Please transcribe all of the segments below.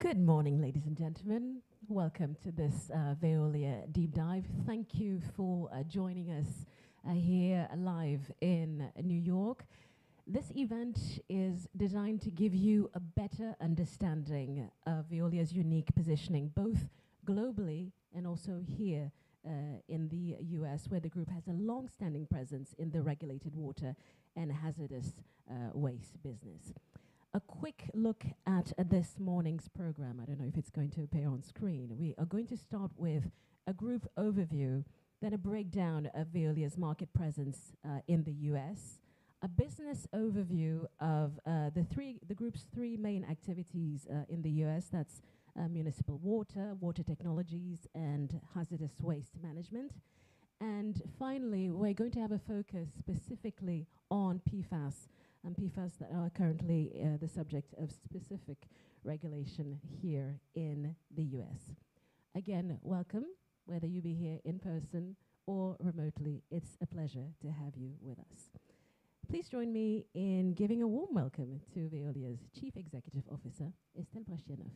Good morning, ladies and gentlemen. Welcome to this Veolia deep dive. Thank you for joining us here live in New York. This event is designed to give you a better understanding of Veolia's unique positioning, both globally and also here in the U.S., where the group has a longstanding presence in the regulated water and hazardous waste business. A quick look at this morning's program. I don't know if it's going to appear on screen. We are going to start with a group overview, then a breakdown of Veolia's market presence in the U.S., a business overview of the group's three main activities in the U.S. That's municipal water, water technologies, and hazardous waste management. And finally, we're going to have a focus specifically on PFAS, PFAS that are currently the subject of specific regulation here in the U.S. Again, welcome, whether you be here in person or remotely. It's a pleasure to have you with us. Please join me in giving a warm welcome to Veolia's Chief Executive Officer, Estelle Brachlianoff.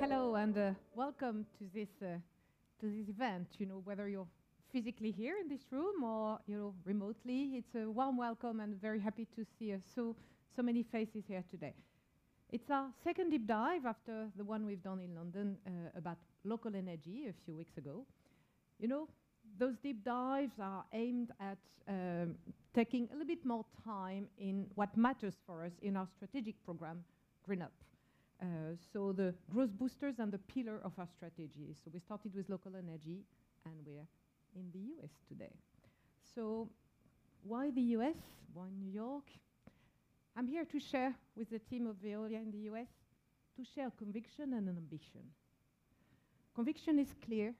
Hello, and welcome to this event. You know, whether you're physically here in this room or, you know, remotely, it's a warm welcome and very happy to see so many faces here today. It's our second deep dive after the one we've done in London, about local energy a few weeks ago. You know, those deep dives are aimed at taking a little bit more time in what matters for us in our strategic program, GreenUp, so the growth boosters and the pillar of our strategy. So we started with local energy, and we're in the U.S. today. So why the U.S., why New York? I'm here to share with the team of Veolia in the U.S. to share conviction and an ambition. Conviction is clear: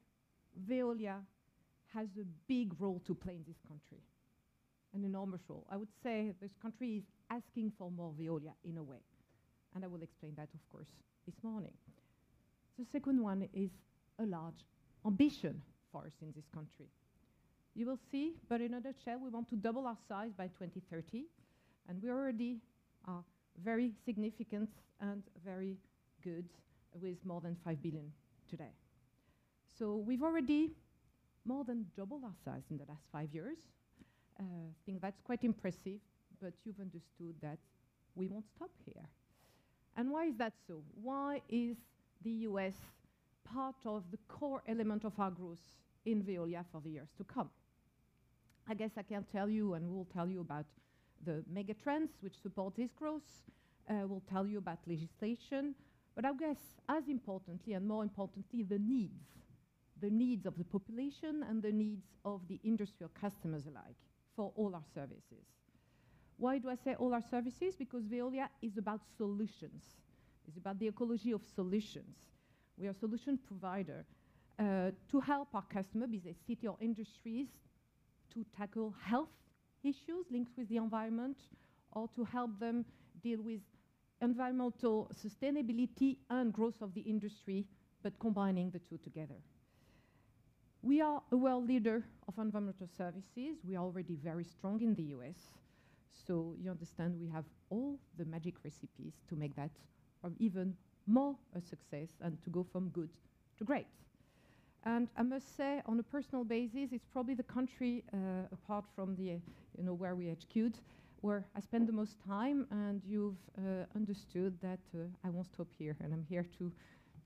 Veolia has a big role to play in this country, an enormous role. I would say this country is asking for more Veolia, in a way, and I will explain that, of course, this morning. The second one is a large ambition for us in this country. You will see, but in a nutshell, we want to double our size by 2030, and we already are very significant and very good with more than $5 billion today. So we've already more than doubled our size in the last five years. I think that's quite impressive, but you've understood that we won't stop here. Why is that so? Why is the U.S. part of the core element of our growth in Veolia for the years to come? I guess I can tell you and will tell you about the megatrends which support this growth, will tell you about legislation, but I guess as importantly and more importantly, the needs, the needs of the population and the needs of the industry or customers alike for all our services. Why do I say all our services? Because Veolia is about solutions. It's about the ecology of solutions. We are a solution provider, to help our customers, be they city or industries, to tackle health issues linked with the environment or to help them deal with environmental sustainability and growth of the industry, but combining the two together. We are a world leader of environmental services. We are already very strong in the U.S., so you understand we have all the magic recipes to make that even more a success and to go from good to great. And I must say, on a personal basis, it's probably the country, apart from the, you know, where we execute, where I spend the most time, and you've understood that, I won't stop here, and I'm here to,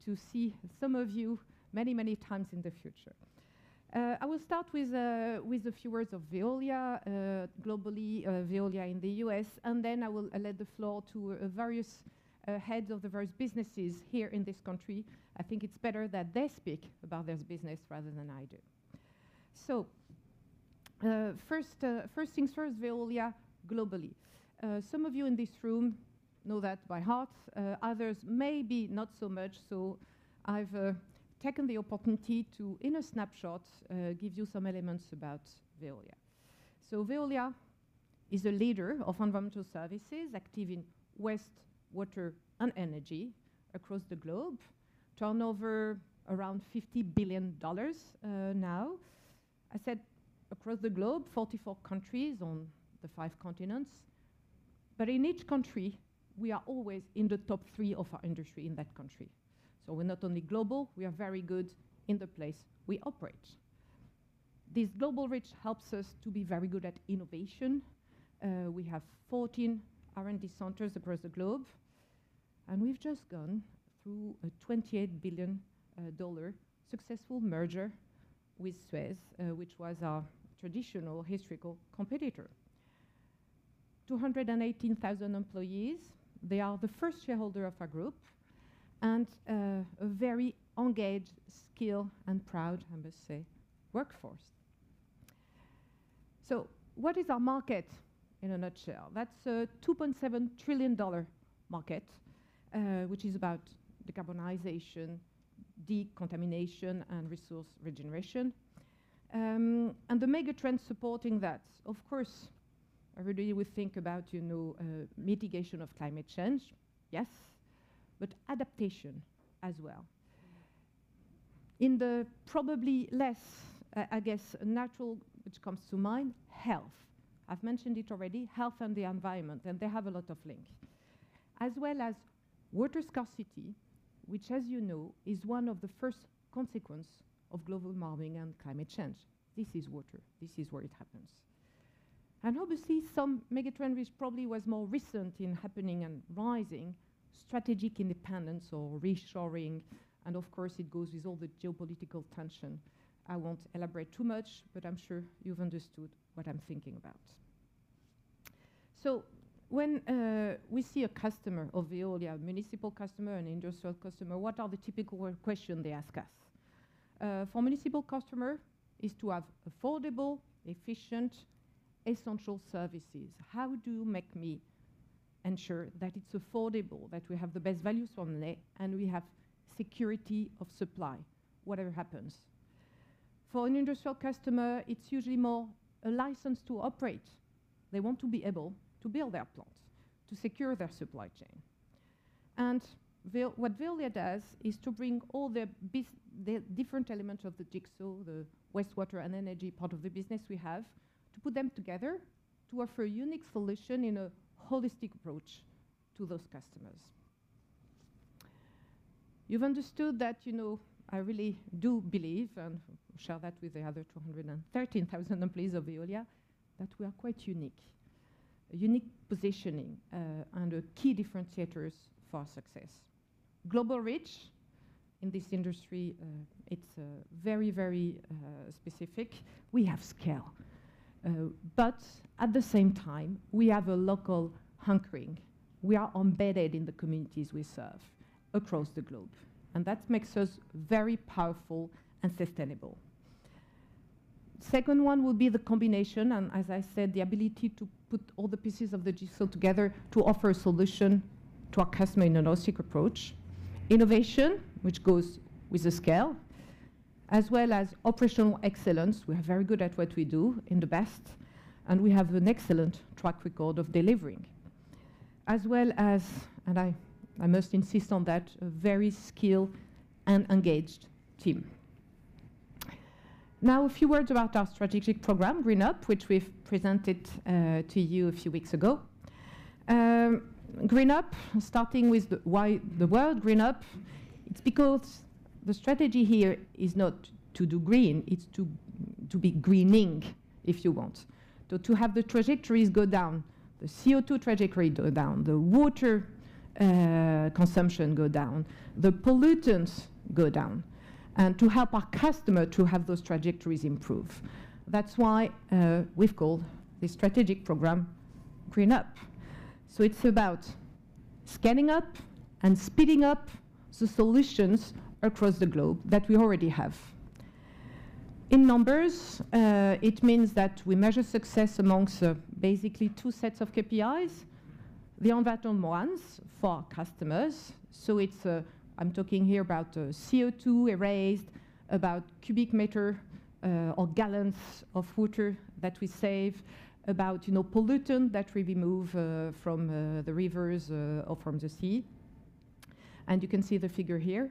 to see some of you many, many times in the future. I will start with, with a few words of Veolia, globally, Veolia in the U.S., and then I will let the floor to various, heads of the various businesses here in this country. I think it's better that they speak about their business rather than I do. So, first, first things first, Veolia globally. Some of you in this room know that by heart, others maybe not so much, so I've taken the opportunity to, in a snapshot, give you some elements about Veolia. So Veolia is a leader of environmental services active in waste, water, and energy across the globe, turnover around $50 billion, now. I said across the globe, 44 countries on the five continents, but in each country, we are always in the top three of our industry in that country. So we're not only global, we are very good in the place we operate. This global reach helps us to be very good at innovation. We have 14 R&D centers across the globe, and we've just gone through a $28 billion, successful merger with Suez, which was our traditional historical competitor. 218,000 employees. They are the first shareholder of our group and, a very engaged, skilled, and proud, I must say, workforce. So what is our market in a nutshell? That's a $2.7 trillion market, which is about decarbonization, decontamination, and resource regeneration. The megatrends supporting that, of course, everybody will think about, you know, mitigation of climate change, yes, but adaptation as well. In the probably less, I guess, natural which comes to mind, health. I've mentioned it already, health and the environment, and they have a lot of link, as well as water scarcity, which, as you know, is one of the first consequences of global warming and climate change. This is water. This is where it happens. And obviously, some megatrend which probably was more recent in happening and rising, strategic independence or reshoring, and of course, it goes with all the geopolitical tension. I won't elaborate too much, but I'm sure you've understood what I'm thinking about. So when we see a customer of Veolia, a municipal customer, an industrial customer, what are the typical questions they ask us? For a municipal customer, it's to have affordable, efficient, essential services. How do you make me ensure that it's affordable, that we have the best value for money, and we have security of supply, whatever happens? For an industrial customer, it's usually more a license to operate. They want to be able to build their plants, to secure their supply chain. And Veolia does is to bring all the different elements of the jigsaw, the waste, water, and energy part of the business we have, to put them together to offer a unique solution in a holistic approach to those customers. You've understood that, you know, I really do believe and share that with the other 213,000 employees of Veolia that we are quite unique, a unique positioning, and key differentiators for success. Global reach in this industry, it's very, very specific. We have scale, but at the same time, we have a local hankering. We are embedded in the communities we serve across the globe, and that makes us very powerful and sustainable. The second one would be the combination, and as I said, the ability to put all the pieces of the jigsaw together to offer a solution to our customer in an holistic approach, innovation, which goes with the scale, as well as operational excellence. We are very good at what we do in the best, and we have an excellent track record of delivering, as well as, and I, I must insist on that, a very skilled and engaged team. Now, a few words about our strategic program, GreenUp, which we've presented to you a few weeks ago. GreenUp, starting with why the word GreenUp, it's because the strategy here is not to do green. It's to be greening, if you want. So to have the trajectories go down, the CO2 trajectory go down, the water consumption go down, the pollutants go down, and to help our customer to have those trajectories improve. That's why we've called this strategic program GreenUp. So it's about scaling up and speeding up the solutions across the globe that we already have. In numbers, it means that we measure success among, basically two sets of KPIs, the environmental for customers. So it's, I'm talking here about, CO2 erased, about cubic meter, or gallons of water that we save, about, you know, pollutants that we remove, from, the rivers, or from the sea. And you can see the figure here,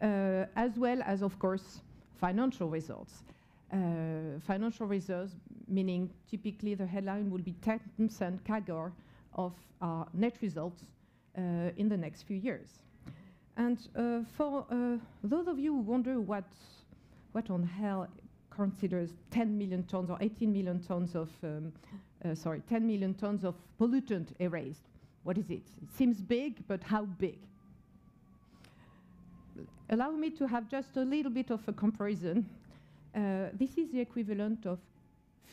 as well as, of course, financial results. Financial results, meaning typically the headline will be 10% CAGR of our net results, in the next few years. And for those of you who wonder what the hell constitutes 10 million tons or 18 million tons of, sorry, 10 million tons of pollutants erased, what is it? It seems big, but how big? Allow me to have just a little bit of a comparison. This is the equivalent of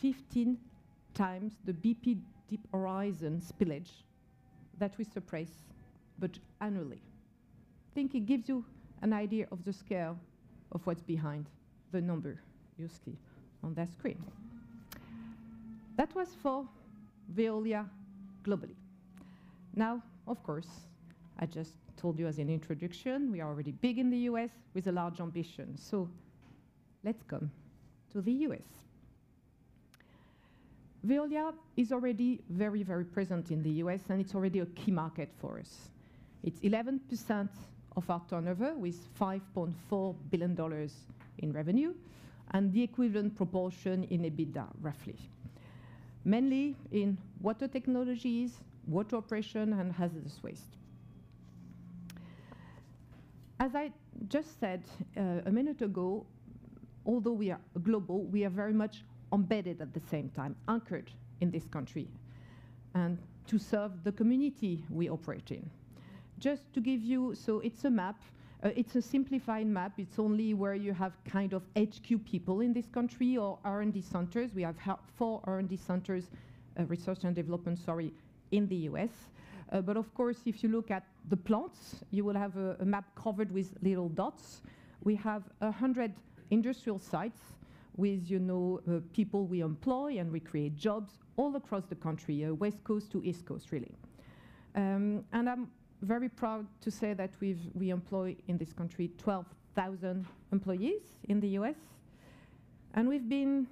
15 times the BP Deepwater Horizon spill that we suppress, but annually. I think it gives you an idea of the scale of what's behind the number you see on that screen. That was for Veolia globally. Now, of course, I just told you as an introduction, we are already big in the U.S. with a large ambition. So let's come to the U.S. Veolia is already very, very present in the U.S., and it's already a key market for us. It's 11% of our turnover with $5.4 billion in revenue and the equivalent proportion in EBITDA, roughly, mainly in water technologies, water operation, and hazardous waste. As I just said, a minute ago, although we are global, we are very much embedded at the same time, anchored in this country, and to serve the community we operate in. Just to give you so it's a map, it's a simplified map. It's only where you have kind of HQ people in this country or R&D centers. We have four R&D centers, resource and development, sorry, in the U.S. But of course, if you look at the plants, you will have a map covered with little dots. We have 100 industrial sites with, you know, people we employ and we create jobs all across the country, west coast to east coast, really. And I'm very proud to say that we employ in this country 12,000 employees in the U.S., and we've been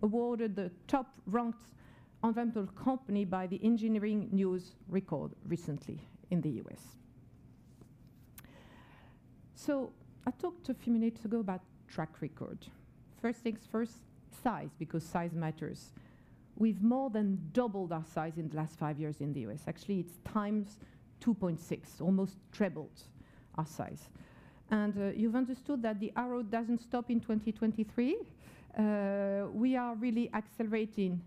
awarded the top-ranked environmental company by the Engineering News-Record recently in the U.S. So I talked a few minutes ago about track record. First things first, size, because size matters. We've more than doubled our size in the last 5 years in the U.S. Actually, it's times 2.6, almost tripled our size. And you've understood that the arrow doesn't stop in 2023. We are really accelerating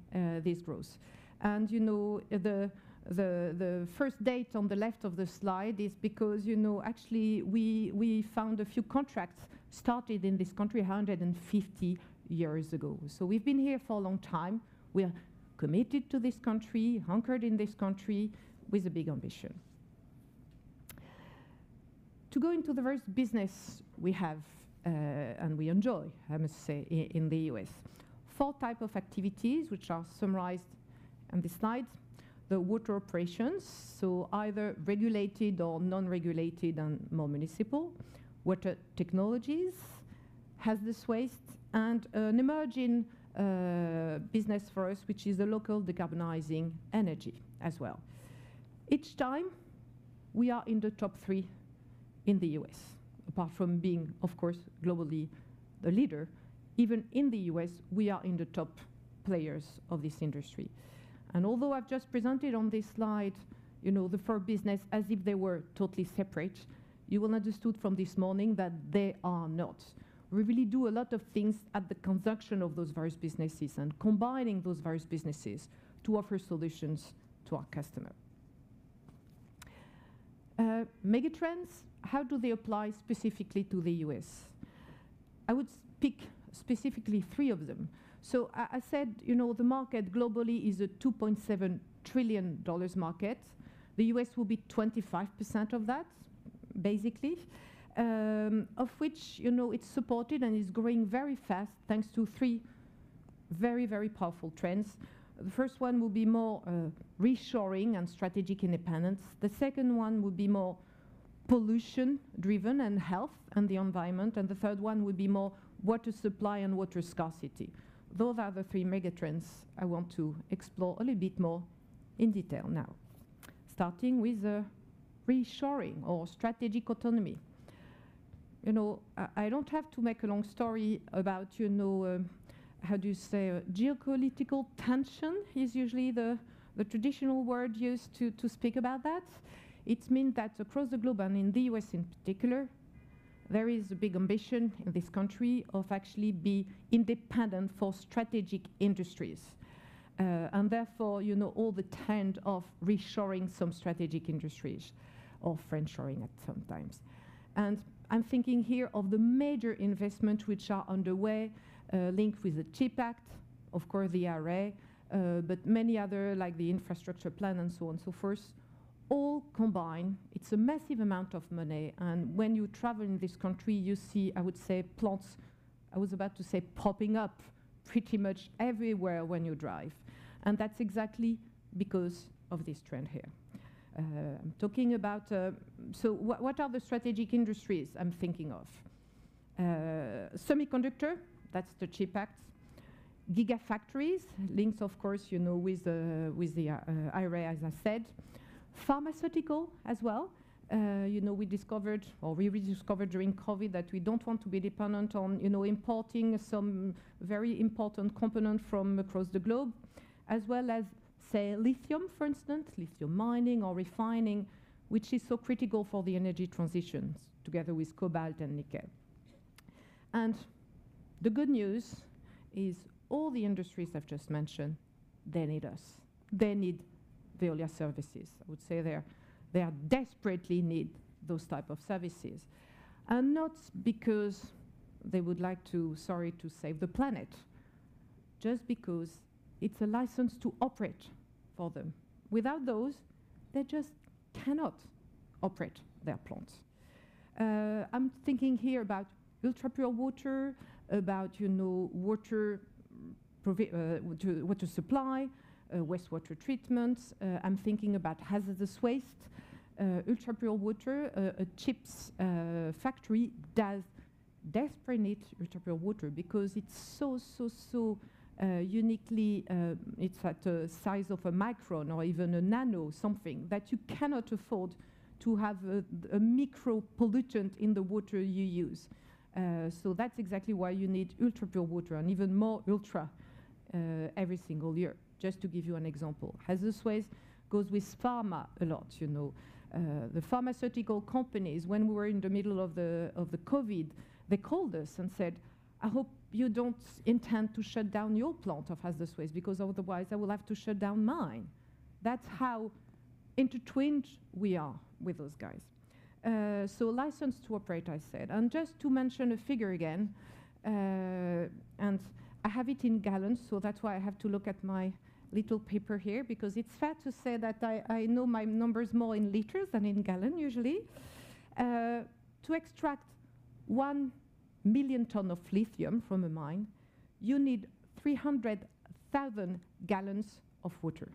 this growth. And you know, the first date on the left of the slide is because, you know, actually, we found a few contracts started in this country 150 years ago. So we've been here for a long time. We are committed to this country, anchored in this country with a big ambition. To go into the various businesses we have, and we enjoy, I must say, in the U.S., four types of activities which are summarized on this slide: the water operations, so either regulated or non-regulated and more municipal, water technologies, hazardous waste, and an emerging business for us which is the local decarbonizing energy as well. Each time, we are in the top three in the U.S., apart from being, of course, globally the leader. Even in the U.S., we are in the top players of this industry. And although I've just presented on this slide, you know, the four businesses as if they were totally separate, you will understand from this morning that they are not. We really do a lot of things at the consumption of those various businesses and combining those various businesses to offer solutions to our customer. Megatrends, how do they apply specifically to the U.S.? I would pick specifically three of them. So I said, you know, the market globally is a $2.7 trillion market. The U.S. will be 25% of that, basically, of which, you know, it's supported and it's growing very fast thanks to three very, very powerful trends. The first one will be more, reshoring and strategic independence. The second one will be more pollution-driven and health and the environment. And the third one will be more water supply and water scarcity. Those are the three megatrends I want to explore a little bit more in detail now, starting with, reshoring or strategic autonomy. You know, I don't have to make a long story about, you know, how do you say, geopolitical tension is usually the traditional word used to speak about that. It means that across the globe and in the U.S. in particular, there is a big ambition in this country of actually being independent for strategic industries. Therefore, you know, all the trend of reshoring some strategic industries or friendshoring at sometimes. I'm thinking here of the major investments which are underway, linked with the CHIPS Act, of course, the IRA, but many others, like the infrastructure plan and so on and so forth, all combine. It's a massive amount of money. When you travel in this country, you see, I would say, plants, I was about to say, popping up pretty much everywhere when you drive. That's exactly because of this trend here. I'm talking about, so what, what are the strategic industries I'm thinking of? Semiconductors, that's the CHIPS Act. Gigafactories link, of course, you know, with the IRA, as I said. Pharmaceutical as well. You know, we discovered or we rediscovered during COVID that we don't want to be dependent on, you know, importing some very important components from across the globe, as well as, say, lithium, for instance, lithium mining or refining, which is so critical for the energy transition together with cobalt and nickel. And the good news is all the industries I've just mentioned, they need us. They need Veolia services. I would say they desperately need those types of services, and not because they would like to, sorry, to save the planet, just because it's a license to operate for them. Without those, they just cannot operate their plants. I'm thinking here about ultra-pure water, about, you know, water, to water supply, wastewater treatments. I'm thinking about hazardous waste. Ultra-pure water, a CHIPS factory does desperately need ultra-pure water because it's so, so, so uniquely, it's at a size of a micron or even a nano something that you cannot afford to have a micropollutant in the water you use. So that's exactly why you need ultra-pure water and even more ultra, every single year, just to give you an example. Hazardous waste goes with pharma a lot, you know. The pharmaceutical companies, when we were in the middle of the COVID, they called us and said, "I hope you don't intend to shut down your plant of hazardous waste because otherwise I will have to shut down mine." That's how entwined we are with those guys. So license to operate, I said. Just to mention a figure again, and I have it in gallons, so that's why I have to look at my little paper here because it's fair to say that I, I know my numbers more in liters than in gallons, usually. To extract 1 million tons of lithium from a mine, you need 300,000 gallons of water.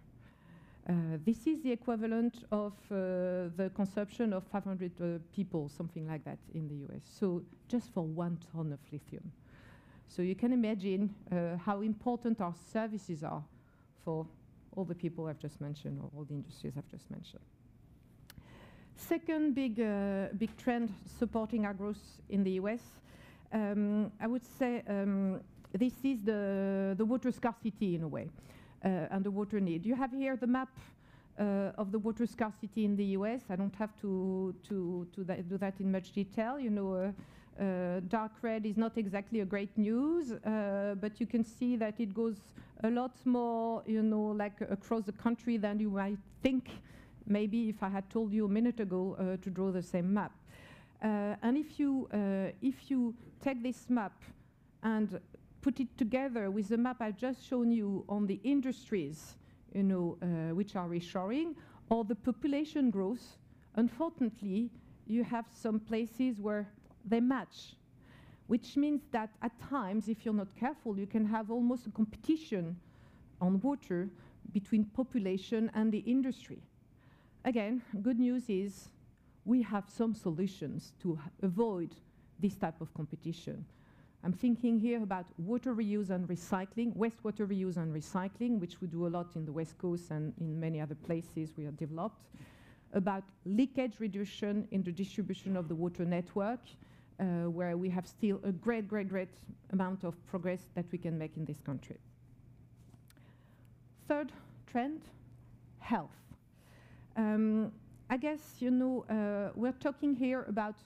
This is the equivalent of, the consumption of 500 people, something like that, in the U.S., so just for 1 ton of lithium. So you can imagine, how important our services are for all the people I've just mentioned or all the industries I've just mentioned. Second big, big trend supporting our growth in the U.S., I would say, this is the, the water scarcity in a way, and the water need. You have here the map, of the water scarcity in the U.S. I don't have to do that in much detail. You know, dark red is not exactly a great news, but you can see that it goes a lot more, you know, like across the country than you might think, maybe if I had told you a minute ago to draw the same map. And if you take this map and put it together with the map I've just shown you on the industries, you know, which are reshoring or the population growth, unfortunately, you have some places where they match, which means that at times, if you're not careful, you can have almost a competition on water between population and the industry. Again, good news is we have some solutions to avoid this type of competition. I'm thinking here about water reuse and recycling, wastewater reuse and recycling, which we do a lot in the West Coast and in many other places we have developed, about leakage reduction in the distribution of the water network, where we have still a great, great, great amount of progress that we can make in this country. Third trend, health. I guess, you know, we're talking here about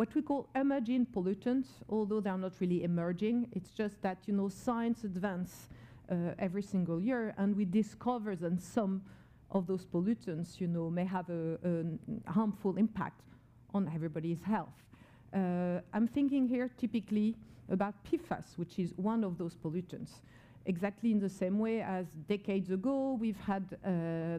what we call emerging pollutants, although they are not really emerging. It's just that, you know, science advances, every single year, and we discover that some of those pollutants, you know, may have a, a harmful impact on everybody's health. I'm thinking here typically about PFAS, which is one of those pollutants. Exactly in the same way as decades ago, we've had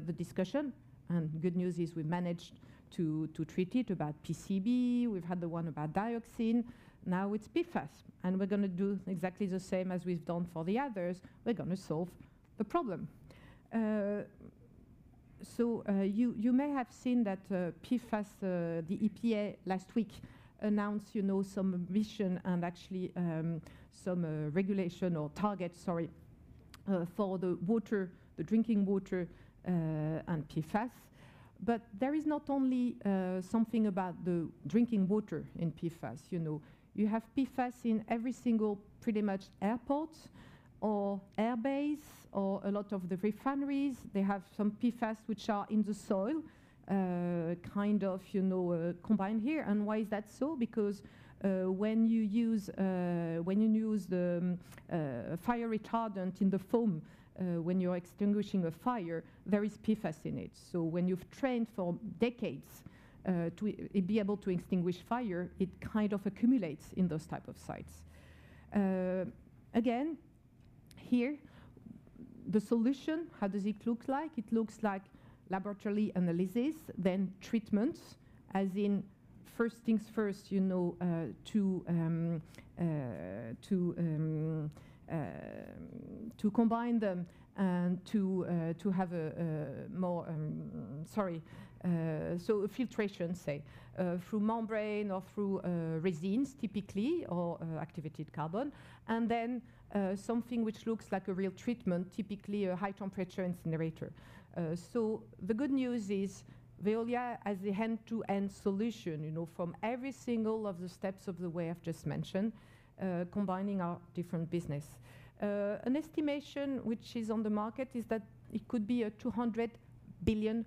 the discussion, and good news is we managed to, to treat it about PCB. We've had the one about dioxin. Now it's PFAS. And we're going to do exactly the same as we've done for the others. We're going to solve the problem. So you may have seen that PFAS, the EPA last week announced, you know, some ambition and actually some regulation or target, sorry, for the water, the drinking water, and PFAS. But there is not only something about the drinking water in PFAS. You know, you have PFAS in every single, pretty much, airport or air bases or a lot of the refineries. They have some PFAS which are in the soil, kind of, you know, contained here. And why is that so? Because when you use the fire retardant in the foam, when you're extinguishing a fire, there is PFAS in it. So when you've trained for decades to be able to extinguish fire, it kind of accumulates in those types of sites. Again, here, the solution, how does it look like? It looks like laboratory analysis, then treatment, as in first things first, you know, to combine them and to have a more, sorry, so a filtration, say, through membrane or through resins, typically, or activated carbon, and then something which looks like a real treatment, typically a high-temperature incinerator. So the good news is Veolia, as an end-to-end solution, you know, from every single of the steps of the way I've just mentioned, combining our different business, an estimation which is on the market is that it could be a $200 billion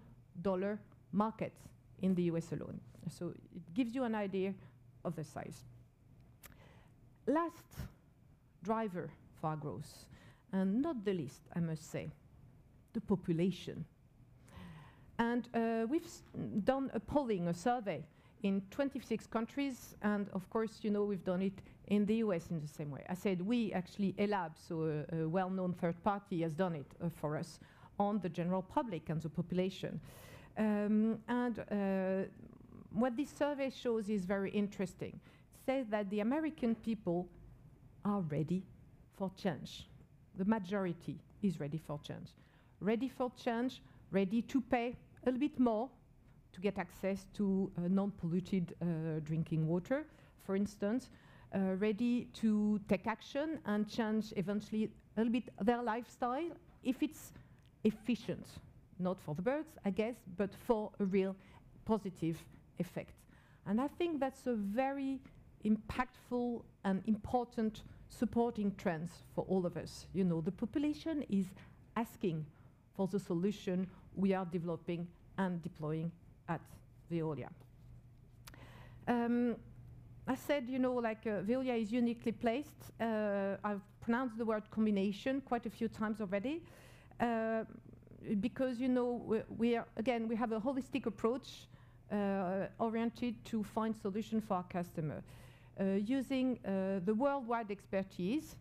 market in the U.S. alone. So it gives you an idea of the size. Last driver for our growth, and not the least, I must say, the population. We've done a polling, a survey in 26 countries. And, of course, you know, we've done it in the U.S. in the same way. I said we, actually, Elabe, so a well-known third party, has done it for us on the general public and the population. What this survey shows is very interesting. It says that the American people are ready for change. The majority is ready for change. Ready for change, ready to pay a little bit more to get access to non-polluted drinking water, for instance, ready to take action and change eventually a little bit their lifestyle if it's efficient, not for the birds, I guess, but for a real positive effect. And I think that's a very impactful and important supporting trend for all of us. You know, the population is asking for the solution we are developing and deploying at Veolia. I said, you know, like, Veolia is uniquely placed. I've pronounced the word combination quite a few times already, because, you know, we are, again, we have a holistic approach, oriented to find solutions for our customer. Using the worldwide expertise,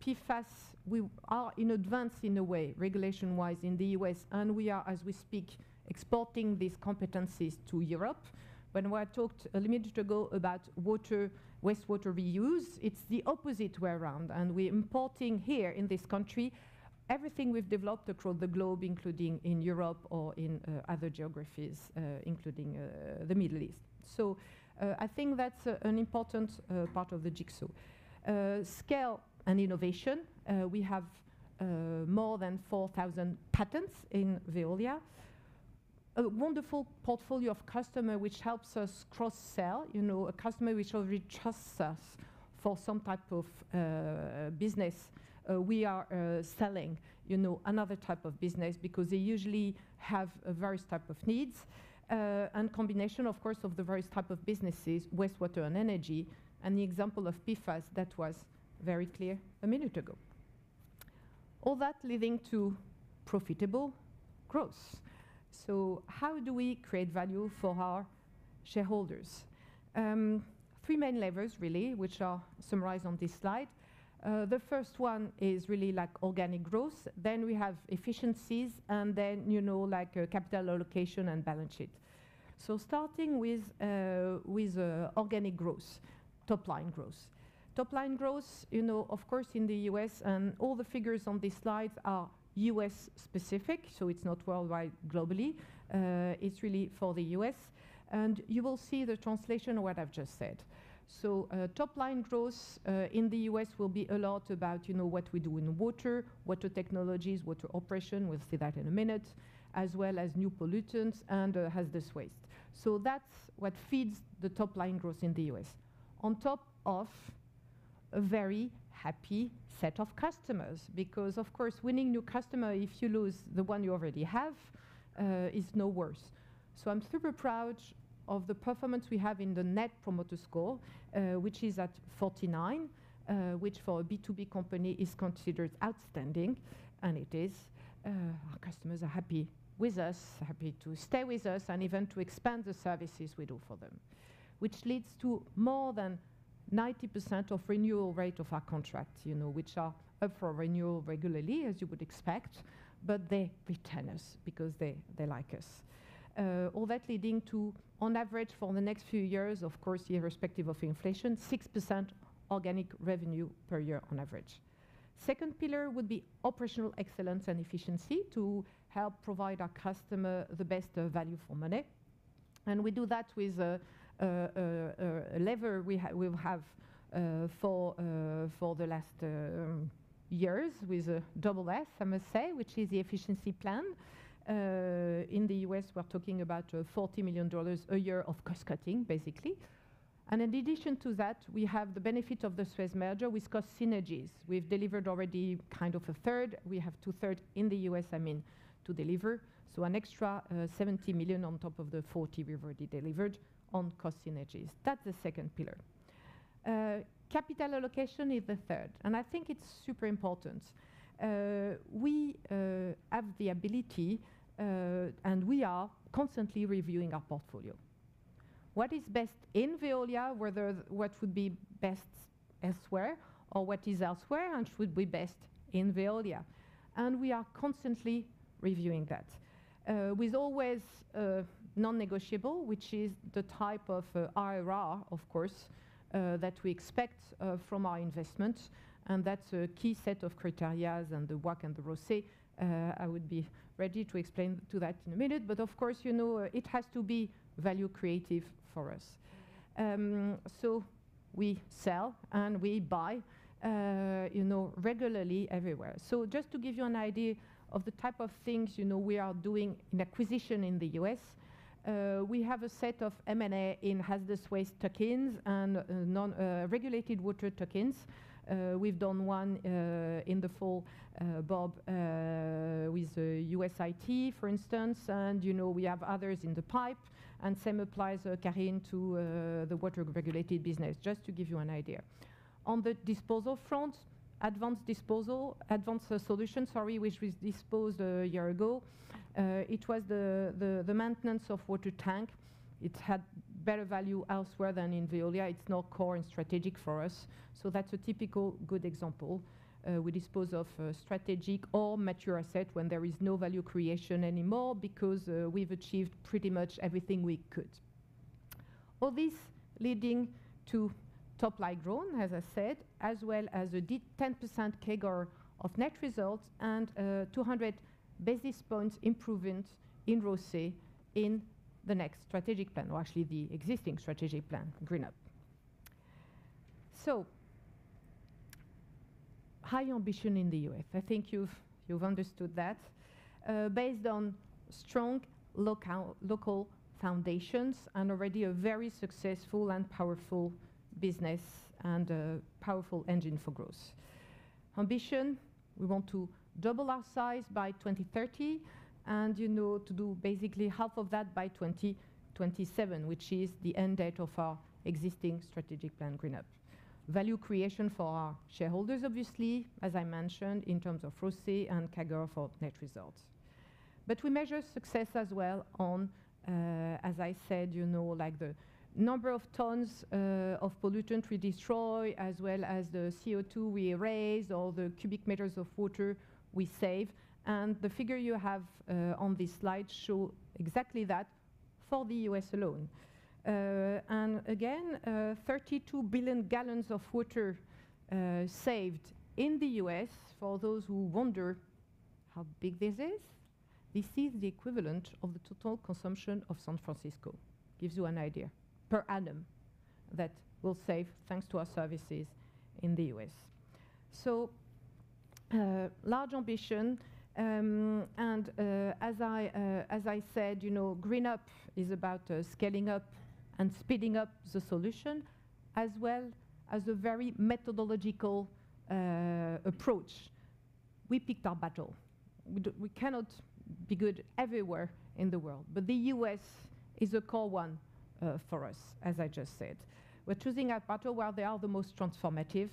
PFAS, we are in advance in a way, regulation-wise, in the U.S. And we are, as we speak, exporting these competencies to Europe. When we talked a minute ago about water, wastewater reuse, it's the opposite way around. And we're importing here in this country everything we've developed across the globe, including in Europe or in other geographies, including the Middle East. So I think that's an important part of the jigsaw. Scale and innovation. We have more than 4,000 patents in Veolia, a wonderful portfolio of customers which helps us cross-sell, you know, a customer which already trusts us for some type of business. We are selling, you know, another type of business because they usually have a various type of needs, and combination, of course, of the various types of businesses, wastewater and energy, and the example of PFAS that was very clear a minute ago. All that leading to profitable growth. So how do we create value for our shareholders? Three main levers, really, which are summarized on this slide. The first one is really like organic growth. Then we have efficiencies. And then, you know, like capital allocation and balance sheet. So starting with organic growth, top-line growth. Top-line growth, you know, of course, in the U.S, and all the figures on these slides are U.S.-specific, so it's not worldwide, globally. It's really for the U.S. And you will see the translation of what I've just said. So, top-line growth in the U.S. will be a lot about, you know, what we do in water, water technologies, water operation. We'll see that in a minute, as well as new pollutants and hazardous waste. So that's what feeds the top-line growth in the U.S., on top of a very happy set of customers because, of course, winning new customers, if you lose the one you already have, is no worse. So I'm super proud of the performance we have in the Net Promoter Score, which is at 49, which for a B2B company is considered outstanding. And it is. Our customers are happy with us, happy to stay with us, and even to expand the services we do for them, which leads to more than 90% of renewal rate of our contracts, you know, which are up for renewal regularly, as you would expect. But they retain us because they, they like us, all that leading to, on average, for the next few years, of course, irrespective of inflation, 6% organic revenue per year on average. Second pillar would be operational excellence and efficiency to help provide our customers the best value for money. And we do that with a lever we have, for the last years with a double S, I must say, which is the efficiency plan. In the U.S., we're talking about $40 million a year of cost-cutting, basically. And in addition to that, we have the benefit of the Suez merger with cost synergies. We've delivered already kind of a third. We have two-thirds in the U.S., I mean, to deliver, so an extra $70 million on top of the $40 we've already delivered on cost synergies. That's the second pillar. Capital allocation is the third. And I think it's super important. We have the ability, and we are constantly reviewing our portfolio. What is best in Veolia, whether what would be best elsewhere or what is elsewhere and should be best in Veolia? And we are constantly reviewing that, with always non-negotiable, which is the type of IRR, of course, that we expect from our investment. And that's a key set of criteria. And the WACC and the ROCE, I would be ready to explain that in a minute. But, of course, you know, it has to be value creative for us. So we sell and we buy, you know, regularly everywhere. So just to give you an idea of the type of things, you know, we are doing in acquisitions in the U.S., we have a set of M&A in hazardous waste sectors and non-regulated water sectors. We've done one, in the fall, Bob, with the USIT, for instance. And, you know, we have others in the pipe. And same applies, Karine, to the water-regulated business, just to give you an idea. On the disposal front, Advanced Solutions, sorry, which we disposed of a year ago, it was the maintenance of water tank. It had better value elsewhere than in Veolia. It's not core and strategic for us. So that's a typical good example. We dispose of a strategic or mature asset when there is no value creation anymore because, we've achieved pretty much everything we could. All this leading to top-line growth, as I said, as well as a deep 10% CAGR of net results and 200 basis points improvement in ROCE in the next strategic plan, or actually the existing strategic plan, GreenUp. So high ambition in the U.S. I think you've understood that, based on strong local foundations and already a very successful and powerful business and a powerful engine for growth. Ambition, we want to double our size by 2030 and, you know, to do basically half of that by 2027, which is the end date of our existing strategic plan, GreenUp. Value creation for our shareholders, obviously, as I mentioned, in terms of ROCE and CAGR for net results. But we measure success as well on, as I said, you know, like the number of tons of pollutants we destroy, as well as the CO2 we erase or the cubic meters of water we save. And the figure you have on this slide shows exactly that for the U.S. alone. And again, 32 billion gallons of water saved in the U.S., for those who wonder how big this is, this is the equivalent of the total consumption of San Francisco, gives you an idea, per annum, that we'll save thanks to our services in the U.S. So, large ambition. And, as I, as I said, you know, GreenUp is about scaling up and speeding up the solution as well as a very methodological approach. We picked our battle. We cannot be good everywhere in the world. But the U.S. is a core one for us, as I just said. We're choosing our battle where they are the most transformative.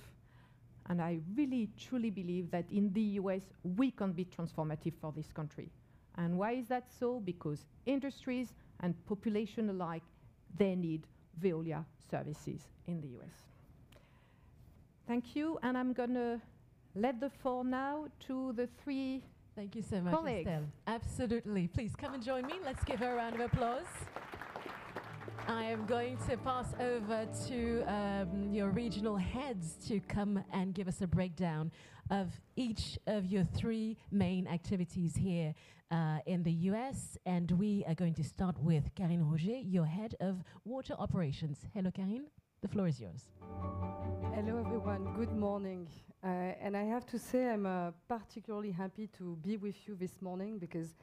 And I really truly believe that in the U.S., we can be transformative for this country. And why is that so? Because industries and population alike, they need Veolia services in the U.S. Thank you. I'm going to let the floor now to the three. Thank you so much, Estelle. Absolutely. Please come and join me. Let's give her a round of applause. I am going to pass over to your regional heads to come and give us a breakdown of each of your three main activities here in the U.S. We are going to start with Karine Rougé, your head of water operations. Hello, Karine. The floor is yours. Hello, everyone. Good morning. And I have to say I'm particularly happy to be with you this morning because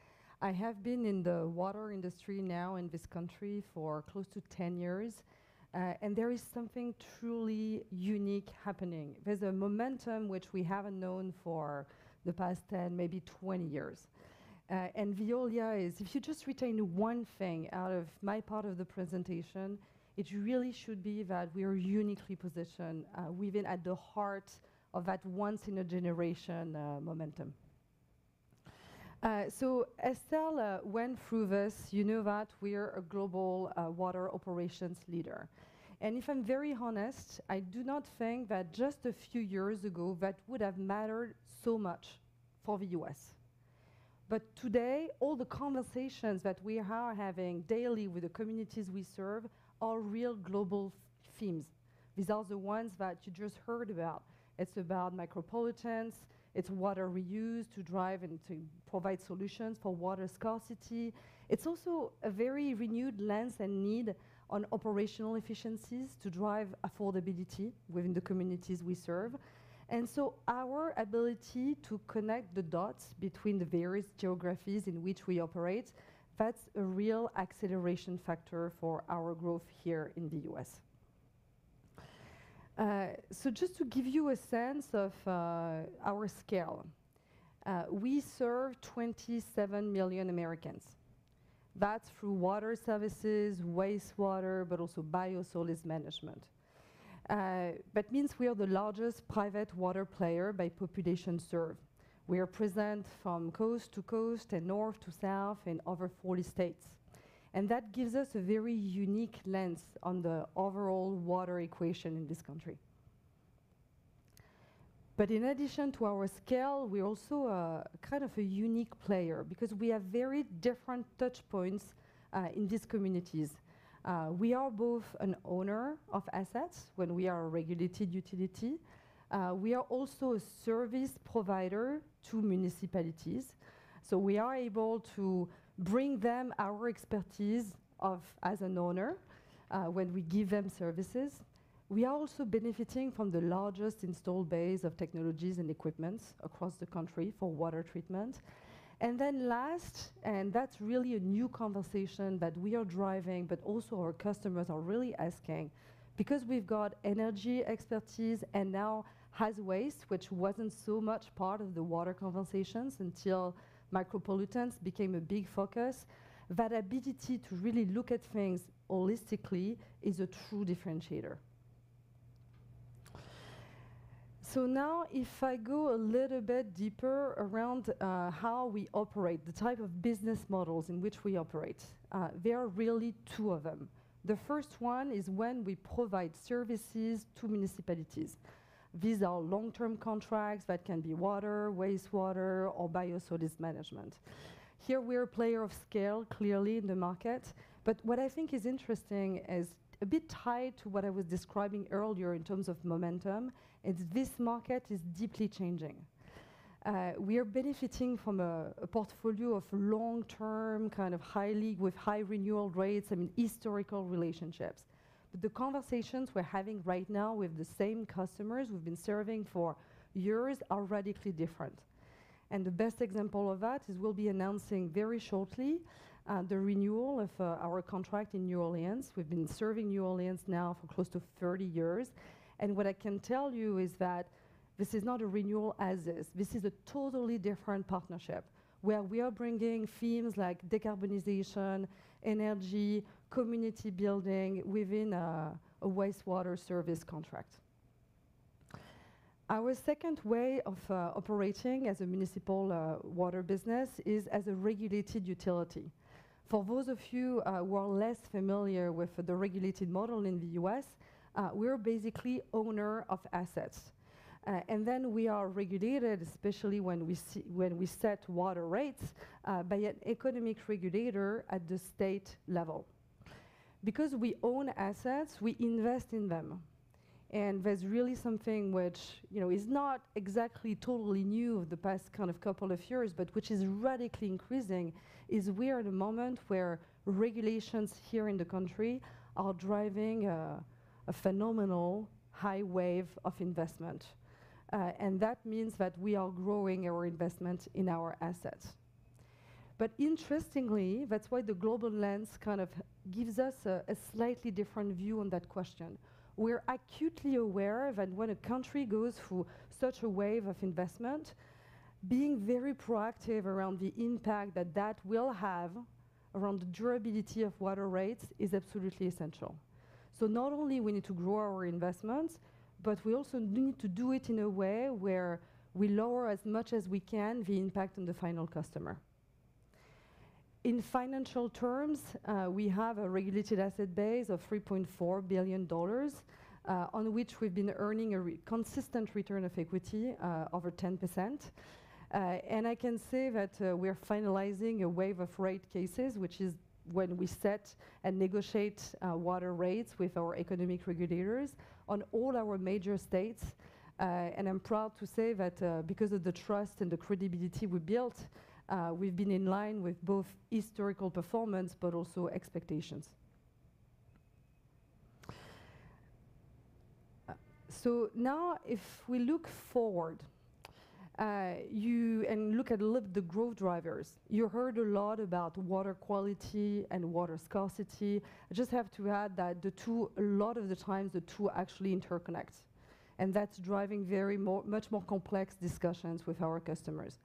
I have been in the water industry now in this country for close to 10 years. And there is something truly unique happening. There's a momentum which we haven't known for the past 10, maybe 20 years. And Veolia is, if you just retain one thing out of my part of the presentation, it really should be that we are uniquely positioned. We've been at the heart of that once-in-a-generation momentum. So, Estelle went through this. You know that we are a global water operations leader. And if I'm very honest, I do not think that just a few years ago that would have mattered so much for the U.S. But today, all the conversations that we are having daily with the communities we serve are real global themes. These are the ones that you just heard about. It's about micropollutants. It's water reuse to drive and to provide solutions for water scarcity. It's also a very renewed lens and need on operational efficiencies to drive affordability within the communities we serve. And so our ability to connect the dots between the various geographies in which we operate, that's a real acceleration factor for our growth here in the U.S. So just to give you a sense of our scale, we serve 27 million Americans. That's through water services, wastewater, but also biosolids management. That means we are the largest private water player by population served. We are present from coast to coast and north to south in over 40 states. And that gives us a very unique lens on the overall water equation in this country. But in addition to our scale, we're also kind of a unique player because we have very different touchpoints in these communities. We are both an owner of assets when we are a regulated utility. We are also a service provider to municipalities. So we are able to bring them our expertise as an owner when we give them services. We are also benefiting from the largest installed base of technologies and equipment across the country for water treatment. And then last, and that's really a new conversation that we are driving, but also our customers are really asking because we've got energy expertise and now hazardous waste, which wasn't so much part of the water conversations until micropollutants became a big focus, that ability to really look at things holistically is a true differentiator. Now, if I go a little bit deeper around how we operate, the type of business models in which we operate, there are really two of them. The first one is when we provide services to municipalities. These are long-term contracts that can be water, wastewater, or biosolids management. Here, we are a player of scale, clearly, in the market. But what I think is interesting is a bit tied to what I was describing earlier in terms of momentum. It's this market is deeply changing. We are benefiting from a portfolio of long-term kind of high legacy with high renewal rates, I mean, historical relationships. But the conversations we're having right now with the same customers we've been serving for years are radically different. And the best example of that is we'll be announcing very shortly the renewal of our contract in New Orleans. We've been serving New Orleans now for close to 30 years. What I can tell you is that this is not a renewal as is. This is a totally different partnership where we are bringing themes like decarbonization, energy, community building within a wastewater service contract. Our second way of operating as a municipal water business is as a regulated utility. For those of you who are less familiar with the regulated model in the U.S., we are basically owner of assets. Then we are regulated, especially when we set water rates by an economic regulator at the state level. Because we own assets, we invest in them. There's really something which is not exactly totally new the past kind of couple of years, but which is radically increasing: we are in a moment where regulations here in the country are driving a phenomenal high wave of investment. That means that we are growing our investment in our assets. But interestingly, that's why the global lens kind of gives us a slightly different view on that question. We're acutely aware that when a country goes through such a wave of investment, being very proactive around the impact that that will have around the durability of water rates is absolutely essential. Not only do we need to grow our investments, but we also need to do it in a way where we lower as much as we can the impact on the final customer. In financial terms, we have a regulated asset base of $3.4 billion on which we've been earning a consistent return of equity over 10%. I can say that we are finalizing a wave of rate cases, which is when we set and negotiate water rates with our economic regulators on all our major states. I'm proud to say that because of the trust and the credibility we built, we've been in line with both historical performance but also expectations. Now, if we look forward and look at a lot of the growth drivers, you heard a lot about water quality and water scarcity. I just have to add that the two, a lot of the times, the two actually interconnect. And that's driving very much more complex discussions with our customers.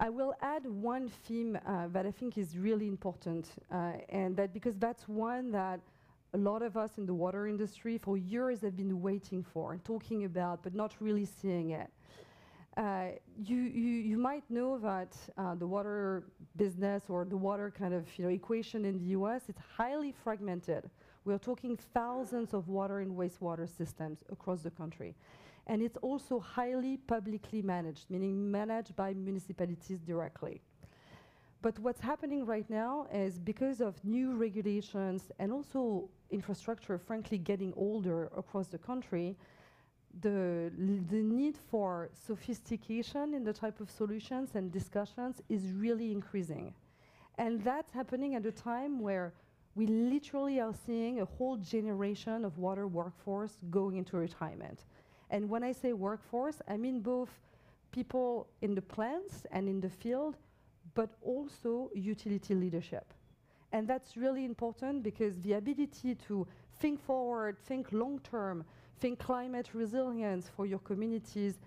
I will add one theme that I think is really important, and that because that's one that a lot of us in the water industry for years have been waiting for and talking about but not really seeing it. You might know that the water business or the water kind of equation in the U.S., it's highly fragmented. We are talking thousands of water and wastewater systems across the country. And it's also highly publicly managed, meaning managed by municipalities directly. But what's happening right now is because of new regulations and also infrastructure, frankly, getting older across the country, the need for sophistication in the type of solutions and discussions is really increasing. And that's happening at a time where we literally are seeing a whole generation of water workforce going into retirement. When I say workforce, I mean both people in the plants and in the field but also utility leadership. That's really important because the ability to think forward, think long-term, think climate resilience for your communities,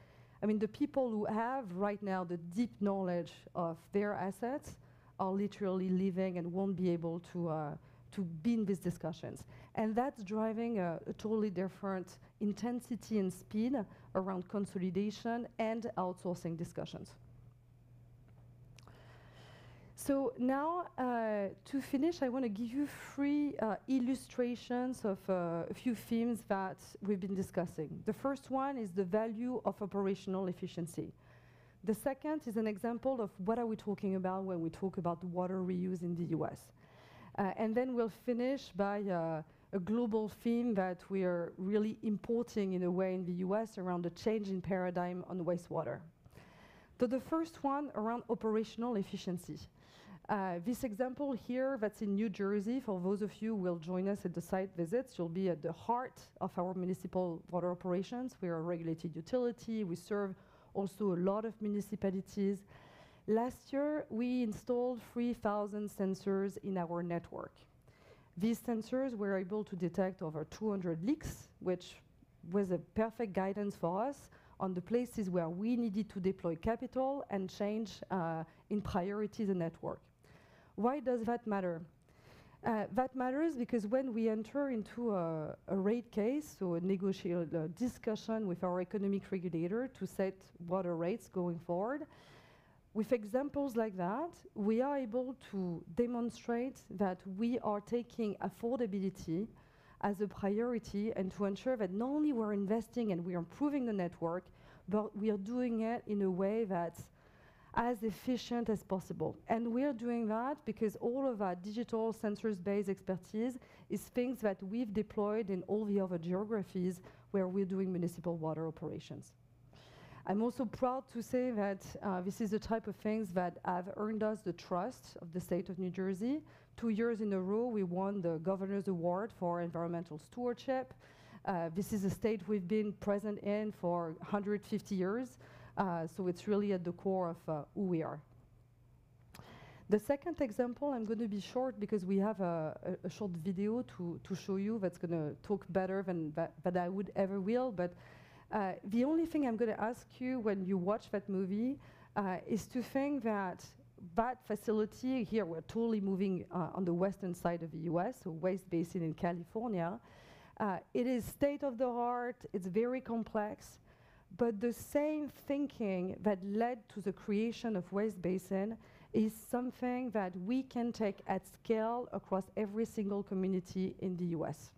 I mean, the people who have right now the deep knowledge of their assets are literally leaving and won't be able to be in these discussions. That's driving a totally different intensity and speed around consolidation and outsourcing discussions. Now, to finish, I want to give you three illustrations of a few themes that we've been discussing. The first one is the value of operational efficiency. The second is an example of what are we talking about when we talk about the water reuse in the U.S.? And then we'll finish by a global theme that we are really importing in a way in the U.S. around the change in paradigm on wastewater. So the first one around operational efficiency. This example here that's in New Jersey, for those of you who will join us at the site visits, you'll be at the heart of our municipal water operations. We are a regulated utility. We serve also a lot of municipalities. Last year, we installed 3,000 sensors in our network. These sensors were able to detect over 200 leaks, which was a perfect guidance for us on the places where we needed to deploy capital and change in priorities and network. Why does that matter? That matters because when we enter into a rate case, so a discussion with our economic regulator to set water rates going forward, with examples like that, we are able to demonstrate that we are taking affordability as a priority and to ensure that not only we're investing and we are improving the network, but we are doing it in a way that's as efficient as possible. We are doing that because all of our digital sensors-based expertise is things that we've deployed in all the other geographies where we're doing municipal water operations. I'm also proud to say that this is the type of things that have earned us the trust of the state of New Jersey. Two years in a row, we won the Governor's Award for Environmental Stewardship. This is a state we've been present in for 150 years. So it's really at the core of who we are. The second example, I'm going to be short because we have a short video to show you that's going to talk better than I would ever will. But the only thing I'm going to ask you when you watch that movie is to think that that facility here, we're totally moving on the western side of the U.S., so West Basin in California, it is state of the art. It's very complex. But the same thinking that led to the creation of West Basin is something that we can take at scale across every single community in the U.S.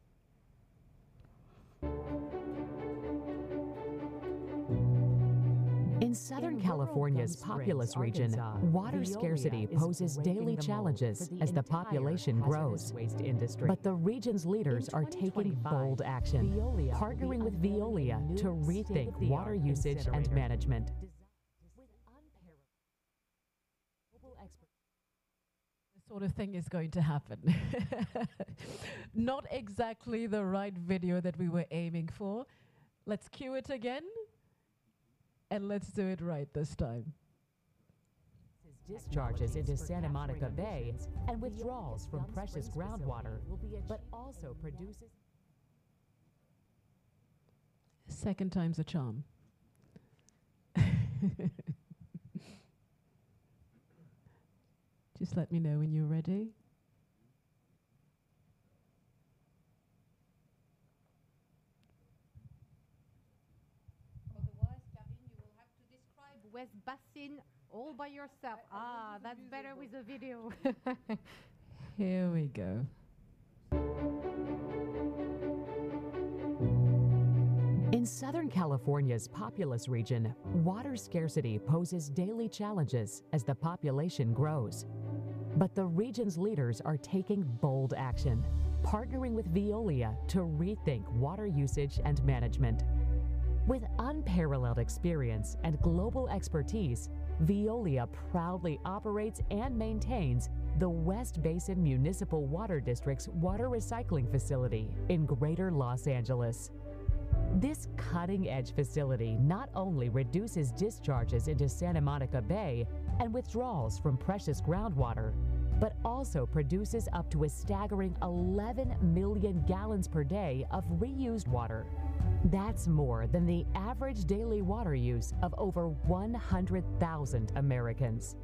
In Southern California's populous region, water scarcity poses daily challenges as the population grows. But the region's leaders are taking bold action, partnering with Veolia to rethink water usage and management. This sort of thing is going to happen. Not exactly the right video that we were aiming for. Let's cue it again. Let's do it right this time. Discharges into Santa Monica Bay and withdrawals from precious groundwater, but also produces. Second time's a charm. Just let me know when you're ready. Here we go. In Southern California's populous region, water scarcity poses daily challenges as the population grows. The region's leaders are taking bold action, partnering with Veolia to rethink water usage and management. With unparalleled experience and global expertise, Veolia proudly operates and maintains the West Basin Municipal Water District's water recycling facility in Greater Los Angeles. This cutting-edge facility not only reduces discharges into Santa Monica Bay and withdrawals from precious groundwater, but also produces up to a staggering 11 million gallons per day of reused water. That's more than the average daily water use of over 100,000 Americans.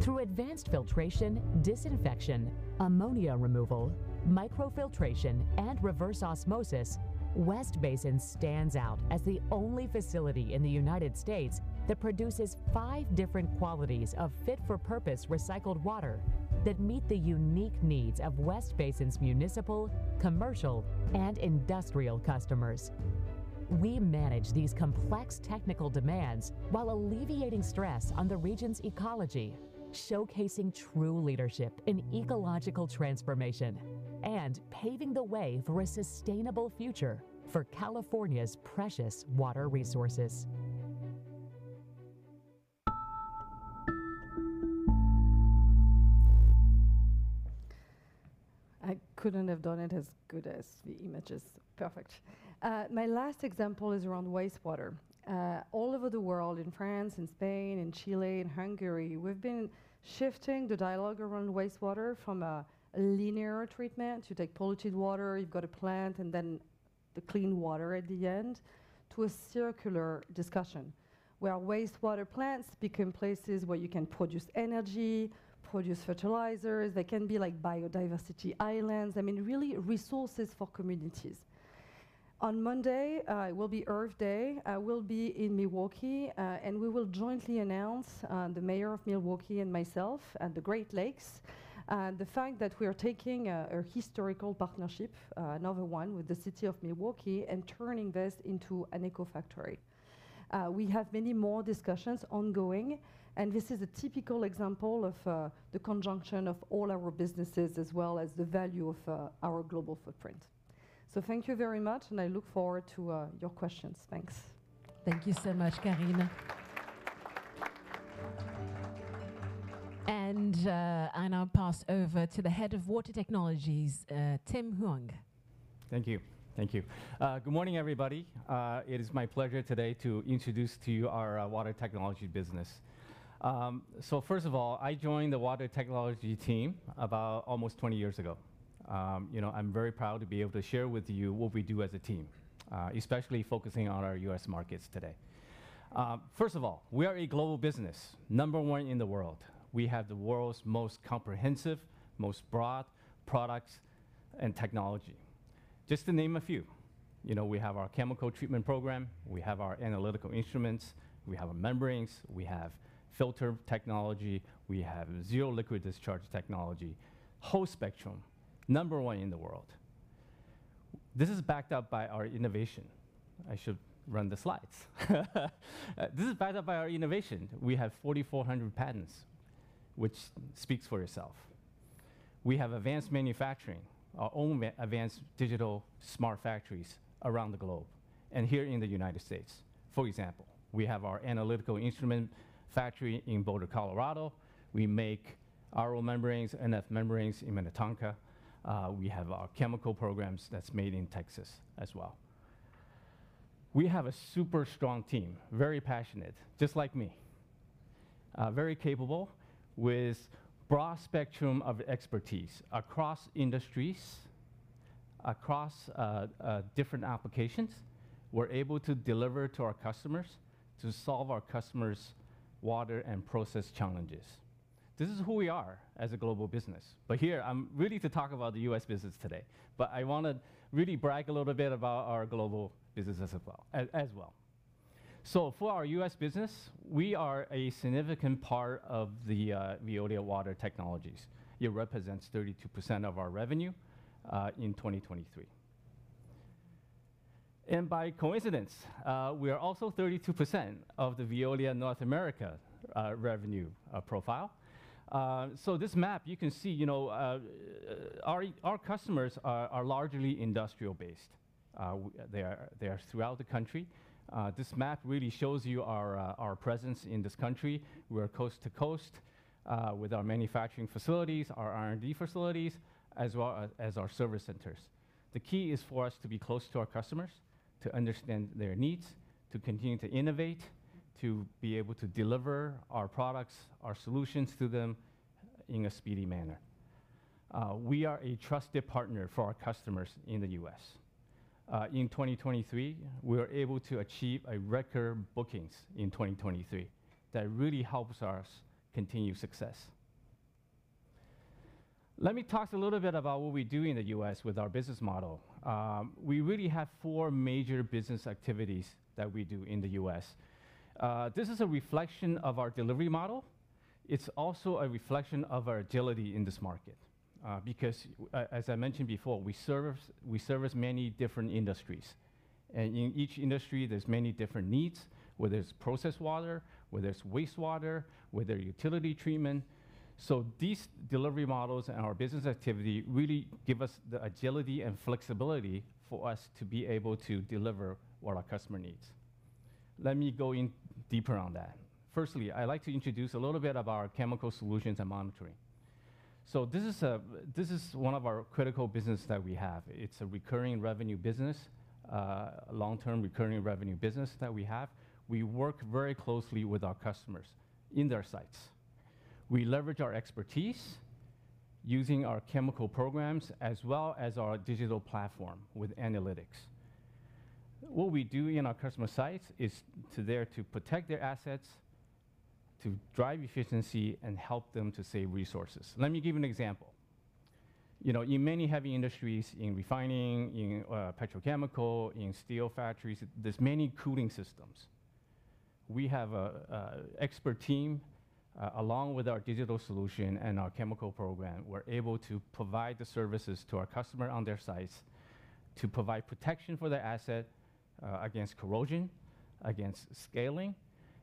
Through advanced filtration, disinfection, ammonia removal, microfiltration, and reverse osmosis, West Basin stands out as the only facility in the United States that produces five different qualities of fit-for-purpose recycled water that meet the unique needs of West Basin's municipal, commercial, and industrial customers. We manage these complex technical demands while alleviating stress on the region's ecology, showcasing true leadership in ecological transformation, and paving the way for a sustainable future for California's precious water resources. I couldn't have done it as good as the images. Perfect. My last example is around wastewater. All over the world, in France, in Spain, in Chile, in Hungary, we've been shifting the dialogue around wastewater from a linear treatment to take polluted water, you've got a plant, and then the clean water at the end, to a circular discussion where wastewater plants become places where you can produce energy, produce fertilizers. They can be like biodiversity islands, I mean, really resources for communities. On Monday, it will be Earth Day. I will be in Milwaukee. We will jointly announce, the mayor of Milwaukee and myself, and the Great Lakes, the fact that we are taking a historical partnership, another one, with the city of Milwaukee and turning this into an eco-factory. We have many more discussions ongoing. This is a typical example of the conjunction of all our businesses as well as the value of our global footprint. Thank you very much. I look forward to your questions. Thanks. Thank you so much, Karine. I now pass over to the head of Water Technologies, Tim Huang. Thank you. Thank you. Good morning, everybody. It is my pleasure today to introduce to you our water technology business. So first of all, I joined the water technology team about almost 20 years ago. I'm very proud to be able to share with you what we do as a team, especially focusing on our U.S. markets today. First of all, we are a global business, number one in the world. We have the world's most comprehensive, most broad products and technology. Just to name a few, we have our chemical treatment program. We have our analytical instruments. We have our membranes. We have filter technology. We have zero liquid discharge technology, whole spectrum, number one in the world. This is backed up by our innovation. I should run the slides. This is backed up by our innovation. We have 4,400 patents, which speaks for itself. We have advanced manufacturing, our own advanced digital smart factories around the globe and here in the United States. For example, we have our analytical instrument factory in Boulder, Colorado. We make RO membranes, NF membranes in Minnetonka. We have our chemical programs that's made in Texas as well. We have a super strong team, very passionate, just like me, very capable, with a broad spectrum of expertise across industries, across different applications. We're able to deliver to our customers, to solve our customers' water and process challenges. This is who we are as a global business. But here, I'm ready to talk about the U.S. business today. But I want to really brag a little bit about our global business as well. So for our U.S. business, we are a significant part of the Veolia Water Technologies. It represents 32% of our revenue in 2023. By coincidence, we are also 32% of the Veolia North America revenue profile. So this map, you can see, our customers are largely industrial-based. They are throughout the country. This map really shows you our presence in this country. We are coast to coast with our manufacturing facilities, our R&D facilities, as well as our service centers. The key is for us to be close to our customers, to understand their needs, to continue to innovate, to be able to deliver our products, our solutions to them in a speedy manner. We are a trusted partner for our customers in the U.S. In 2023, we were able to achieve record bookings in 2023. That really helps our continued success. Let me talk a little bit about what we do in the U.S. with our business model. We really have four major business activities that we do in the U.S. This is a reflection of our delivery model. It's also a reflection of our agility in this market because, as I mentioned before, we service many different industries. And in each industry, there's many different needs, whether it's process water, whether it's wastewater, whether utility treatment. So these delivery models and our business activity really give us the agility and flexibility for us to be able to deliver what our customer needs. Let me go in deeper on that. Firstly, I'd like to introduce a little bit about our chemical solutions and monitoring. So this is one of our critical businesses that we have. It's a recurring revenue business, a long-term recurring revenue business that we have. We work very closely with our customers in their sites. We leverage our expertise using our chemical programs as well as our digital platform with analytics. What we do in our customer sites is to protect their assets, to drive efficiency, and help them to save resources. Let me give you an example. In many heavy industries, in refining, in petrochemical, in steel factories, there's many cooling systems. We have an expert team. Along with our digital solution and our chemical program, we're able to provide the services to our customer on their sites, to provide protection for their asset against corrosion, against scaling.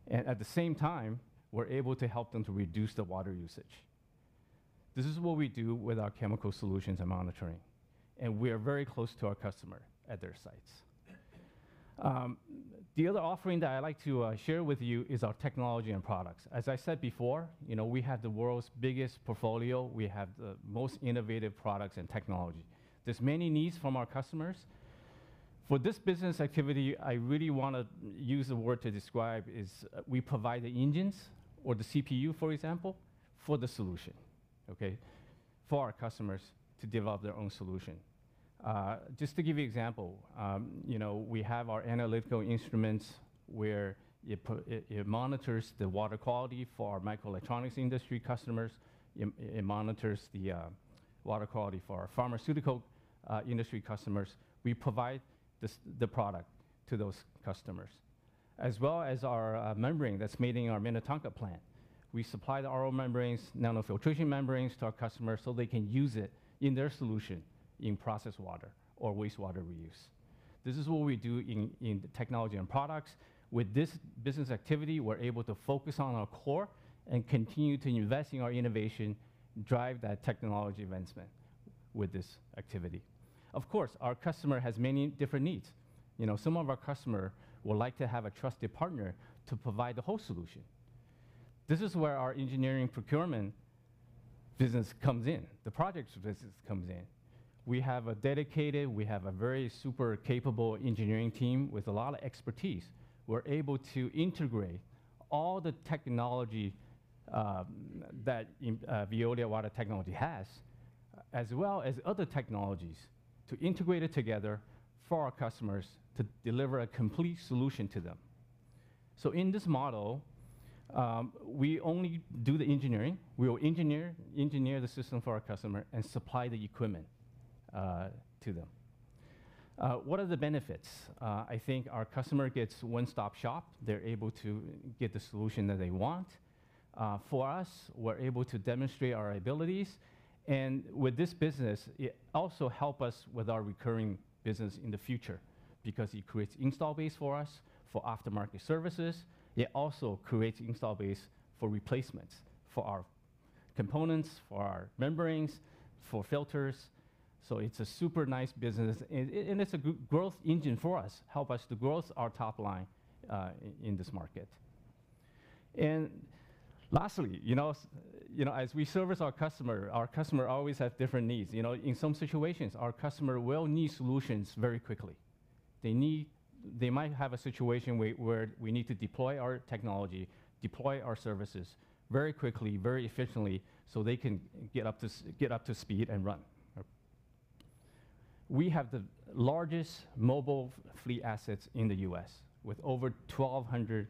And at the same time, we're able to help them to reduce the water usage. This is what we do with our chemical solutions and monitoring. And we are very close to our customer at their sites. The other offering that I'd like to share with you is our technology and products. As I said before, we have the world's biggest portfolio. We have the most innovative products and technology. are many needs from our customers. For this business activity, I really want to use the word to describe is we provide the engines or the CPU, for example, for the solution for our customers to develop their own solution. Just to give you an example, we have our analytical instruments where it monitors the water quality for our microelectronics industry customers. It monitors the water quality for our pharmaceutical industry customers. We provide the product to those customers, as well as our membrane that's made in our Minnetonka plant. We supply the RO membranes, nanofiltration membranes to our customers so they can use it in their solution, in process water or wastewater reuse. This is what we do in technology and products. With this business activity, we're able to focus on our core and continue to invest in our innovation, drive that technology advancement with this activity. Of course, our customer has many different needs. Some of our customers would like to have a trusted partner to provide the whole solution. This is where our engineering procurement business comes in, the projects business comes in. We have a dedicated, we have a very super capable engineering team with a lot of expertise. We're able to integrate all the technology that Veolia Water Technologies has, as well as other technologies, to integrate it together for our customers to deliver a complete solution to them. So in this model, we only do the engineering. We will engineer the system for our customer and supply the equipment to them. What are the benefits? I think our customer gets one-stop shop. They're able to get the solution that they want. For us, we're able to demonstrate our abilities. With this business, it also helps us with our recurring business in the future because it creates install base for us for aftermarket services. It also creates install base for replacements for our components, for our membranes, for filters. So it's a super nice business. It's a growth engine for us, helps us to grow our top line in this market. Lastly, as we service our customer, our customer always has different needs. In some situations, our customer will need solutions very quickly. They might have a situation where we need to deploy our technology, deploy our services very quickly, very efficiently, so they can get up to speed and run. We have the largest mobile fleet assets in the U.S. with over 1,200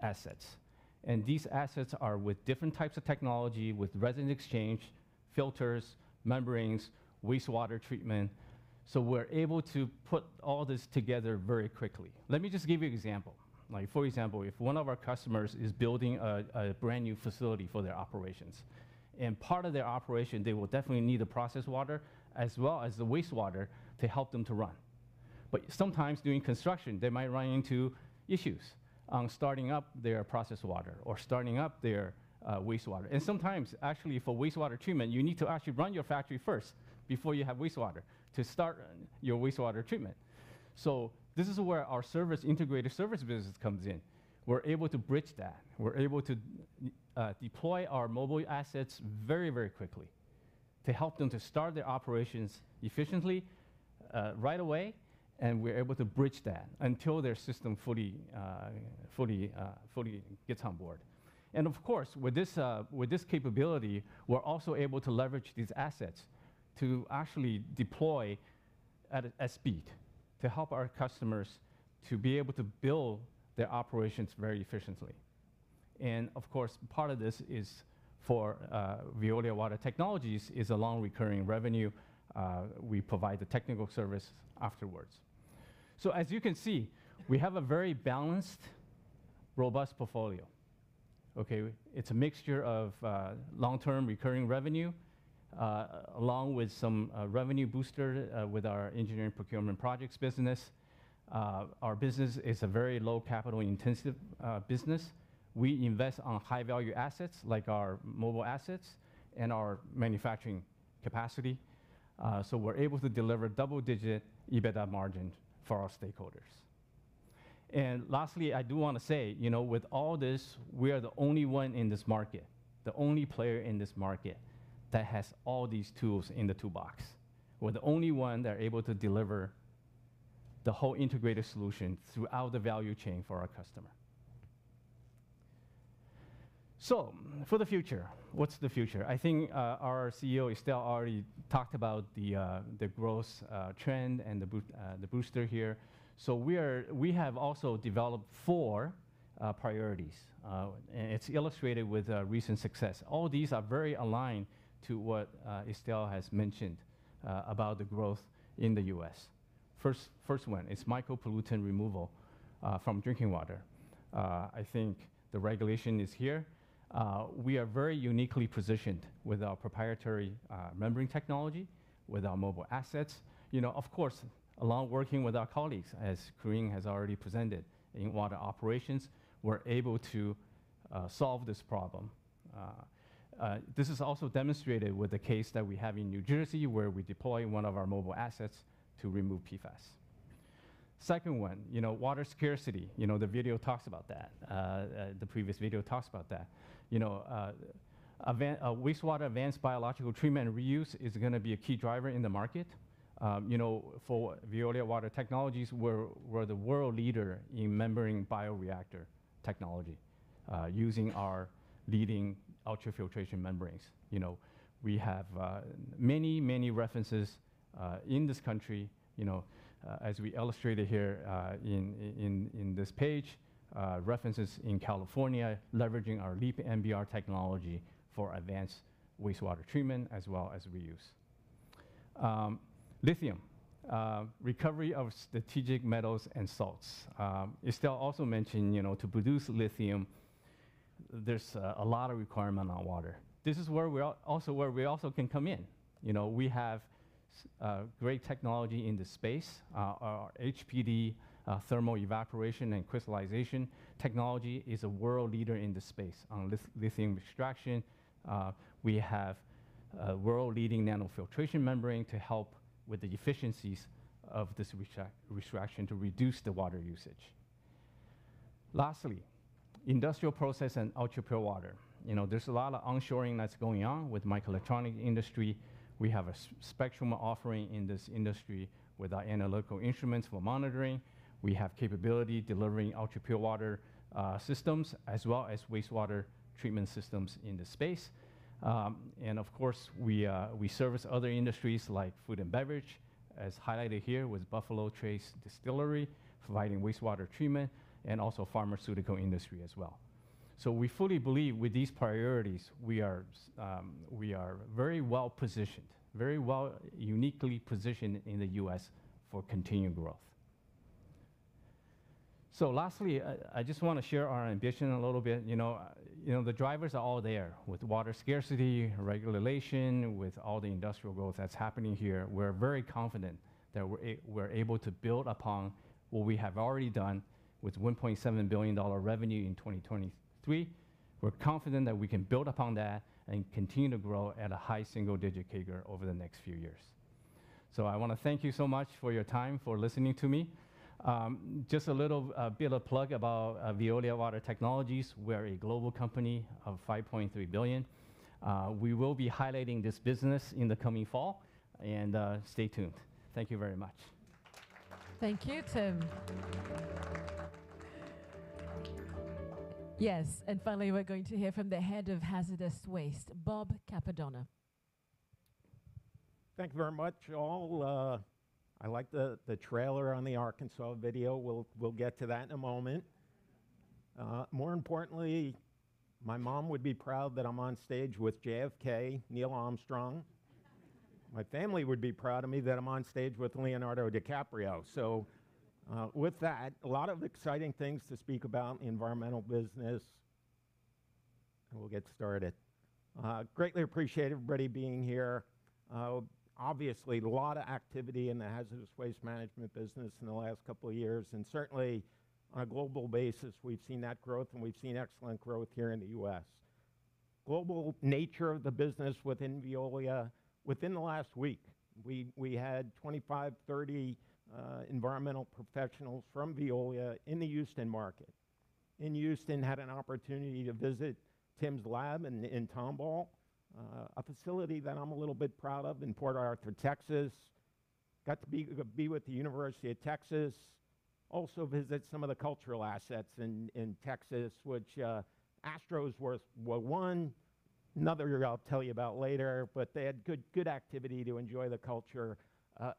assets. These assets are with different types of technology, with resin exchange, filters, membranes, wastewater treatment. So we're able to put all this together very quickly. Let me just give you an example. For example, if one of our customers is building a brand new facility for their operations, and part of their operation, they will definitely need the process water as well as the wastewater to help them to run. But sometimes, during construction, they might run into issues on starting up their process water or starting up their wastewater. And sometimes, actually, for wastewater treatment, you need to actually run your factory first before you have wastewater to start your wastewater treatment. So this is where our integrated service business comes in. We're able to bridge that. We're able to deploy our mobile assets very, very quickly to help them to start their operations efficiently right away. And we're able to bridge that until their system fully gets on board. And of course, with this capability, we're also able to leverage these assets to actually deploy at speed, to help our customers to be able to build their operations very efficiently. Of course, part of this is for Veolia Water Technologies, is a long recurring revenue. We provide the technical service afterwards. So as you can see, we have a very balanced, robust portfolio. It's a mixture of long-term recurring revenue along with some revenue booster with our engineering procurement projects business. Our business is a very low-capital-intensive business. We invest on high-value assets like our mobile assets and our manufacturing capacity. So we're able to deliver double-digit EBITDA margin for our stakeholders. And lastly, I do want to say, with all this, we are the only one in this market, the only player in this market that has all these tools in the toolbox. We're the only one that are able to deliver the whole integrated solution throughout the value chain for our customer. So for the future, what's the future? I think our CEO, Estelle, already talked about the growth trend and the booster here. So we have also developed four priorities. And it's illustrated with recent success. All these are very aligned to what Estelle has mentioned about the growth in the U.S. First one, it's micropollutant removal from drinking water. I think the regulation is here. We are very uniquely positioned with our proprietary membrane technology, with our mobile assets. Of course, along with working with our colleagues, as Karine has already presented, in water operations, we're able to solve this problem. This is also demonstrated with the case that we have in New Jersey, where we deploy one of our mobile assets to remove PFAS. Second one, water scarcity. The video talks about that. The previous video talks about that. Wastewater advanced biological treatment and reuse is going to be a key driver in the market. For Veolia Water Technologies, we're the world leader in membrane bioreactor technology using our leading ultrafiltration membranes. We have many, many references in this country, as we illustrated here in this page, references in California leveraging our LEAPmbr technology for advanced wastewater treatment as well as reuse. Lithium, recovery of strategic metals and salts. Estelle also mentioned to produce lithium, there's a lot of requirement on water. This is also where we also can come in. We have great technology in this space. Our HPD thermal evaporation and crystallization technology is a world leader in this space on lithium extraction. We have a world-leading nanofiltration membrane to help with the efficiencies of this extraction to reduce the water usage. Lastly, industrial process and ultrapure water. There's a lot of onshoring that's going on with the microelectronics industry. We have a spectrum offering in this industry with our analytical instruments for monitoring. We have capability delivering ultrapure water systems as well as wastewater treatment systems in this space. And of course, we service other industries like food and beverage, as highlighted here with Buffalo Trace Distillery, providing wastewater treatment, and also the pharmaceutical industry as well. So we fully believe, with these priorities, we are very well positioned, very well uniquely positioned in the U.S. for continued growth. So lastly, I just want to share our ambition a little bit. The drivers are all there, with water scarcity, regulation, with all the industrial growth that's happening here. We're very confident that we're able to build upon what we have already done with $1.7 billion revenue in 2023. We're confident that we can build upon that and continue to grow at a high single-digit CAGR over the next few years. So I want to thank you so much for your time for listening to me. Just a little bit of a plug about Veolia Water Technologies. We are a global company of $5.3 billion. We will be highlighting this business in the coming fall. Stay tuned. Thank you very much. Thank you, Tim. Yes. And finally, we're going to hear from the head of hazardous waste, Bob Cappadona. Thank you very much, all. I liked the trailer on the Arkansas video. We'll get to that in a moment. More importantly, my mom would be proud that I'm on stage with JFK, Neil Armstrong. My family would be proud of me that I'm on stage with Leonardo DiCaprio. So with that, a lot of exciting things to speak about in the environmental business. We'll get started. Greatly appreciate everybody being here. Obviously, a lot of activity in the hazardous waste management business in the last couple of years. Certainly, on a global basis, we've seen that growth. We've seen excellent growth here in the U.S. Global nature of the business within Veolia, within the last week, we had 25, 30 environmental professionals from Veolia in the Houston market. In Houston, had an opportunity to visit Tim's lab in Tomball, a facility that I'm a little bit proud of, in Port Arthur, Texas. Got to be with the University of Texas. Also visited some of the cultural assets in Texas, which Astros were one. Another I'll tell you about later. But they had good activity to enjoy the culture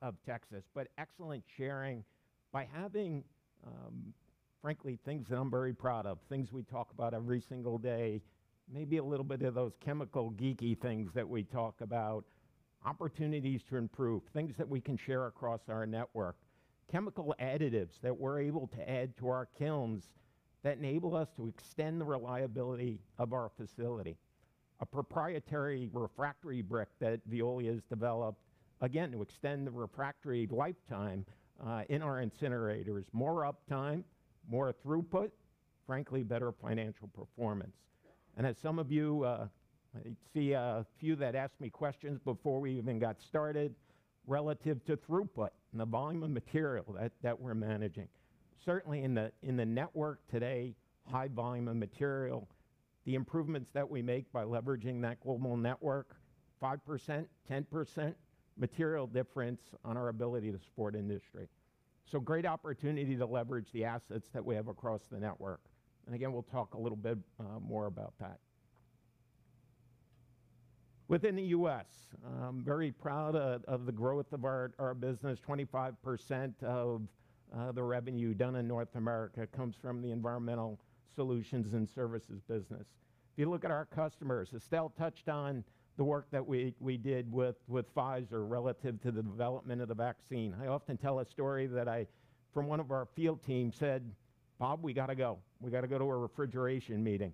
of Texas. But excellent sharing. By having, frankly, things that I'm very proud of, things we talk about every single day, maybe a little bit of those chemical geeky things that we talk about, opportunities to improve, things that we can share across our network, chemical additives that we're able to add to our kilns that enable us to extend the reliability of our facility, a proprietary refractory brick that Veolia has developed, again, to extend the refractory lifetime in our incinerators, more uptime, more throughput, frankly, better financial performance. And as some of you see, a few that asked me questions before we even got started relative to throughput and the volume of material that we're managing. Certainly, in the network today, high volume of material, the improvements that we make by leveraging that global network, 5%-10% material difference on our ability to support industry. So great opportunity to leverage the assets that we have across the network. And again, we'll talk a little bit more about that. Within the U.S., I'm very proud of the growth of our business. 25% of the revenue done in North America comes from the Environmental Solutions and Services business. If you look at our customers, Estelle touched on the work that we did with Pfizer relative to the development of the vaccine. I often tell a story that I, from one of our field teams, said, Bob, we got to go. We got to go to a refrigeration meeting.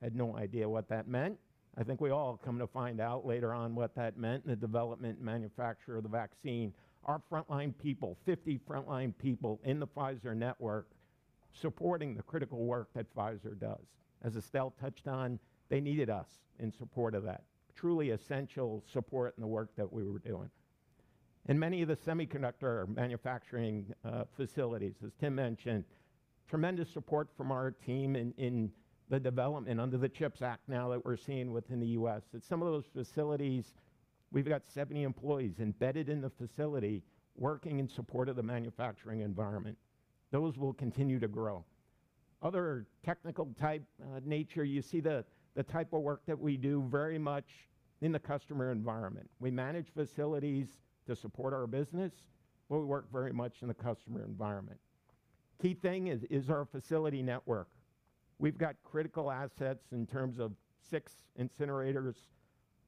I had no idea what that meant. I think we all come to find out later on what that meant in the development and manufacture of the vaccine. Our frontline people, 50 frontline people in the Pfizer network supporting the critical work that Pfizer does. As Estelle touched on, they needed us in support of that, truly essential support in the work that we were doing. Many of the semiconductor manufacturing facilities, as Tim mentioned, tremendous support from our team in the development under the CHIPS Act now that we're seeing within the U.S. At some of those facilities, we've got 70 employees embedded in the facility working in support of the manufacturing environment. Those will continue to grow. Other technical type nature, you see the type of work that we do very much in the customer environment. We manage facilities to support our business. But we work very much in the customer environment. Key thing is our facility network. We've got critical assets in terms of six incinerators,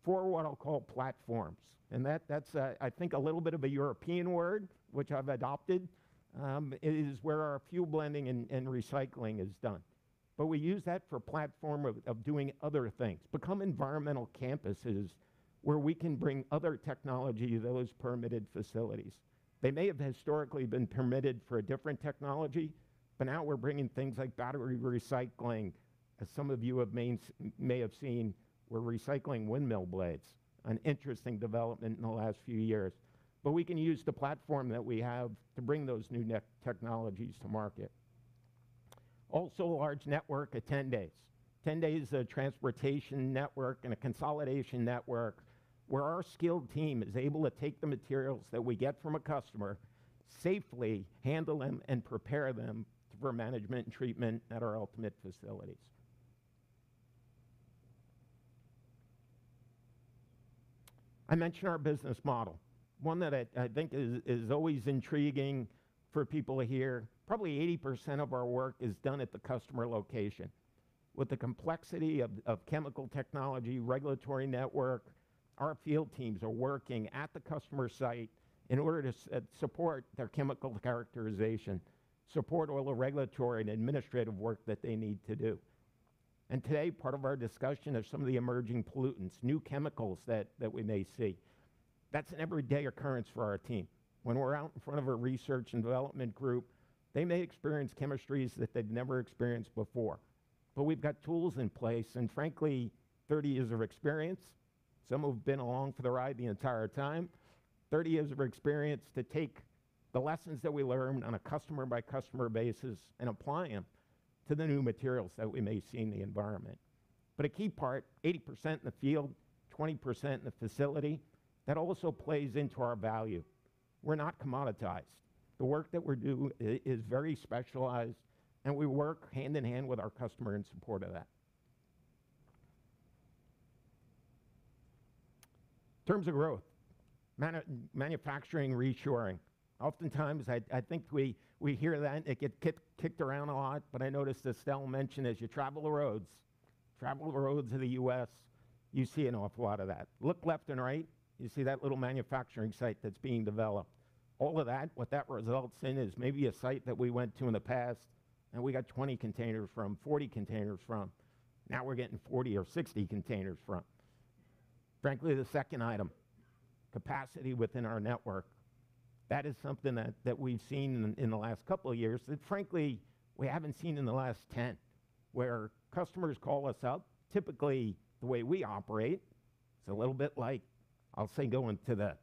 four what I'll call platforms. And that's, I think, a little bit of a European word, which I've adopted. It is where our fuel blending and recycling is done. But we use that for platform of doing other things, become environmental campuses where we can bring other technology to those permitted facilities. They may have historically been permitted for a different technology. But now we're bringing things like battery recycling. As some of you may have seen, we're recycling windmill blades, an interesting development in the last few years. But we can use the platform that we have to bring those new technologies to market. Also, a large network at 10 days. 10 days is a transportation network and a consolidation network where our skilled team is able to take the materials that we get from a customer, safely handle them, and prepare them for management and treatment at our ultimate facilities. I mentioned our business model, one that I think is always intriguing for people to hear. Probably 80% of our work is done at the customer location. With the complexity of chemical technology, regulatory network, our field teams are working at the customer site in order to support their chemical characterization, support all the regulatory and administrative work that they need to do. And today, part of our discussion is some of the emerging pollutants, new chemicals that we may see. That's an everyday occurrence for our team. When we're out in front of a research and development group, they may experience chemistries that they've never experienced before. But we've got tools in place. And frankly, 30 years of experience, some who've been along for the ride the entire time, 30 years of experience to take the lessons that we learned on a customer-by-customer basis and apply them to the new materials that we may see in the environment. But a key part, 80% in the field, 20% in the facility, that also plays into our value. We're not commoditized. The work that we do is very specialized. And we work hand in hand with our customer in support of that. Terms of growth, manufacturing reshoring. Oftentimes, I think we hear that. It gets kicked around a lot. But I noticed Estelle mentioned, as you travel the roads, travel the roads of the U.S., you see an awful lot of that. Look left and right. You see that little manufacturing site that's being developed. All of that, what that results in, is maybe a site that we went to in the past. We got 20 containers from 40 containers from. Now we're getting 40 or 60 containers from. Frankly, the second item, capacity within our network, that is something that we've seen in the last couple of years that, frankly, we haven't seen in the last 10, where customers call us up, typically the way we operate. It's a little bit like, I'll say, going to the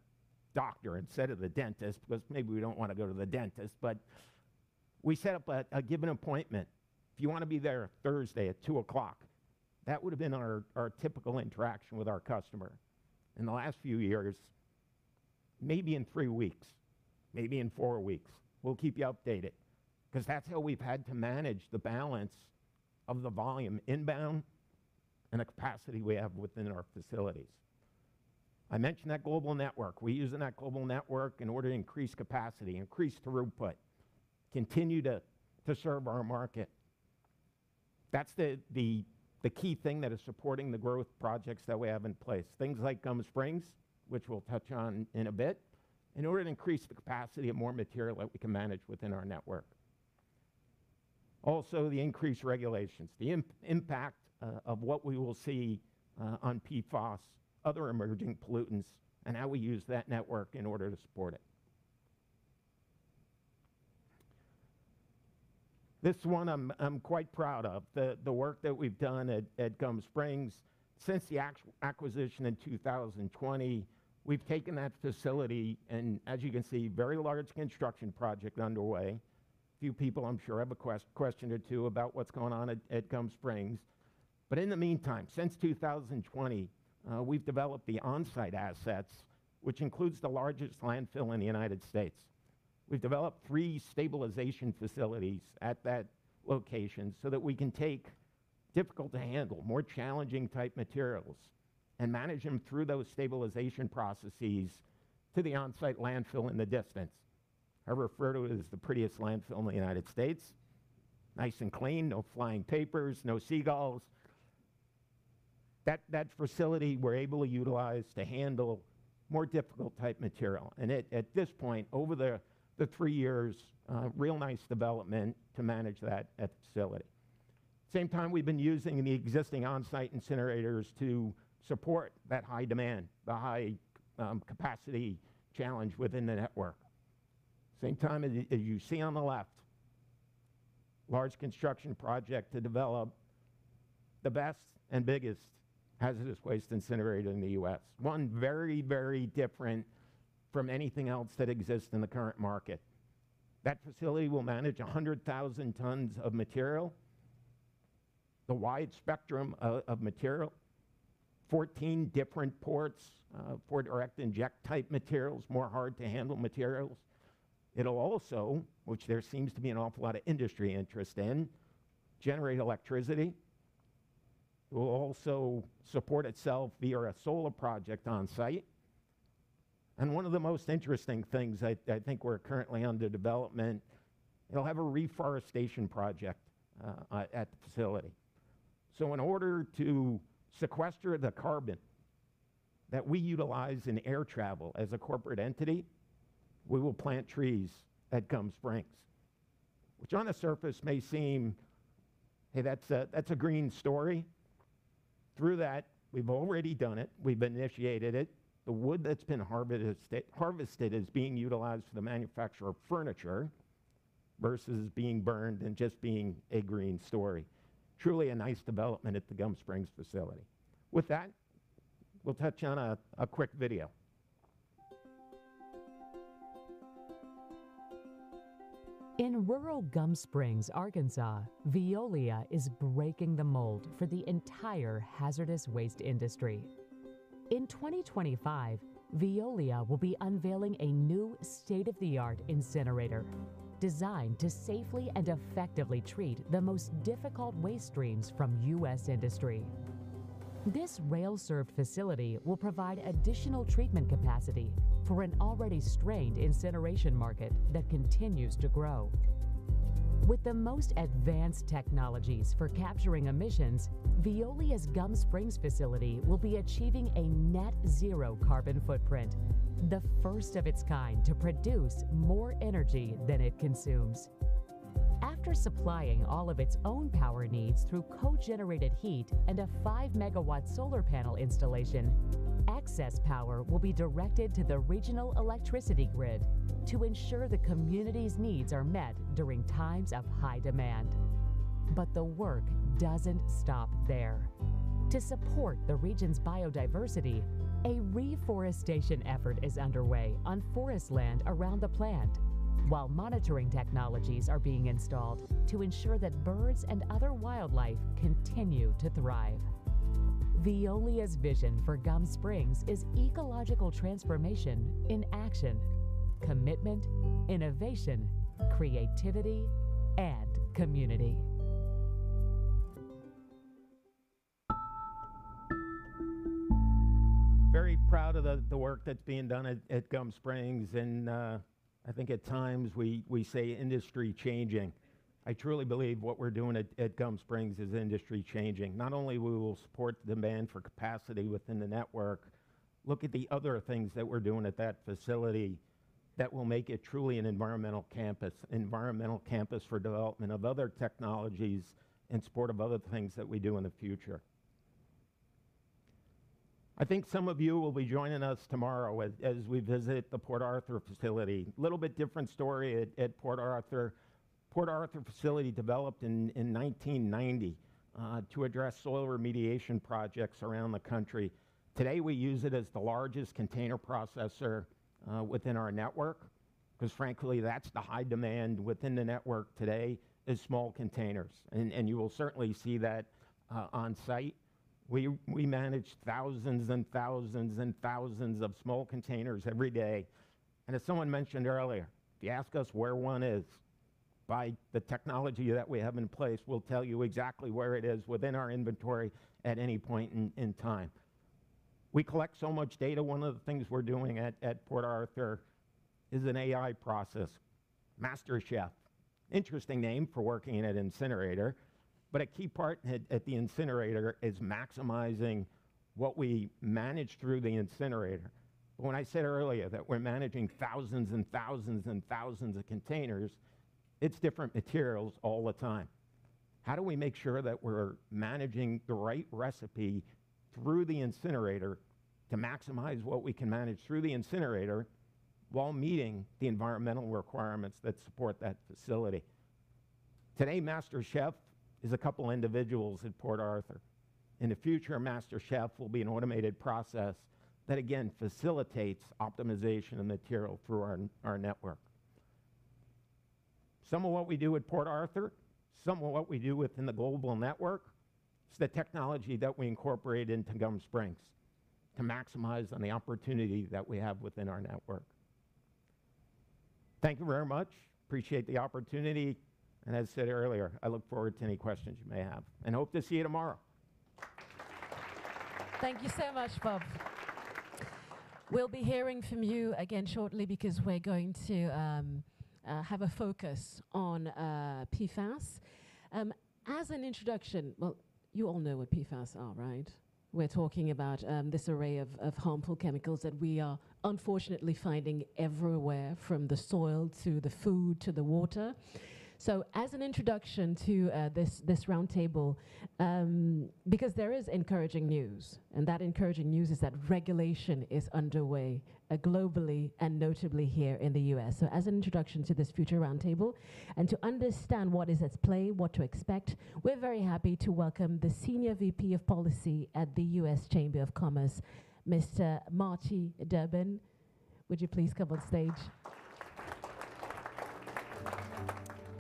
doctor instead of the dentist, because maybe we don't want to go to the dentist. But we set up a given appointment. If you want to be there Thursday at 2:00, that would have been our typical interaction with our customer. In the last few years, maybe in three weeks, maybe in four weeks, we'll keep you updated, because that's how we've had to manage the balance of the volume inbound and the capacity we have within our facilities. I mentioned that global network. We're using that global network in order to increase capacity, increase throughput, continue to serve our market. That's the key thing that is supporting the growth projects that we have in place, things like Gum Springs, which we'll touch on in a bit, in order to increase the capacity of more material that we can manage within our network. Also, the increased regulations, the impact of what we will see on PFAS, other emerging pollutants, and how we use that network in order to support it. This one I'm quite proud of, the work that we've done at Gum Springs. Since the acquisition in 2020, we've taken that facility and, as you can see, a very large construction project underway. Few people, I'm sure, have a question or two about what's going on at Gum Springs. But in the meantime, since 2020, we've developed the onsite assets, which includes the largest landfill in the United States. We've developed three stabilization facilities at that location so that we can take difficult-to-handle, more challenging-type materials and manage them through those stabilization processes to the onsite landfill in the distance. I refer to it as the prettiest landfill in the United States, nice and clean, no flying papers, no seagulls. That facility, we're able to utilize to handle more difficult-type material. And at this point, over the three years, real nice development to manage that at the facility. Same time, we've been using the existing onsite incinerators to support that high demand, the high capacity challenge within the network. Same time, as you see on the left, large construction project to develop the best and biggest hazardous waste incinerator in the U.S., one very, very different from anything else that exists in the current market. That facility will manage 100,000 tons of material, the wide spectrum of material, 14 different ports for direct inject type materials, more hard-to-handle materials. It'll also, which there seems to be an awful lot of industry interest in, generate electricity. It will also support itself via a solar project onsite. And one of the most interesting things I think we're currently under development, it'll have a reforestation project at the facility. So in order to sequester the carbon that we utilize in air travel as a corporate entity, we will plant trees at Gum Springs, which on the surface may seem, hey, that's a green story. Through that, we've already done it. We've initiated it. The wood that's been harvested is being utilized for the manufacture of furniture versus being burned and just being a green story, truly a nice development at the Gum Springs facility. With that, we'll touch on a quick video. In rural Gum Springs, Arkansas, Veolia is breaking the mold for the entire hazardous waste industry. In 2025, Veolia will be unveiling a new state-of-the-art incinerator designed to safely and effectively treat the most difficult waste streams from U.S. industry. This rail-served facility will provide additional treatment capacity for an already strained incineration market that continues to grow. With the most advanced technologies for capturing emissions, Veolia's Gum Springs facility will be achieving a net zero carbon footprint, the first of its kind to produce more energy than it consumes. After supplying all of its own power needs through cogenerated heat and a 5 MW solar panel installation, excess power will be directed to the regional electricity grid to ensure the community's needs are met during times of high demand. The work doesn't stop there. To support the region's biodiversity, a reforestation effort is underway on forest land around the plant while monitoring technologies are being installed to ensure that birds and other wildlife continue to thrive. Veolia's vision for Gum Springs is ecological transformation in action, commitment, innovation, creativity, and community. Very proud of the work that's being done at Gum Springs. I think at times, we say industry changing. I truly believe what we're doing at Gum Springs is industry-changing. Not only will we support the demand for capacity within the network. Look at the other things that we're doing at that facility that will make it truly an environmental campus, an environmental campus for development of other technologies in support of other things that we do in the future. I think some of you will be joining us tomorrow as we visit the Port Arthur facility, a little bit different story at Port Arthur. Port Arthur facility developed in 1990 to address soil remediation projects around the country. Today, we use it as the largest container processor within our network, because frankly, that's the high demand within the network today is small containers. You will certainly see that onsite. We manage thousands and thousands and thousands of small containers every day. And as someone mentioned earlier, if you ask us where one is, by the technology that we have in place, we'll tell you exactly where it is within our inventory at any point in time. We collect so much data. One of the things we're doing at Port Arthur is an AI process, MasterChef, interesting name for working in an incinerator. But a key part at the incinerator is maximizing what we manage through the incinerator. But when I said earlier that we're managing thousands and thousands and thousands of containers, it's different materials all the time. How do we make sure that we're managing the right recipe through the incinerator to maximize what we can manage through the incinerator while meeting the environmental requirements that support that facility? Today, MasterChef is a couple of individuals at Port Arthur. In the future, MasterChef will be an automated process that, again, facilitates optimization of material through our network. Some of what we do at Port Arthur, some of what we do within the global network, is the technology that we incorporate into Gum Springs to maximize on the opportunity that we have within our network. Thank you very much. Appreciate the opportunity. And as said earlier, I look forward to any questions you may have. And hope to see you tomorrow. Thank you so much, Bob. We'll be hearing from you again shortly, because we're going to have a focus on PFAS. As an introduction, well, you all know what PFAS are, right? We're talking about this array of harmful chemicals that we are unfortunately finding everywhere, from the soil to the food to the water. So as an introduction to this roundtable, because there is encouraging news. And that encouraging news is that regulation is underway globally and notably here in the U.S. So as an introduction to this future roundtable and to understand what is at play, what to expect, we're very happy to welcome the Senior VP of Policy at the U.S. Chamber of Commerce, Mr. Marty Durbin. Would you please come on stage?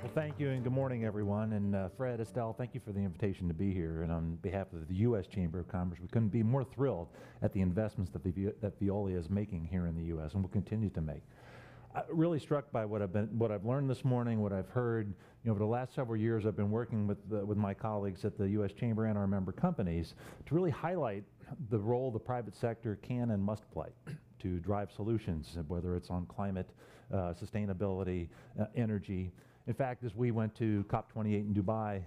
Well, thank you. And good morning, everyone. And Fred, Estelle, thank you for the invitation to be here. And on behalf of the U.S. Chamber of Commerce, we couldn't be more thrilled at the investments that Veolia is making here in the U.S. and will continue to make. I'm really struck by what I've learned this morning, what I've heard. Over the last several years, I've been working with my colleagues at the U.S. Chamber and our member companies to really highlight the role the private sector can and must play to drive solutions, whether it's on climate, sustainability, energy. In fact, as we went to COP 28 in Dubai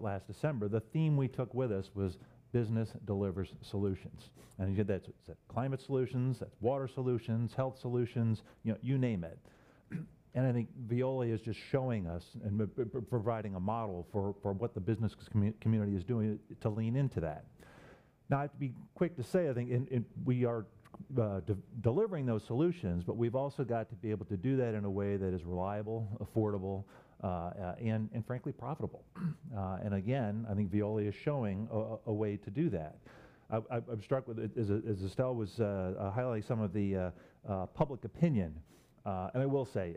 last December, the theme we took with us was business delivers solutions. And you get that. It's climate solutions. That's water solutions, health solutions, you name it. And I think Veolia is just showing us and providing a model for what the business community is doing to lean into that. Now, I have to be quick to say, I think we are delivering those solutions. But we've also got to be able to do that in a way that is reliable, affordable, and frankly, profitable. And again, I think Veolia is showing a way to do that. I'm struck with, as Estelle was highlighting, some of the public opinion. I will say,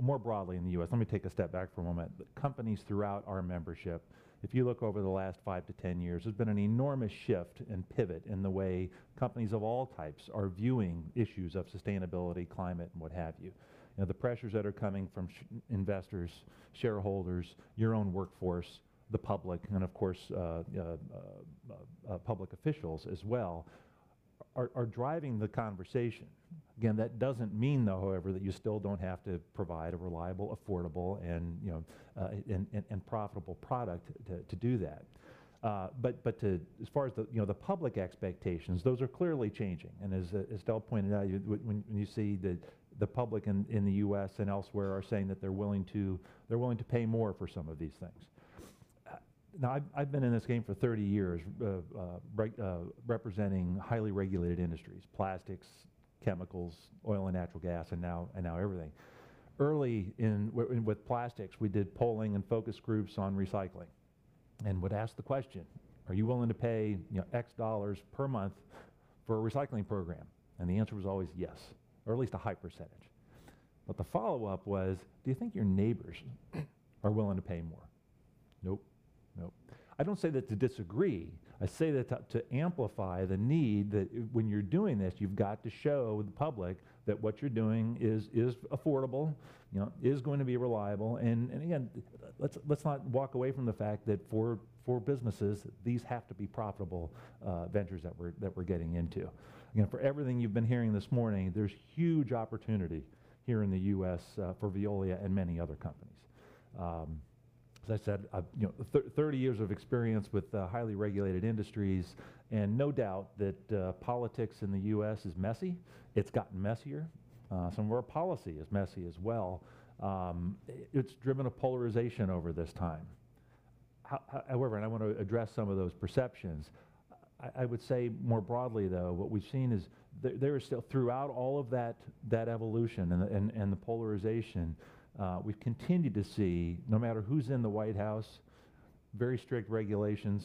more broadly in the U.S., let me take a step back for a moment. Companies throughout our membership, if you look over the last five to 10 years, there's been an enormous shift and pivot in the way companies of all types are viewing issues of sustainability, climate, and what have you, the pressures that are coming from investors, shareholders, your own workforce, the public, and of course, public officials as well, are driving the conversation. Again, that doesn't mean, though, however, that you still don't have to provide a reliable, affordable, and profitable product to do that. But as far as the public expectations, those are clearly changing. As Estelle pointed out, when you see the public in the U.S. and elsewhere are saying that they're willing to pay more for some of these things. Now, I've been in this game for 30 years, representing highly regulated industries, plastics, chemicals, oil, and natural gas, and now everything. Early with plastics, we did polling and focus groups on recycling and would ask the question, are you willing to pay X dollars per month for a recycling program? And the answer was always yes, or at least a high percentage. But the follow-up was, do you think your neighbors are willing to pay more? Nope. Nope. I don't say that to disagree. I say that to amplify the need that when you're doing this, you've got to show the public that what you're doing is affordable, is going to be reliable. And again, let's not walk away from the fact that for businesses, these have to be profitable ventures that we're getting into. Again, for everything you've been hearing this morning, there's huge opportunity here in the U.S. for Veolia and many other companies. As I said, 30 years of experience with highly regulated industries. And no doubt that politics in the U.S. is messy. It's gotten messier. Somewhere, policy is messy as well. It's driven a polarization over this time. However, and I want to address some of those perceptions. I would say more broadly, though, what we've seen is there is still throughout all of that evolution and the polarization, we've continued to see, no matter who's in the White House, very strict regulations.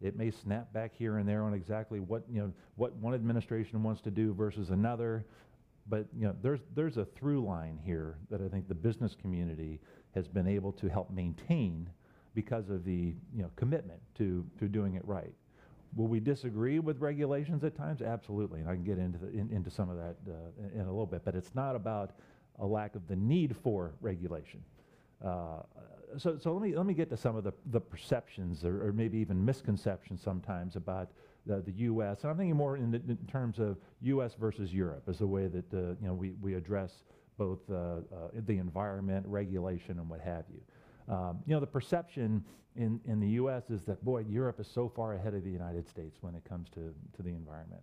It may snap back here and there on exactly what one administration wants to do versus another. But there's a through line here that I think the business community has been able to help maintain because of the commitment to doing it right. Will we disagree with regulations at times? Absolutely. And I can get into some of that in a little bit. But it's not about a lack of the need for regulation. So let me get to some of the perceptions or maybe even misconceptions sometimes about the U.S. And I'm thinking more in terms of U.S. versus Europe as a way that we address both the environment, regulation, and what have you. The perception in the U.S. is that, boy, Europe is so far ahead of the United States when it comes to the environment.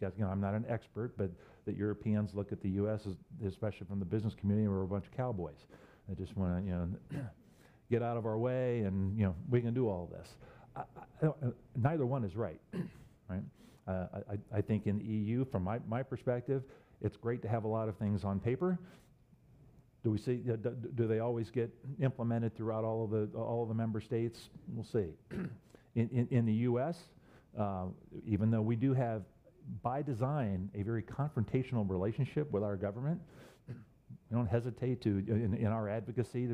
And I'm not an expert, but that Europeans look at the U.S., especially from the business community, we're a bunch of cowboys. I just want to get out of our way. We can do all of this. Neither one is right, right? I think in the EU, from my perspective, it's great to have a lot of things on paper. Do we see? Do they always get implemented throughout all of the member states? We'll see. In the U.S, even though we do have by design a very confrontational relationship with our government, we don't hesitate to, in our advocacy,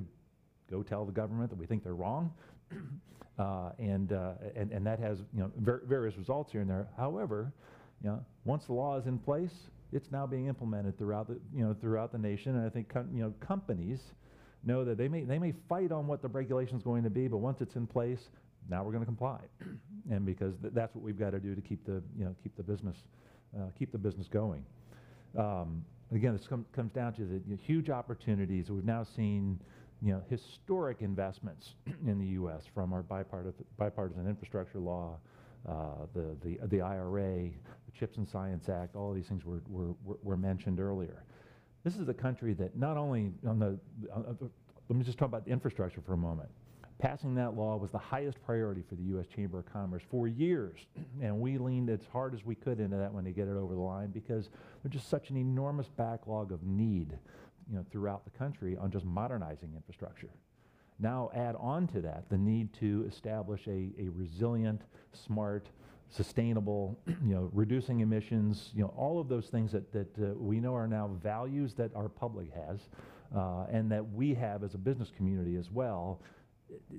go tell the government that we think they're wrong. And that has various results here and there. However, once the law is in place, it's now being implemented throughout the nation. I think companies know that they may fight on what the regulation is going to be. But once it's in place, now we're going to comply. And because that's what we've got to do to keep the business going. Again, this comes down to the huge opportunities. We've now seen historic investments in the U.S. from our bipartisan infrastructure law, the IRA, the CHIPS and Science Act. All these things were mentioned earlier. This is a country that not only, on the, let me just talk about the infrastructure for a moment. Passing that law was the highest priority for the U.S. Chamber of Commerce for years. We leaned as hard as we could into that one to get it over the line because there's just such an enormous backlog of need throughout the country on just modernizing infrastructure. Now, add on to that the need to establish a resilient, smart, sustainable, reducing emissions, all of those things that we know are now values that our public has and that we have as a business community as well.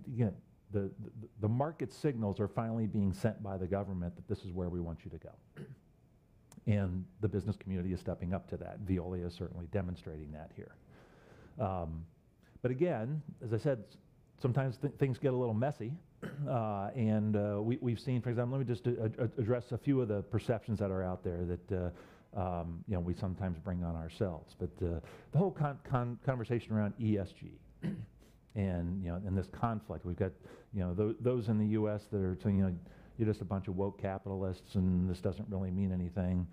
Again, the market signals are finally being sent by the government that this is where we want you to go. The business community is stepping up to that. Veolia is certainly demonstrating that here. Again, as I said, sometimes things get a little messy. We've seen, for example, let me just address a few of the perceptions that are out there that we sometimes bring on ourselves. The whole conversation around ESG and this conflict, we've got those in the U.S. that are saying, you're just a bunch of woke capitalists. This doesn't really mean anything.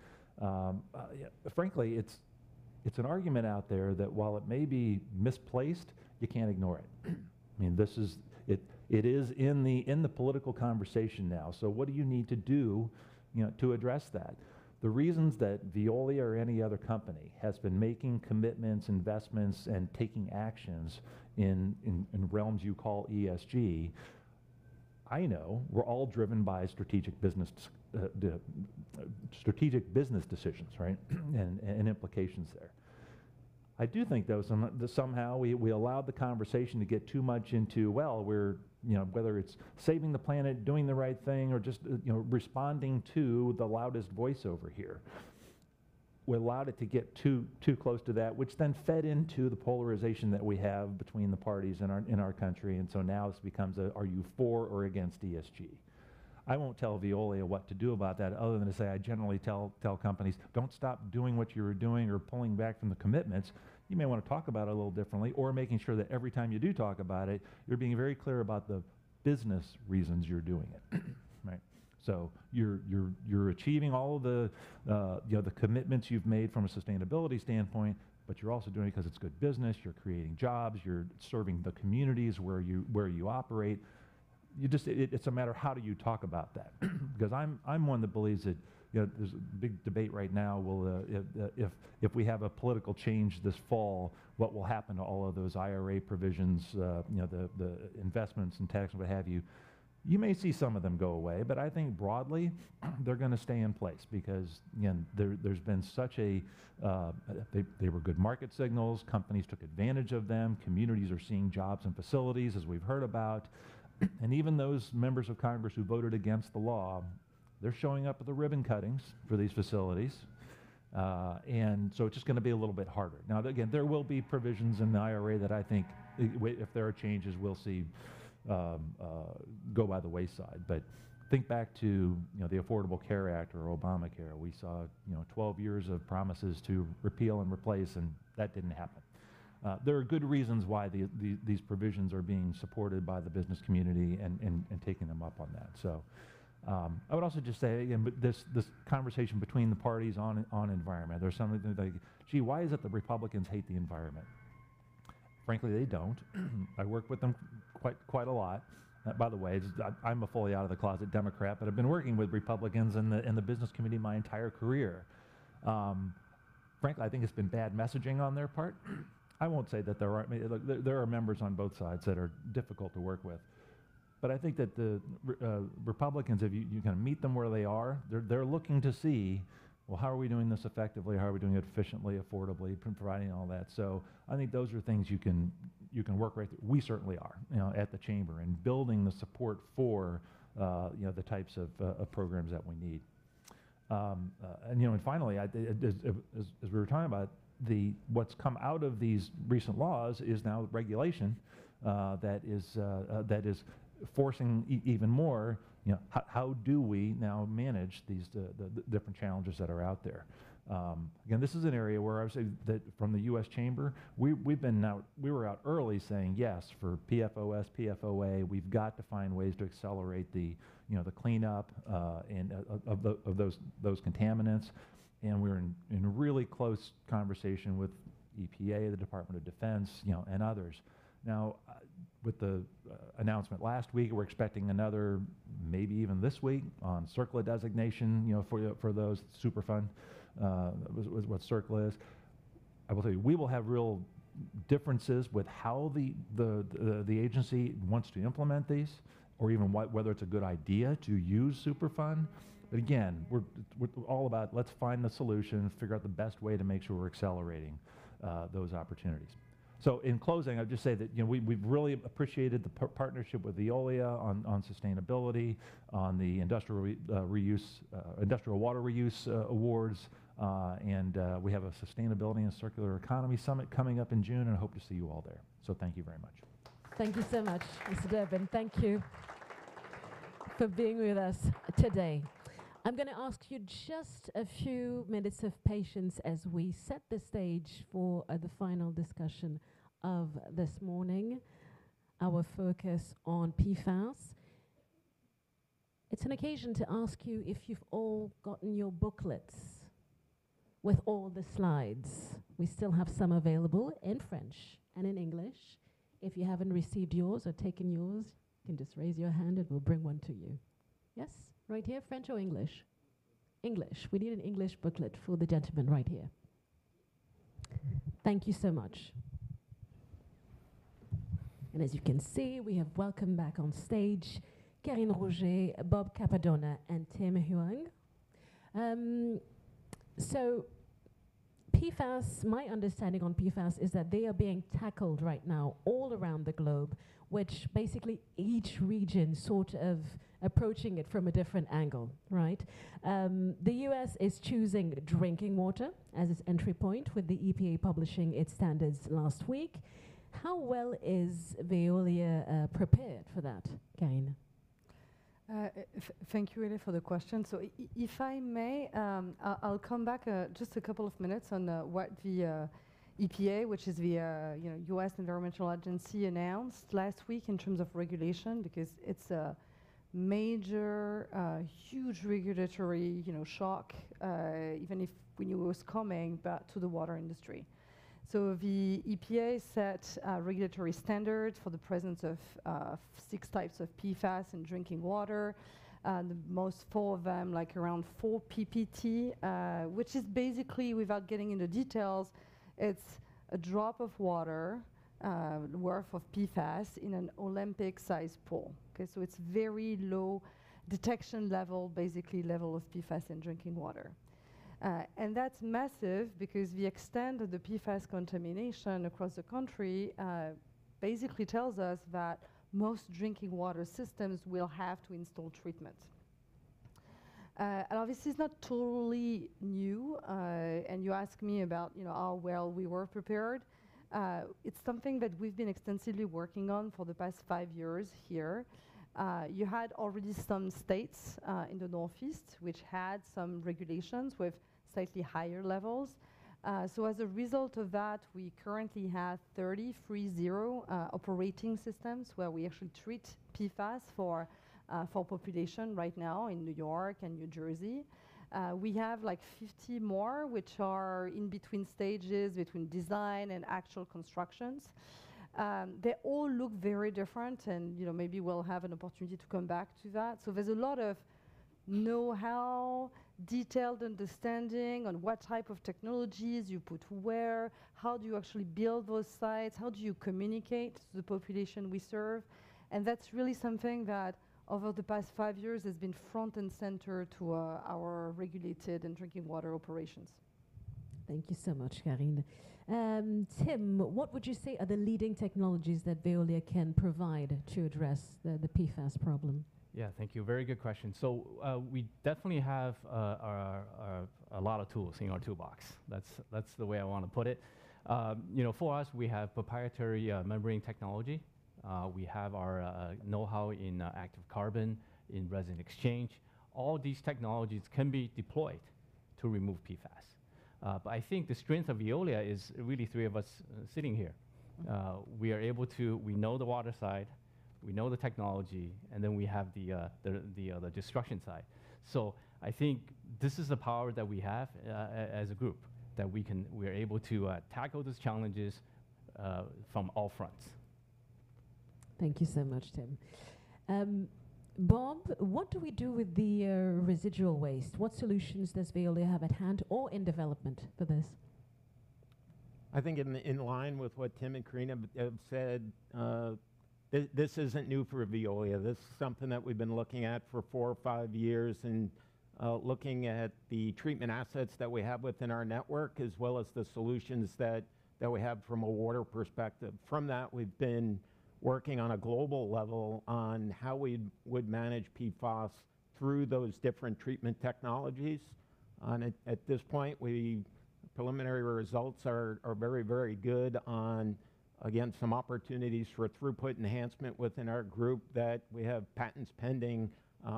Frankly, it's an argument out there that while it may be misplaced, you can't ignore it. I mean, it is in the political conversation now. What do you need to do to address that? The reasons that Veolia or any other company has been making commitments, investments, and taking actions in realms you call ESG, I know we're all driven by strategic business decisions, right, and implications there. I do think, though, somehow we allowed the conversation to get too much into, well, whether it's saving the planet, doing the right thing, or just responding to the loudest voice over here, we allowed it to get too close to that, which then fed into the polarization that we have between the parties in our country. And so now this becomes, are you for or against ESG? I won't tell Veolia what to do about that other than to say, I generally tell companies, don't stop doing what you were doing or pulling back from the commitments. You may want to talk about it a little differently or making sure that every time you do talk about it, you're being very clear about the business reasons you're doing it, right? So you're achieving all of the commitments you've made from a sustainability standpoint, but you're also doing it because it's good business. You're creating jobs. You're serving the communities where you operate. It's a matter of how do you talk about that? Because I'm one that believes that there's a big debate right now. If we have a political change this fall, what will happen to all of those IRA provisions, the investments and taxes, what have you? You may see some of them go away. But I think broadly, they're going to stay in place because, again, there's been such a they were good market signals. Companies took advantage of them. Communities are seeing jobs and facilities, as we've heard about. And even those members of Congress who voted against the law, they're showing up with the ribbon cuttings for these facilities. And so it's just going to be a little bit harder. Now, again, there will be provisions in the IRA that I think, if there are changes, we'll see go by the wayside. But think back to the Affordable Care Act or Obamacare. We saw 12 years of promises to repeal and replace. And that didn't happen. There are good reasons why these provisions are being supported by the business community and taking them up on that. So I would also just say, again, this conversation between the parties on environment, there's something like, gee, why is it that Republicans hate the environment? Frankly, they don't. I work with them quite a lot. By the way, I'm a fully out of the closet Democrat, but I've been working with Republicans in the business community my entire career. Frankly, I think it's been bad messaging on their part. I won't say that there are members on both sides that are difficult to work with. But I think that the Republicans, if you kind of meet them where they are, they're looking to see, well, how are we doing this effectively? How are we doing it efficiently, affordably, providing all that? So I think those are things you can work right through. We certainly are at the chamber and building the support for the types of programs that we need. And finally, as we were talking about, what's come out of these recent laws is now regulation that is forcing even more. How do we now manage these different challenges that are out there? Again, this is an area where I would say that from the U.S. Chamber, we've been out. We were out early saying yes for PFOS, PFOA. We've got to find ways to accelerate the cleanup of those contaminants. And we're in a really close conversation with EPA, the Department of Defense, and others. Now, with the announcement last week, we're expecting another, maybe even this week, on CERCLA designation for those Superfund, what CERCLA is. I will tell you, we will have real differences with how the agency wants to implement these or even whether it's a good idea to use Superfund. But again, we're all about, let's find the solution, figure out the best way to make sure we're accelerating those opportunities. So in closing, I'll just say that we've really appreciated the partnership with Veolia on sustainability, on the industrial water reuse awards. We have a Sustainability and Circular Economy Summit coming up in June. I hope to see you all there. Thank you very much. Thank you so much, Mr. Durbin. Thank you for being with us today. I'm going to ask you just a few minutes of patience as we set the stage for the final discussion of this morning, our focus on PFAS. It's an occasion to ask you if you've all gotten your booklets with all the slides. We still have some available in French and in English. If you haven't received yours or taken yours, you can just raise your hand and we'll bring one to you. Yes, right here, French or English? English. We need an English booklet for the gentleman right here. Thank you so much. And as you can see, we have welcomed back on stage Karine Rougé, Bob Cappadona, and Tim Huang. So my understanding on PFAS is that they are being tackled right now all around the globe, which basically each region is sort of approaching it from a different angle, right? The U.S. is choosing drinking water as its entry point, with the EPA publishing its standards last week. How well is Veolia prepared for that, Karine? Thank you, Elif, for the question. So if I may, I'll come back just a couple of minutes on what the EPA, which is the U.S. Environmental Protection Agency, announced last week in terms of regulation, because it's a major, huge regulatory shock, even if we knew it was coming, but to the water industry. So the EPA set regulatory standards for the presence of six types of PFAS in drinking water, the most four of them, like around 4 PPT, which is basically, without getting into details, it's a drop of water worth of PFAS in an Olympic-sized pool. So it's a very low detection level, basically, level of PFAS in drinking water. And that's massive because the extent of the PFAS contamination across the country basically tells us that most drinking water systems will have to install treatment. Now, this is not totally new. You ask me about how well we were prepared. It's something that we've been extensively working on for the past 5 years here. You had already some states in the Northeast which had some regulations with slightly higher levels. So as a result of that, we currently have 30 free zero operating systems where we actually treat PFAS for population right now in New York and New Jersey. We have like 50 more which are in between stages, between design and actual constructions. They all look very different. And maybe we'll have an opportunity to come back to that. So there's a lot of know-how, detailed understanding on what type of technologies you put where, how do you actually build those sites, how do you communicate to the population we serve. And that's really something that, over the past five years, has been front and center to our regulated and drinking water operations. Thank you so much, Karine. Tim, what would you say are the leading technologies that Veolia can provide to address the PFAS problem? Yeah, thank you. Very good question. So we definitely have a lot of tools in our toolbox. That's the way I want to put it. For us, we have proprietary membrane technology. We have our know-how in active carbon, in resin exchange. All these technologies can be deployed to remove PFAS. But I think the strength of Veolia is really three of us sitting here. We are able to, we know the water side. We know the technology. And then we have the destruction side. So I think this is the power that we have as a group, that we are able to tackle those challenges from all fronts. Thank you so much, Tim. Bob, what do we do with the residual waste? What solutions does Veolia have at hand or in development for this? I think in line with what Tim and Karine have said, this isn't new for Veolia. This is something that we've been looking at for four or five years and looking at the treatment assets that we have within our network, as well as the solutions that we have from a water perspective. From that, we've been working on a global level on how we would manage PFAS through those different treatment technologies. And at this point, preliminary results are very, very good on, again, some opportunities for throughput enhancement within our group that we have patents pending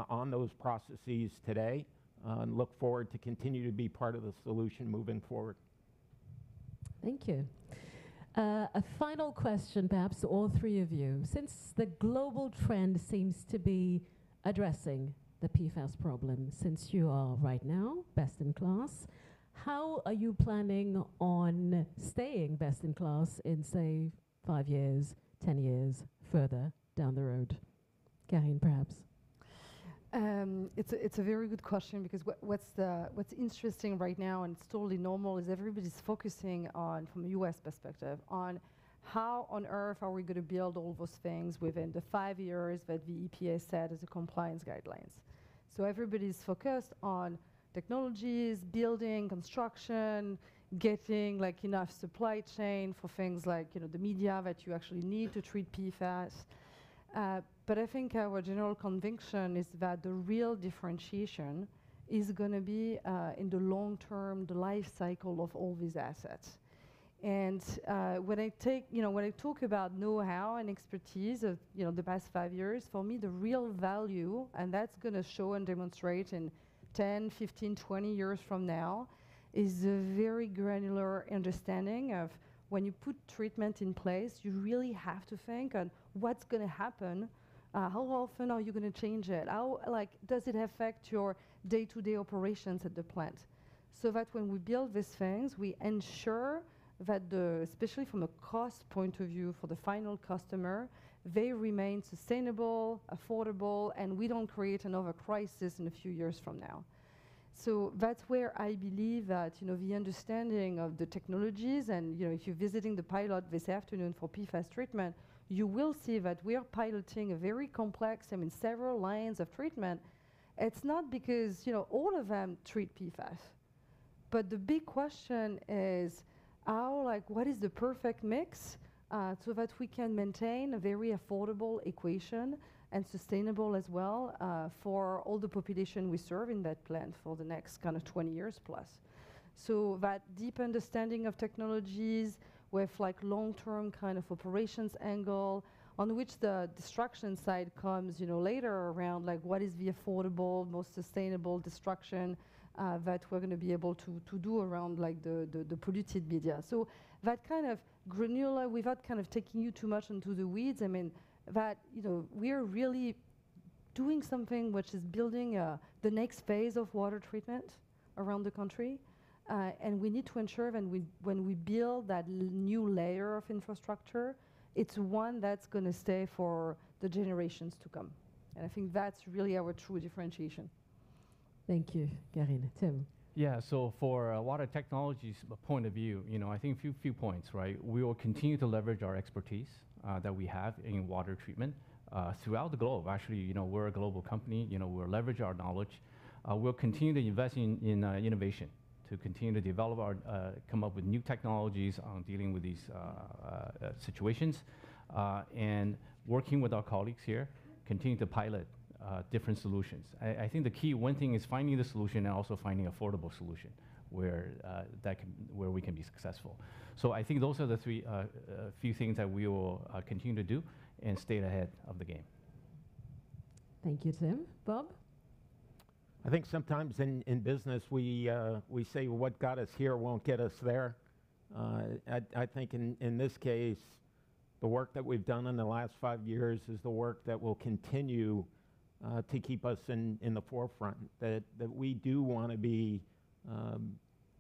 on those processes today. And look forward to continue to be part of the solution moving forward. Thank you. A final question, perhaps, to all three of you. Since the global trend seems to be addressing the PFAS problem since you are right now best in class, how are you planning on staying best in class in, say, five years, 10 years further down the road? Karine, perhaps. It's a very good question because what's interesting right now, and it's totally normal, is everybody's focusing on, from a US perspective, on how on earth are we going to build all those things within the five years that the EPA set as the compliance guidelines. So everybody's focused on technologies, building, construction, getting enough supply chain for things like the media that you actually need to treat PFAS. But I think our general conviction is that the real differentiation is going to be in the long term, the lifecycle of all these assets. When I talk about know-how and expertise of the past five years, for me, the real value, and that's going to show and demonstrate in 10, 15, 20 years from now, is a very granular understanding of when you put treatment in place, you really have to think on what's going to happen, how often are you going to change it, how does it affect your day-to-day operations at the plant. So that when we build these things, we ensure that, especially from a cost point of view for the final customer, they remain sustainable, affordable, and we don't create another crisis in a few years from now. So that's where I believe that the understanding of the technologies and if you're visiting the pilot this afternoon for PFAS treatment, you will see that we are piloting a very complex, I mean, several lines of treatment. It's not because all of them treat PFAS. But the big question is, what is the perfect mix so that we can maintain a very affordable equation and sustainable as well for all the population we serve in that plant for the next kind of 20 years plus? So that deep understanding of technologies with long-term kind of operations angle on which the destruction side comes later around, what is the affordable, most sustainable destruction that we're going to be able to do around the polluted media? So that kind of granular, without kind of taking you too much into the weeds, I mean, that we are really doing something which is building the next phase of water treatment around the country. And we need to ensure when we build that new layer of infrastructure, it's one that's going to stay for the generations to come. I think that's really our true differentiation. Thank you, Karine. Tim. Yeah, so from a water technologies point of view, I think a few points, right? We will continue to leverage our expertise that we have in water treatment throughout the globe. Actually, we're a global company. We'll leverage our knowledge. We'll continue to invest in innovation to continue to develop, come up with new technologies on dealing with these situations, and working with our colleagues here, continue to pilot different solutions. I think the key one thing is finding the solution and also finding an affordable solution where we can be successful. So I think those are the few things that we will continue to do and stay ahead of the game. Thank you, Tim. Bob? I think sometimes in business, we say, well, what got us here won't get us there. I think in this case, the work that we've done in the last five years is the work that will continue to keep us in the forefront, that we do want to be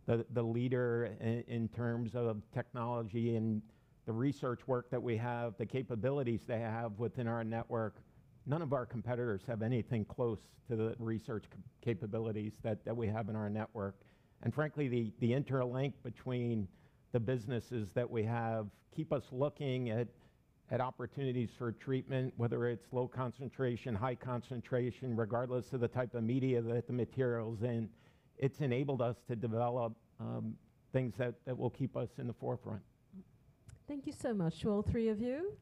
the leader in terms of technology and the research work that we have, the capabilities they have within our network. None of our competitors have anything close to the research capabilities that we have in our network. And frankly, the interlink between the businesses that we have keeps us looking at opportunities for treatment, whether it's low concentration, high concentration, regardless of the type of media that the material is in. It's enabled us to develop things that will keep us in the forefront. Thank you so much to all three of you.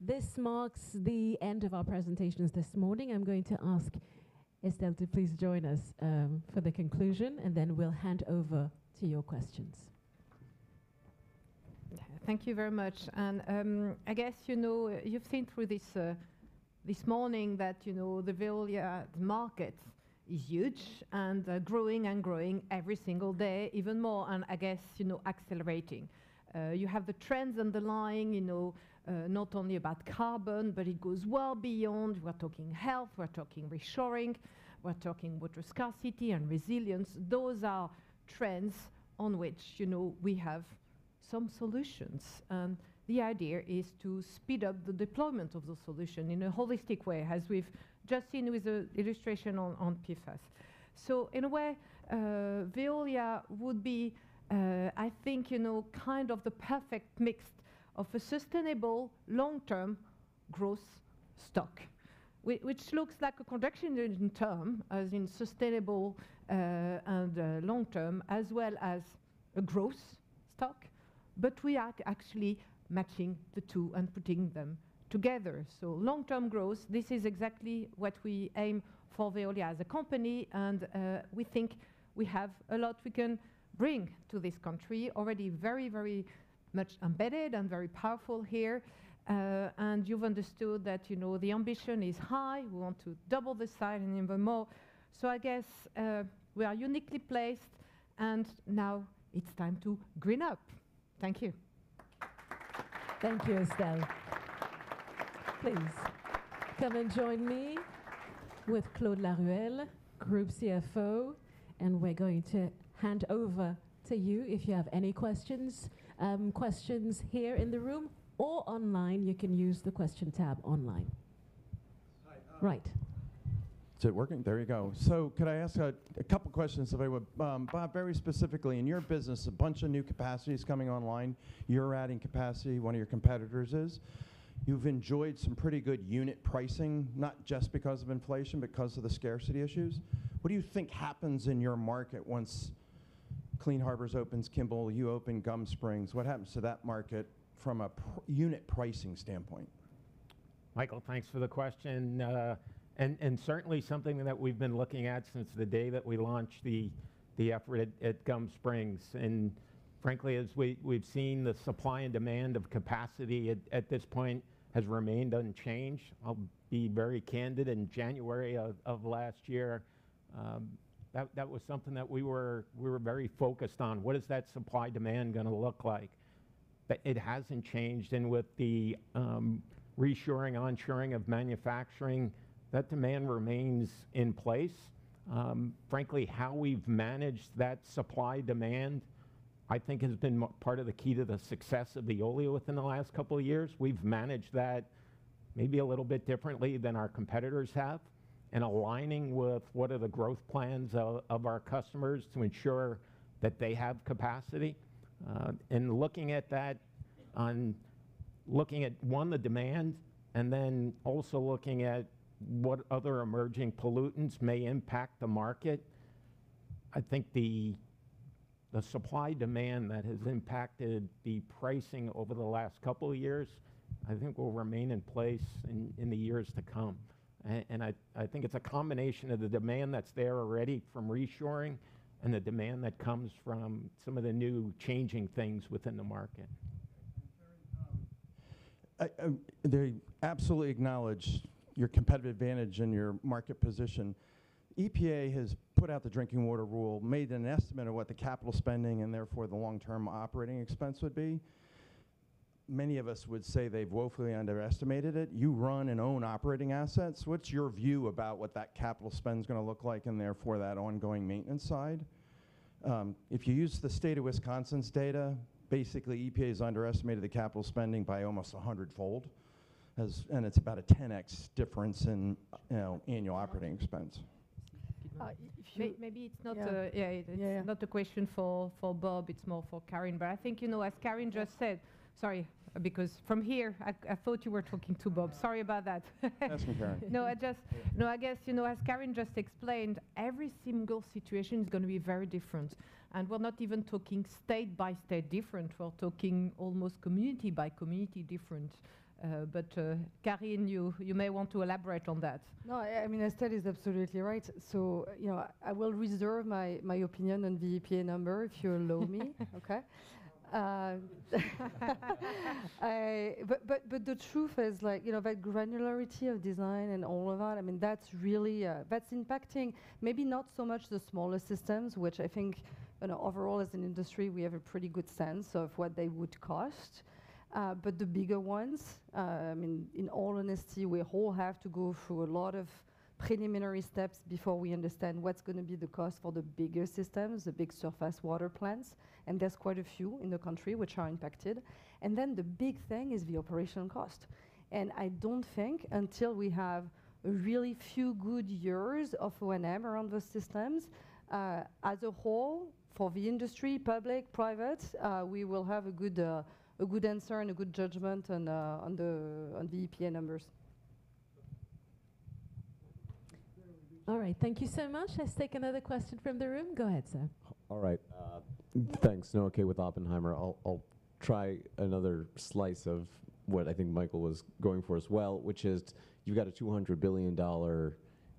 This marks the end of our presentations this morning. I'm going to ask Estelle to please join us for the conclusion. And then we'll hand over to your questions. Thank you very much. I guess you've seen through this morning that the Veolia market is huge and growing and growing every single day, even more, and I guess accelerating. You have the trends underlying, not only about carbon, but it goes well beyond. We're talking health. We're talking reshoring. We're talking water scarcity and resilience. Those are trends on which we have some solutions. The idea is to speed up the deployment of the solution in a holistic way, as we've just seen with the illustration on PFAS. So in a way, Veolia would be, I think, kind of the perfect mix of a sustainable, long-term growth stock, which looks like a contradiction in terms, as in sustainable and long-term, as well as a growth stock. But we are actually matching the two and putting them together. So long-term growth, this is exactly what we aim for Veolia as a company. And we think we have a lot we can bring to this country, already very, very much embedded and very powerful here. And you've understood that the ambition is high. We want to double the size and even more. So I guess we are uniquely placed. And now it's time to GreenUp. Thank you. Thank you, Estelle. Please come and join me with Claude Laruelle, Group CFO. And we're going to hand over to you if you have any questions. Questions here in the room or online, you can use the question tab online. Right. Is it working? There you go. So could I ask a couple of questions, if I would? Bob, very specifically, in your business, a bunch of new capacity is coming online. You're adding capacity. One of your competitors is. You've enjoyed some pretty good unit pricing, not just because of inflation, because of the scarcity issues. What do you think happens in your market once Clean Harbors opens, Kimball, you open, Gum Springs? What happens to that market from a unit pricing standpoint? Michael, thanks for the question. Certainly, something that we've been looking at since the day that we launched the effort at Gum Springs. Frankly, as we've seen, the supply and demand of capacity at this point has remained unchanged. I'll be very candid. In January of last year, that was something that we were very focused on. What is that supply demand going to look like? It hasn't changed. With the reshoring, onshoring of manufacturing, that demand remains in place. Frankly, how we've managed that supply demand, I think, has been part of the key to the success of Veolia within the last couple of years. We've managed that maybe a little bit differently than our competitors have, and aligning with what are the growth plans of our customers to ensure that they have capacity. And looking at that, on looking at, one, the demand, and then also looking at what other emerging pollutants may impact the market, I think the supply demand that has impacted the pricing over the last couple of years I think will remain in place in the years to come. And I think it's a combination of the demand that's there already from reshoring and the demand that comes from some of the new changing things within the market. They absolutely acknowledge your competitive advantage and your market position. EPA has put out the drinking water rule, made an estimate of what the capital spending and, therefore, the long-term operating expense would be. Many of us would say they've woefully underestimated it. You run and own operating assets. What's your view about what that capital spend is going to look like and, therefore, that ongoing maintenance side? If you use the state of Wisconsin's data, basically, EPA has underestimated the capital spending by almost 100-fold. And it's about a 10x difference in annual operating expense. Keep going. Maybe it's not a question for Bob. It's more for Karine. But I think, as Karine just said sorry, because from here, I thought you were talking to Bob. Sorry about that. Ask him, Karine. No, I guess, as Karine just explained, every single situation is going to be very different. And we're not even talking state by state different. We're talking almost community by community different. But Karine, you may want to elaborate on that. No, I mean, Estelle is absolutely right. So I will reserve my opinion on the EPA number if you allow me, OK? But the truth is that granularity of design and all of that, I mean, that's impacting maybe not so much the smaller systems, which I think overall, as an industry, we have a pretty good sense of what they would cost. But the bigger ones, I mean, in all honesty, we all have to go through a lot of preliminary steps before we understand what's going to be the cost for the bigger systems, the big surface water plants. And there's quite a few in the country which are impacted. And then the big thing is the operational cost. I don't think until we have a really few good years of O&M around those systems, as a whole, for the industry, public, private, we will have a good answer and a good judgment on the EPA numbers. All right. Thank you so much. Let's take another question from the room. Go ahead, sir. All right. Thanks. Noah Kaye with Oppenheimer. I'll try another slice of what I think Michael was going for as well, which is you've got a $200 billion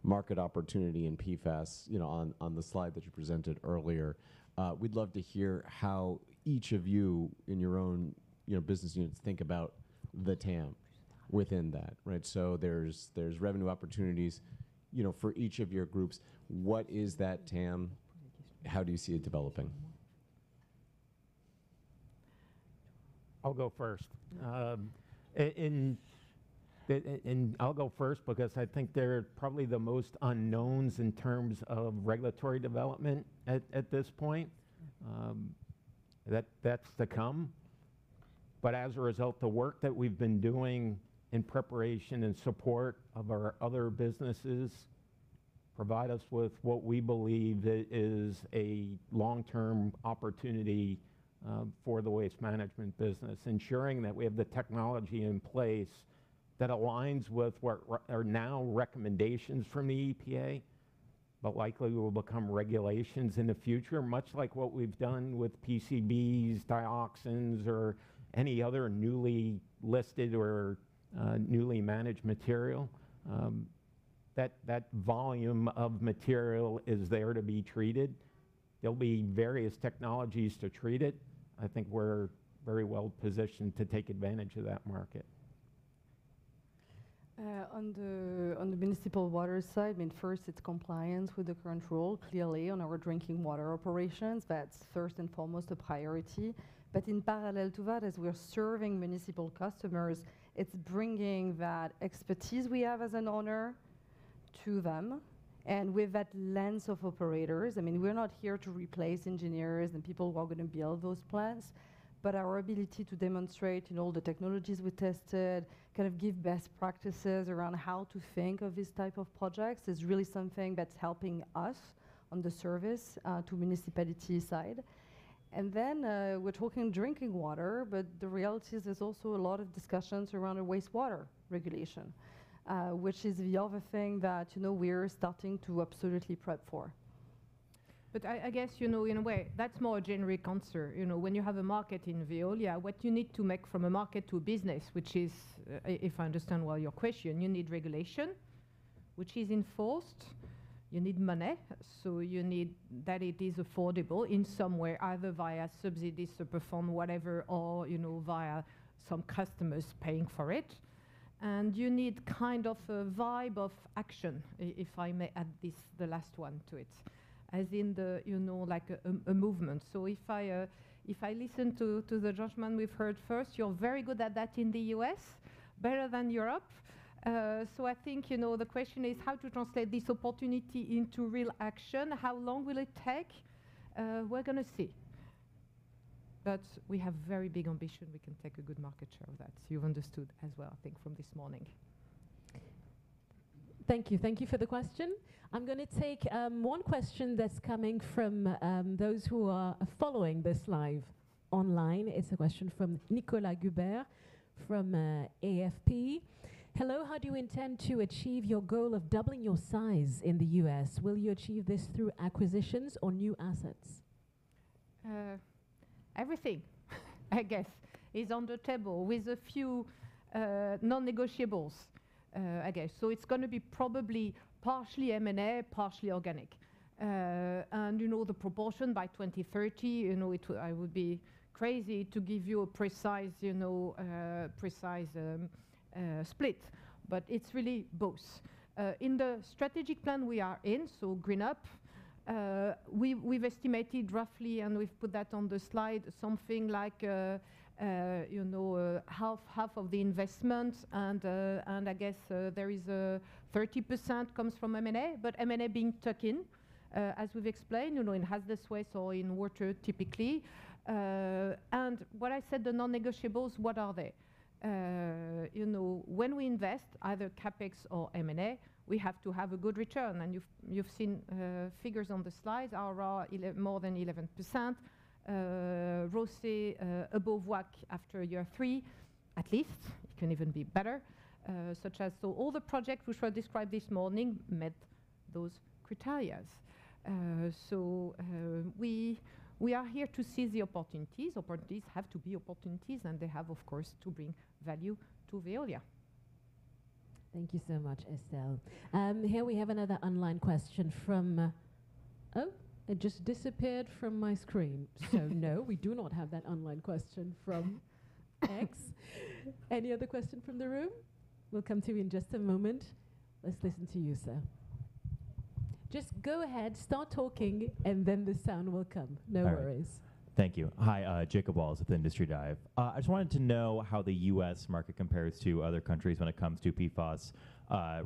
market opportunity in PFAS on the slide that you presented earlier. We'd love to hear how each of you, in your own business units, think about the TAM within that, right? So there's revenue opportunities for each of your groups. What is that TAM? How do you see it developing? I'll go first. I'll go first because I think they're probably the most unknowns in terms of regulatory development at this point. That's to come. But as a result, the work that we've been doing in preparation and support of our other businesses provides us with what we believe is a long-term opportunity for the waste management business, ensuring that we have the technology in place that aligns with what are now recommendations from the EPA, but likely will become regulations in the future, much like what we've done with PCBs, dioxins, or any other newly listed or newly managed material. That volume of material is there to be treated. There'll be various technologies to treat it. I think we're very well positioned to take advantage of that market. On the municipal water side, I mean, first, it's compliance with the current rule, clearly, on our drinking water operations. That's first and foremost a priority. But in parallel to that, as we're serving municipal customers, it's bringing that expertise we have as an owner to them. And with that lens of operators, I mean, we're not here to replace engineers and people who are going to build those plants. But our ability to demonstrate all the technologies we tested, kind of give best practices around how to think of this type of projects, is really something that's helping us on the service to municipality side. And then we're talking drinking water. But the reality is there's also a lot of discussions around wastewater regulation, which is the other thing that we're starting to absolutely prep for. But I guess, in a way, that's more a generic answer. When you have a market in Veolia, what you need to make from a market to a business, which is, if I understand well your question, you need regulation, which is enforced. You need money. So you need that it is affordable in some way, either via subsidies, Superfund, whatever, or via some customers paying for it. And you need kind of a vibe of action, if I may add the last one to it, as in a movement. So if I listen to the judgment we've heard first, you're very good at that in the U.S., better than Europe. So I think the question is, how to translate this opportunity into real action? How long will it take? We're going to see. But we have very big ambition. We can take a good market share of that. You've understood as well, I think, from this morning. Thank you. Thank you for the question. I'm going to take one question that's coming from those who are following this live online. It's a question from Nicolas Gubert from AFP. Hello. How do you intend to achieve your goal of doubling your size in the U.S.? Will you achieve this through acquisitions or new assets? Everything, I guess, is on the table with a few non-negotiables, I guess. So it's going to be probably partially M&A, partially organic. And the proportion by 2030, I would be crazy to give you a precise split. But it's really both. In the strategic plan we are in, so GreenUp, we've estimated roughly, and we've put that on the slide, something like half of the investment. And I guess there is a 30% that comes from M&A, but M&A being tucked in, as we've explained. It has this waste or in water, typically. And what I said, the non-negotiables, what are they? When we invest, either CapEx or M&A, we have to have a good return. And you've seen figures on the slides. IRR, more than 11%. ROCE, above 10% after year three, at least. It can even be better, such as so all the projects which were described this morning met those criteria. So we are here to see the opportunities. Opportunities have to be opportunities. And they have, of course, to bring value to Veolia. Thank you so much, Estelle. Here we have another online question from oh, it just disappeared from my screen. So no, we do not have that online question from X. Any other question from the room? We'll come to you in just a moment. Let's listen to you, sir. Just go ahead. Start talking. And then the sound will come. No worries. All right. Thank you. Hi, Jacob Wallace, with Industry Dive. I just wanted to know how the U.S. market compares to other countries when it comes to PFAS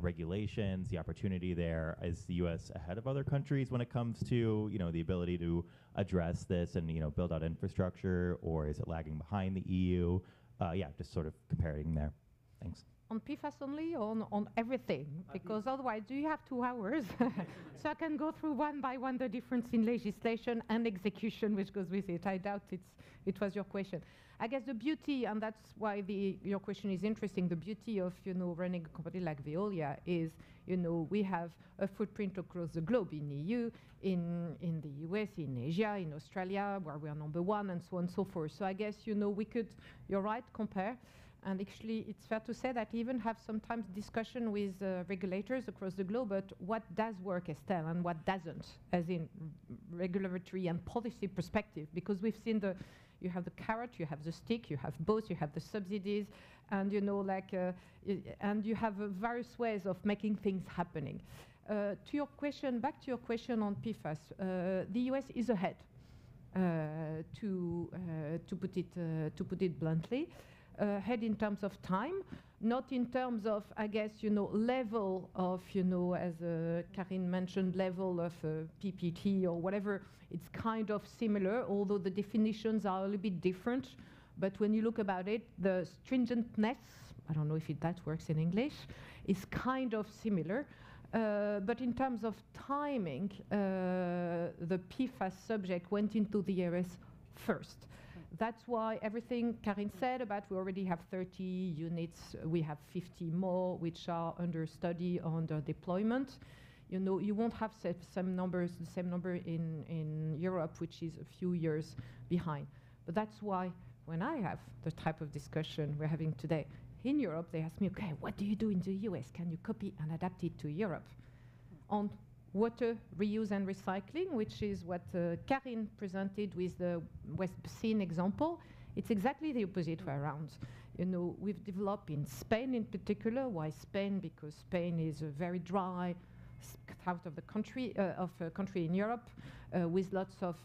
regulations, the opportunity there. Is the U.S. ahead of other countries when it comes to the ability to address this and build out infrastructure? Or is it lagging behind the EU? Yeah, just sort of comparing there. Thanks. On PFAS only or on everything? Because otherwise, do you have two hours? So I can go through one by one the difference in legislation and execution, which goes with it. I doubt it was your question. I guess the beauty, and that's why your question is interesting, the beauty of running a company like Veolia is we have a footprint across the globe in the EU, in the U.S., in Asia, in Australia, where we are number one, and so on and so forth. So I guess we could, you're right, compare. And actually, it's fair to say that we even have sometimes discussion with regulators across the globe. But what does work, Estelle, and what doesn't, as in regulatory and policy perspective? Because we've seen that you have the carrot. You have the stick. You have both. You have the subsidies. And you have various ways of making things happening. To your question, back to your question on PFAS, the U.S. is ahead, to put it bluntly, ahead in terms of time, not in terms of, I guess, level of, as Karine mentioned, level of PPT or whatever. It's kind of similar, although the definitions are a little bit different. But when you look about it, the stringentness I don't know if that works in English is kind of similar. But in terms of timing, the PFAS subject went into the air first. That's why everything Karine said about we already have 30 units. We have 50 more, which are under study, under deployment. You won't have the same number in Europe, which is a few years behind. But that's why when I have the type of discussion we're having today in Europe, they ask me, OK, what do you do in the U.S.? Can you copy and adapt it to Europe? On water reuse and recycling, which is what Karine presented with the West Basin example, it's exactly the opposite way around. We've developed in Spain, in particular. Why Spain? Because Spain is a very dry south of the country in Europe, with lots of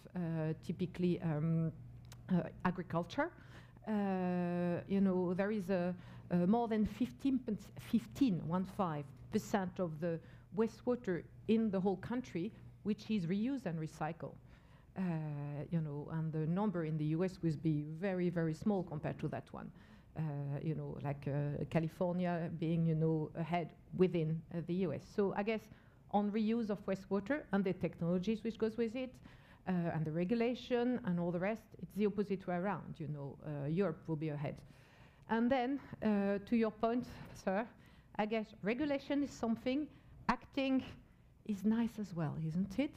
typical agriculture. There is more than 15% of the wastewater in the whole country, which is reused and recycled. And the number in the U.S. would be very, very small compared to that one, like California being ahead within the U.S. So I guess on reuse of wastewater and the technologies which go with it and the regulation and all the rest, it's the opposite way around. Europe will be ahead. And then to your point, sir, I guess regulation is something. Acting is nice as well, isn't it?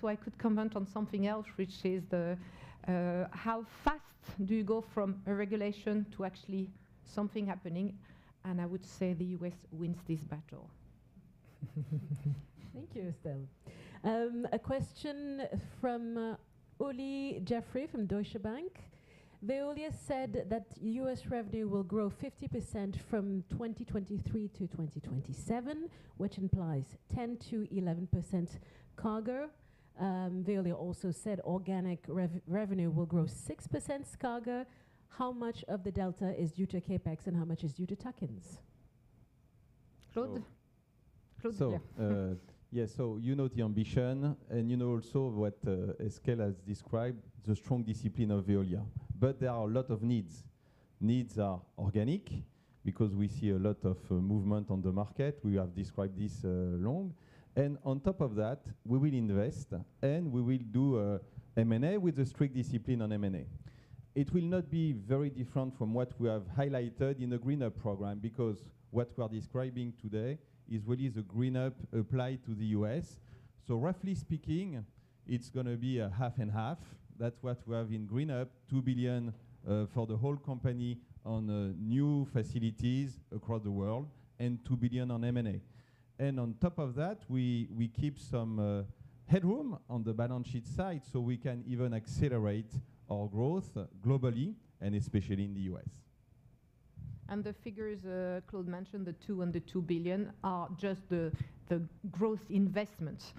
So I could comment on something else, which is how fast do you go from a regulation to actually something happening? And I would say the U.S. wins this battle. Thank you, Estelle. A question from Olly Jeffery from Deutsche Bank. Veolia said that US revenue will grow 50% from 2023 to 2027, which implies 10%-11% CAGR. Veolia also said organic revenue will grow 6% CAGR. How much of the delta is due to CapEx? And how much is due to tuck-ins? Claude? Claude, yeah. So you know the ambition. You know also what Estelle has described, the strong discipline of Veolia. But there are a lot of needs. Needs are organic because we see a lot of movement on the market. We have described this long. On top of that, we will invest. We will do M&A with a strict discipline on M&A. It will not be very different from what we have highlighted in the GreenUp program because what we are describing today is really the GreenUp applied to the U.S. So roughly speaking, it's going to be a half and half. That's what we have in GreenUp, $2 billion for the whole company on new facilities across the world and $2 billion on M&A. On top of that, we keep some headroom on the balance sheet side so we can even accelerate our growth globally and especially in the U.S. And the figures Claude mentioned, the $2 billion, are just the growth investment,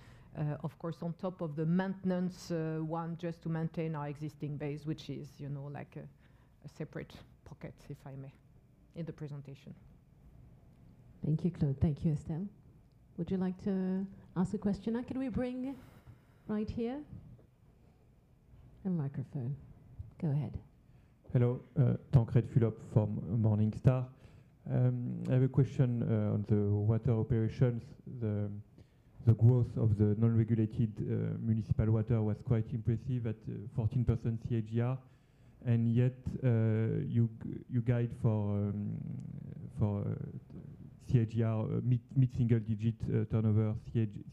of course, on top of the maintenance one just to maintain our existing base, which is like a separate pocket, if I may, in the presentation. Thank you, Claude. Thank you, Estelle. Would you like to ask a question? Can we bring right here a microphone? Go ahead. Hello. Tancrède Fulop from Morningstar. I have a question on the water operations. The growth of the non-regulated municipal water was quite impressive at 14% CAGR. And yet, you guide for CAGR, mid-single digit turnover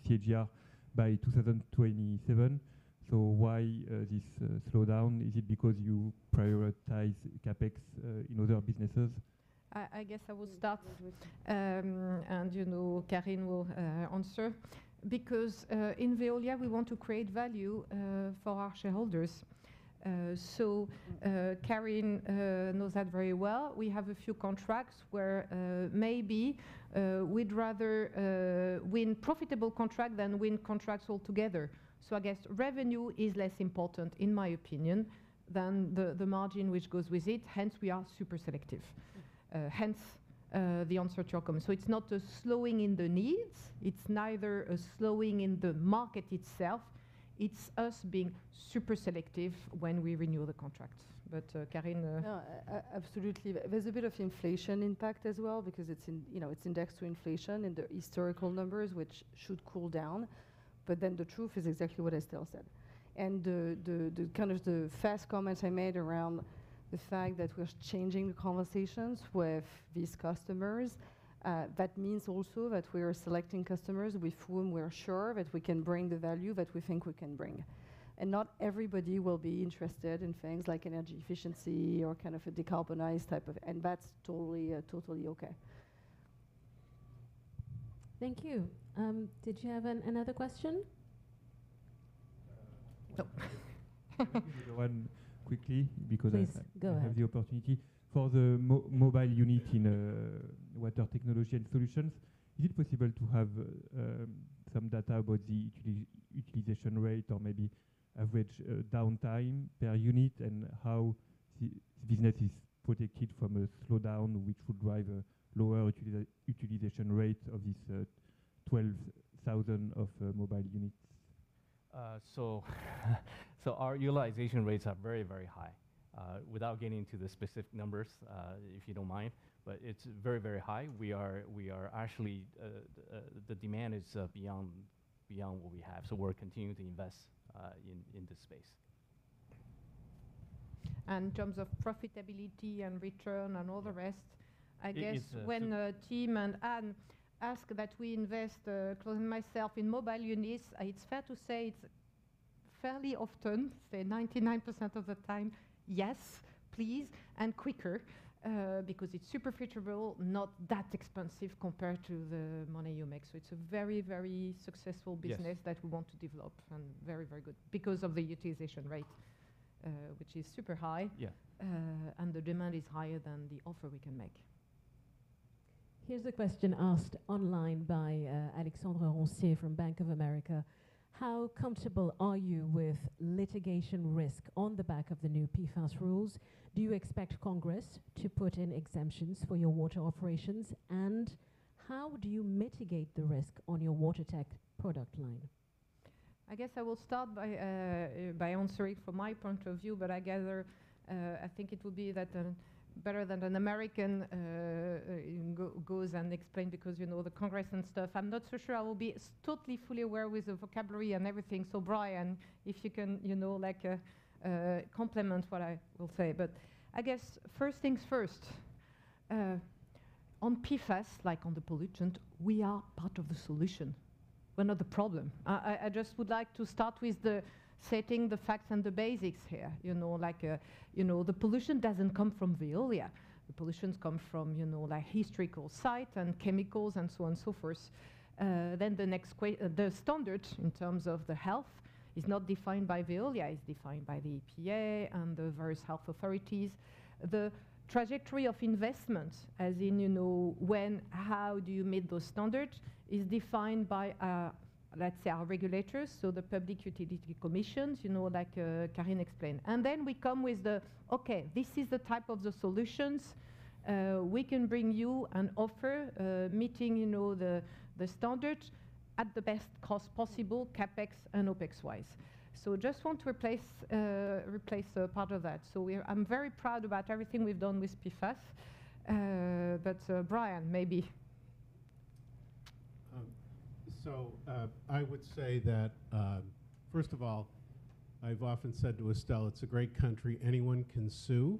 CAGR by 2027. So why this slowdown? Is it because you prioritize CapEx in other businesses? I guess I will start. And Karine will answer. Because in Veolia, we want to create value for our shareholders. So Karine knows that very well. We have a few contracts where maybe we'd rather win profitable contracts than win contracts altogether. So I guess revenue is less important, in my opinion, than the margin which goes with it. Hence, we are super selective. Hence, the answer to your comment. So it's not a slowing in the needs. It's neither a slowing in the market itself. It's us being super selective when we renew the contracts. But Karine? No, absolutely. There's a bit of inflation impact as well because it's indexed to inflation in the historical numbers, which should cool down. But then the truth is exactly what Estelle said. And kind of the fast comments I made around the fact that we're changing the conversations with these customers, that means also that we are selecting customers with whom we're sure that we can bring the value that we think we can bring. And not everybody will be interested in things like energy efficiency or kind of a decarbonized type of and that's totally, totally OK. Thank you. Did you have another question? No. Can I give you the one quickly? Because I have the opportunity. Please, go ahead. For the mobile unit in water technology and solutions, is it possible to have some data about the utilization rate or maybe average downtime per unit and how this business is protected from a slowdown, which would drive a lower utilization rate of these 12,000 mobile units? So our utilization rates are very, very high, without getting into the specific numbers, if you don't mind. But it's very, very high. We are actually the demand is beyond what we have. So we're continuing to invest in this space. And in terms of profitability and return and all the rest, I guess when Tim and Anne ask that we invest, Claude and myself, in mobile units, it's fair to say it's fairly often, say 99% of the time, yes, please, and quicker because it's super feasible, not that expensive compared to the money you make. So it's a very, very successful business that we want to develop and very, very good because of the utilization rate, which is super high. And the demand is higher than the offer we can make. Here's a question asked online by Alexandre Roncier from Bank of America. How comfortable are you with litigation risk on the back of the new PFAS rules? Do you expect Congress to put in exemptions for your water operations? And how do you mitigate the risk on your water tech product line? I guess I will start by answering from my point of view. But I think it would be better that an American goes and explains because the Congress and stuff. I'm not so sure I will be totally, fully aware with the vocabulary and everything. So Brian, if you can complement what I will say. But I guess first things first. On PFAS, like on the pollutant, we are part of the solution. We're not the problem. I just would like to start with setting the facts and the basics here. The pollution doesn't come from Veolia. The pollutions come from historical site and chemicals and so on and so forth. Then the next question, the standard in terms of the health, is not defined by Veolia. It's defined by the EPA and the various health authorities. The trajectory of investment, as in when, how do you meet those standards, is defined by, let's say, our regulators, so the public utility commissions, like Karine explained. Then we come with the, OK, this is the type of the solutions we can bring you and offer meeting the standard at the best cost possible, CapEx and OpEx-wise. So I just want to replace a part of that. So I'm very proud about everything we've done with PFAS. But Brian, maybe. So I would say that, first of all, I've often said to Estelle, it's a great country. Anyone can sue.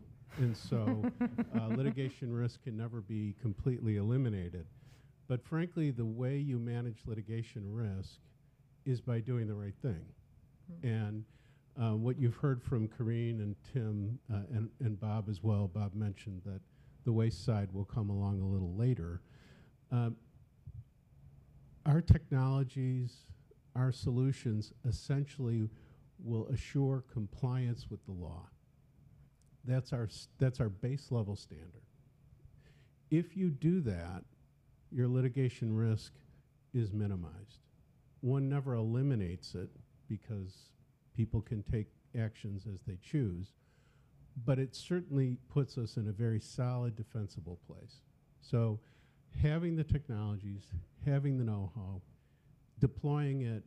Litigation risk can never be completely eliminated. But frankly, the way you manage litigation risk is by doing the right thing. What you've heard from Karine and Tim and Bob as well, Bob mentioned that the waste side will come along a little later. Our technologies, our solutions, essentially will assure compliance with the law. That's our base level standard. If you do that, your litigation risk is minimized. One never eliminates it because people can take actions as they choose. But it certainly puts us in a very solid, defensible place. Having the technologies, having the know-how, deploying it,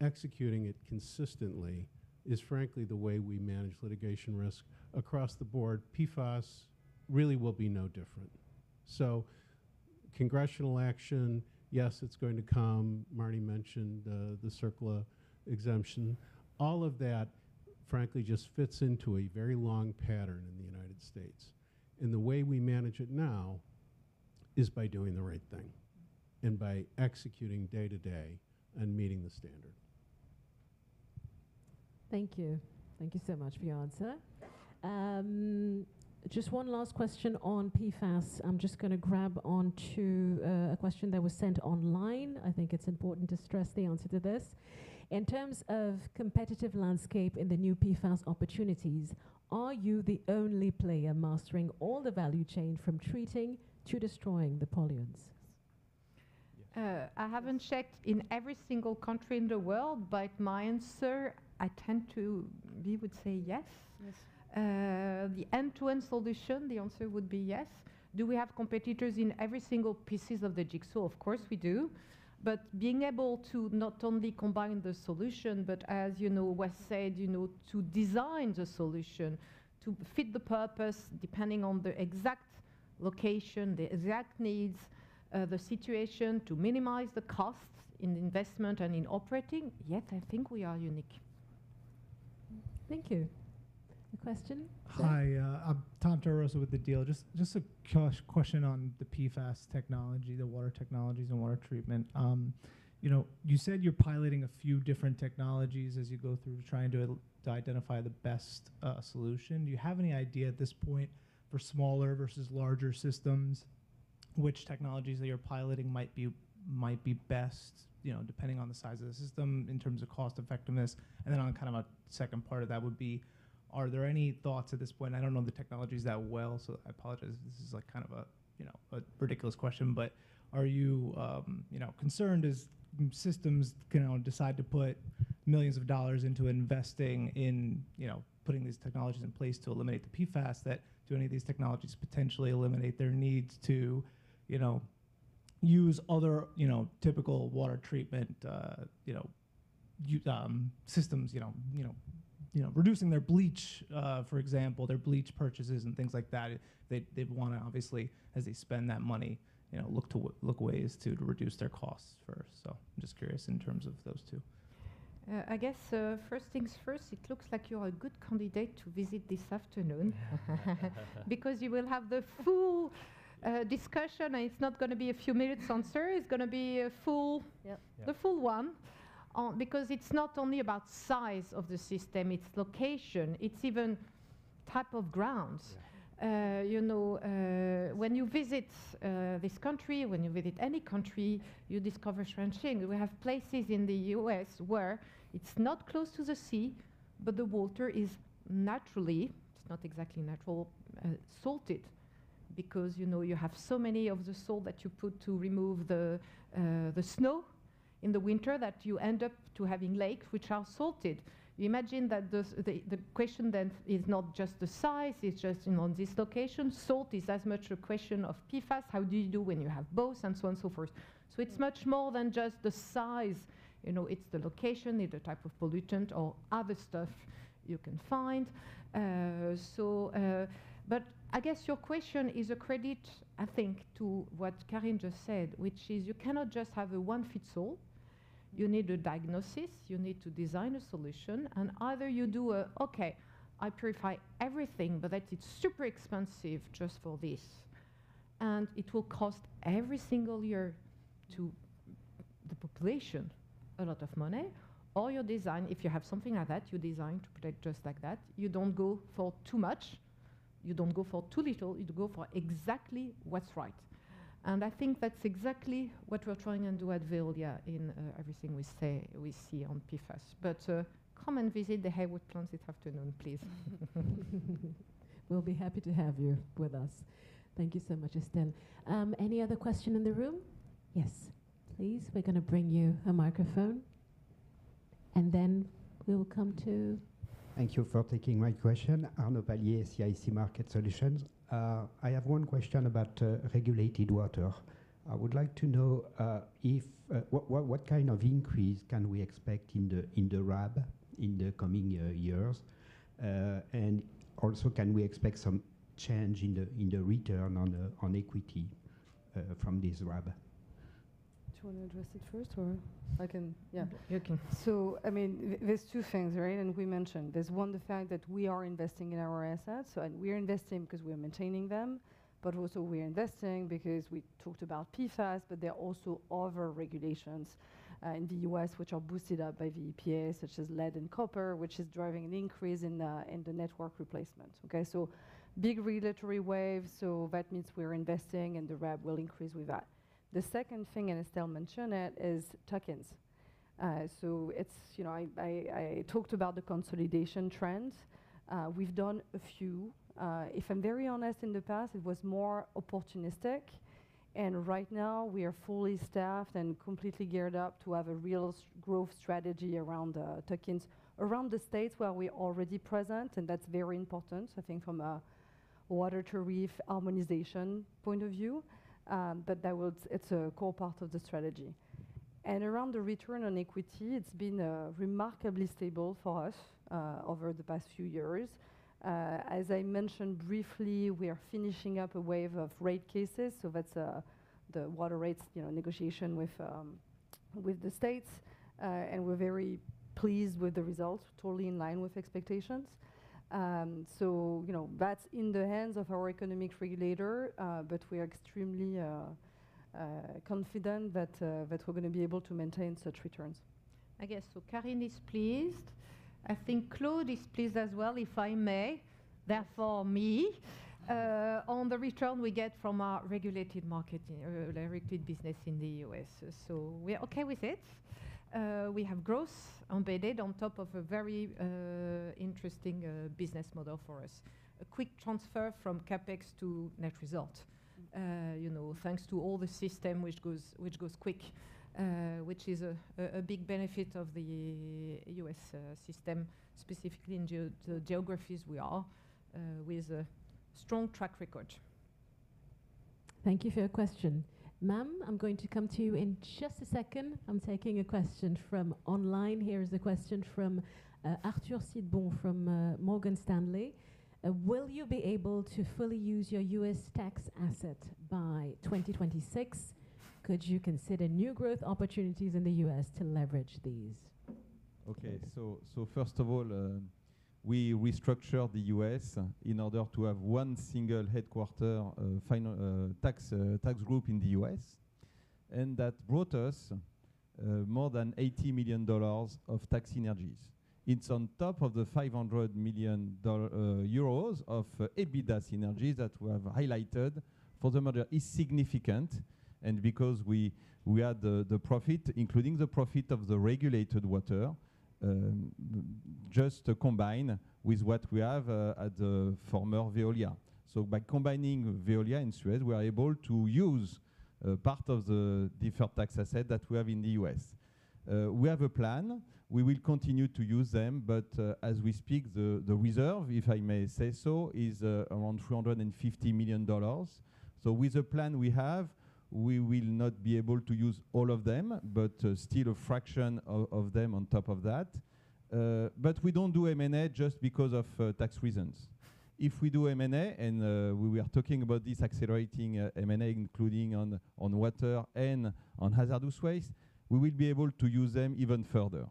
executing it consistently is, frankly, the way we manage litigation risk across the board. PFAS really will be no different. Congressional action, yes, it's going to come. Marty mentioned the CERCLA exemption. All of that, frankly, just fits into a very long pattern in the United States. And the way we manage it now is by doing the right thing and by executing day to day and meeting the standard. Thank you. Thank you so much for your answer. Just one last question on PFAS. I'm just going to grab on to a question that was sent online. I think it's important to stress the answer to this. In terms of competitive landscape in the new PFAS opportunities, are you the only player mastering all the value chain from treating to destroying the pollutants? I haven't checked in every single country in the world. But my answer, I tend to, we would say yes. The end-to-end solution, the answer would be yes. Do we have competitors in every single pieces of the jigsaw? Of course, we do. But being able to not only combine the solution, but as West said, to design the solution to fit the purpose depending on the exact location, the exact needs, the situation, to minimize the costs in investment and in operating, yes, I think we are unique. Thank you. A question? Hi. I'm Tom Torres with The Deal. Just a question on the PFAS technology, the water technologies, and water treatment. You said you're piloting a few different technologies as you go through trying to identify the best solution. Do you have any idea at this point for smaller versus larger systems, which technologies that you're piloting might be best, depending on the size of the system in terms of cost effectiveness? And then on kind of a second part of that would be, are there any thoughts at this point? I don't know the technologies that well. So I apologize. This is like kind of a ridiculous question. But are you concerned as systems decide to put millions of dollars into investing in putting these technologies in place to eliminate the PFAS, that do any of these technologies potentially eliminate their needs to use other typical water treatment systems, reducing their bleach, for example, their bleach purchases and things like that? They'd want to, obviously, as they spend that money, look ways to reduce their costs first. So I'm just curious in terms of those two. I guess first things first, it looks like you're a good candidate to visit this afternoon because you will have the full discussion. It's not going to be a few minutes' answer. It's going to be the full one because it's not only about size of the system. It's location. It's even type of grounds. When you visit this country, when you visit any country, you discover shrinking. We have places in the U.S. where it's not close to the sea, but the water is naturally it's not exactly natural salted because you have so many of the salt that you put to remove the snow in the winter that you end up having lakes which are salted. You imagine that the question then is not just the size. It's just on this location. Salt is as much a question of PFAS. How do you do when you have both and so on and so forth? So it's much more than just the size. It's the location, the type of pollutant, or other stuff you can find. But I guess your question is a credit, I think, to what Karine just said, which is you cannot just have a one-size-fits-all. You need a diagnosis. You need to design a solution. And either you do, OK, I purify everything, but it's super expensive just for this. And it will cost every single year to the population a lot of money. Or you design if you have something like that, you design to protect just like that. You don't go for too much. You don't go for too little. You go for exactly what's right. And I think that's exactly what we're trying and do at Veolia in everything we see on PFAS. But come and visit the Hayward Plants this afternoon, please. We'll be happy to have you with us. Thank you so much, Estelle. Any other question in the room? Yes, please. We're going to bring you a microphone. And then we will come to. Thank you for taking my question. Arnaud Palliez, CIC Market Solutions. I have one question about regulated water. I would like to know what kind of increase can we expect in the RAB in the coming years? And also, can we expect some change in the return on equity from this RAB? Do you want to address it first, or? I can. Yeah, you can. So I mean, there's two things, right? And we mentioned there's one, the fact that we are investing in our assets. And we're investing because we're maintaining them. But also, we're investing because we talked about PFAS. But there are also other regulations in the U.S. which are boosted up by the EPA, such as lead and copper, which is driving an increase in the network replacement. OK, so big regulatory waves. So that means we're investing. And the RAB will increase with that. The second thing, and Estelle mentioned it, is tuck-ins. So I talked about the consolidation trend. We've done a few. If I'm very honest, in the past, it was more opportunistic. Right now, we are fully staffed and completely geared up to have a real growth strategy around tuck-ins around the states where we're already present. That's very important, I think, from a water-to-waste harmonization point of view. But it's a core part of the strategy. Around the return on equity, it's been remarkably stable for us over the past few years. As I mentioned briefly, we are finishing up a wave of rate cases. That's the water rates negotiation with the states. We're very pleased with the results, totally in line with expectations. That's in the hands of our economic regulator. But we are extremely confident that we're going to be able to maintain such returns. I guess. Karine is pleased. I think Claude is pleased as well, if I may. Therefore, me. On the return we get from our regulated market, regulated business in the U.S. So we're OK with it. We have growth embedded on top of a very interesting business model for us, a quick transfer from CapEx to net result, thanks to all the system which goes quick, which is a big benefit of the U.S. system, specifically in the geographies we are with a strong track record. Thank you for your question. Ma'am, I'm going to come to you in just a second. I'm taking a question from online. Here is a question from Arthur Sidbon from Morgan Stanley. Will you be able to fully use your U.S. tax asset by 2026? Could you consider new growth opportunities in the U.S. to leverage these? Okay, so first of all, we restructured the U.S. in order to have one single headquarters tax group in the U.S. And that brought us more than $80 million of tax synergies. It's on top of the 500 million euros of EBITDA synergies that we have highlighted for the model, is significant. And because we had the profit, including the profit of the regulated water, just combined with what we have at the former Veolia. So by combining Veolia and Suez, we are able to use part of the deferred tax asset that we have in the U.S. We have a plan. We will continue to use them. But as we speak, the reserve, if I may say so, is around $350 million. So with the plan we have, we will not be able to use all of them, but still a fraction of them on top of that. But we don't do M&A just because of tax reasons. If we do M&A, and we are talking about this accelerating M&A, including on water and on hazardous waste, we will be able to use them even further.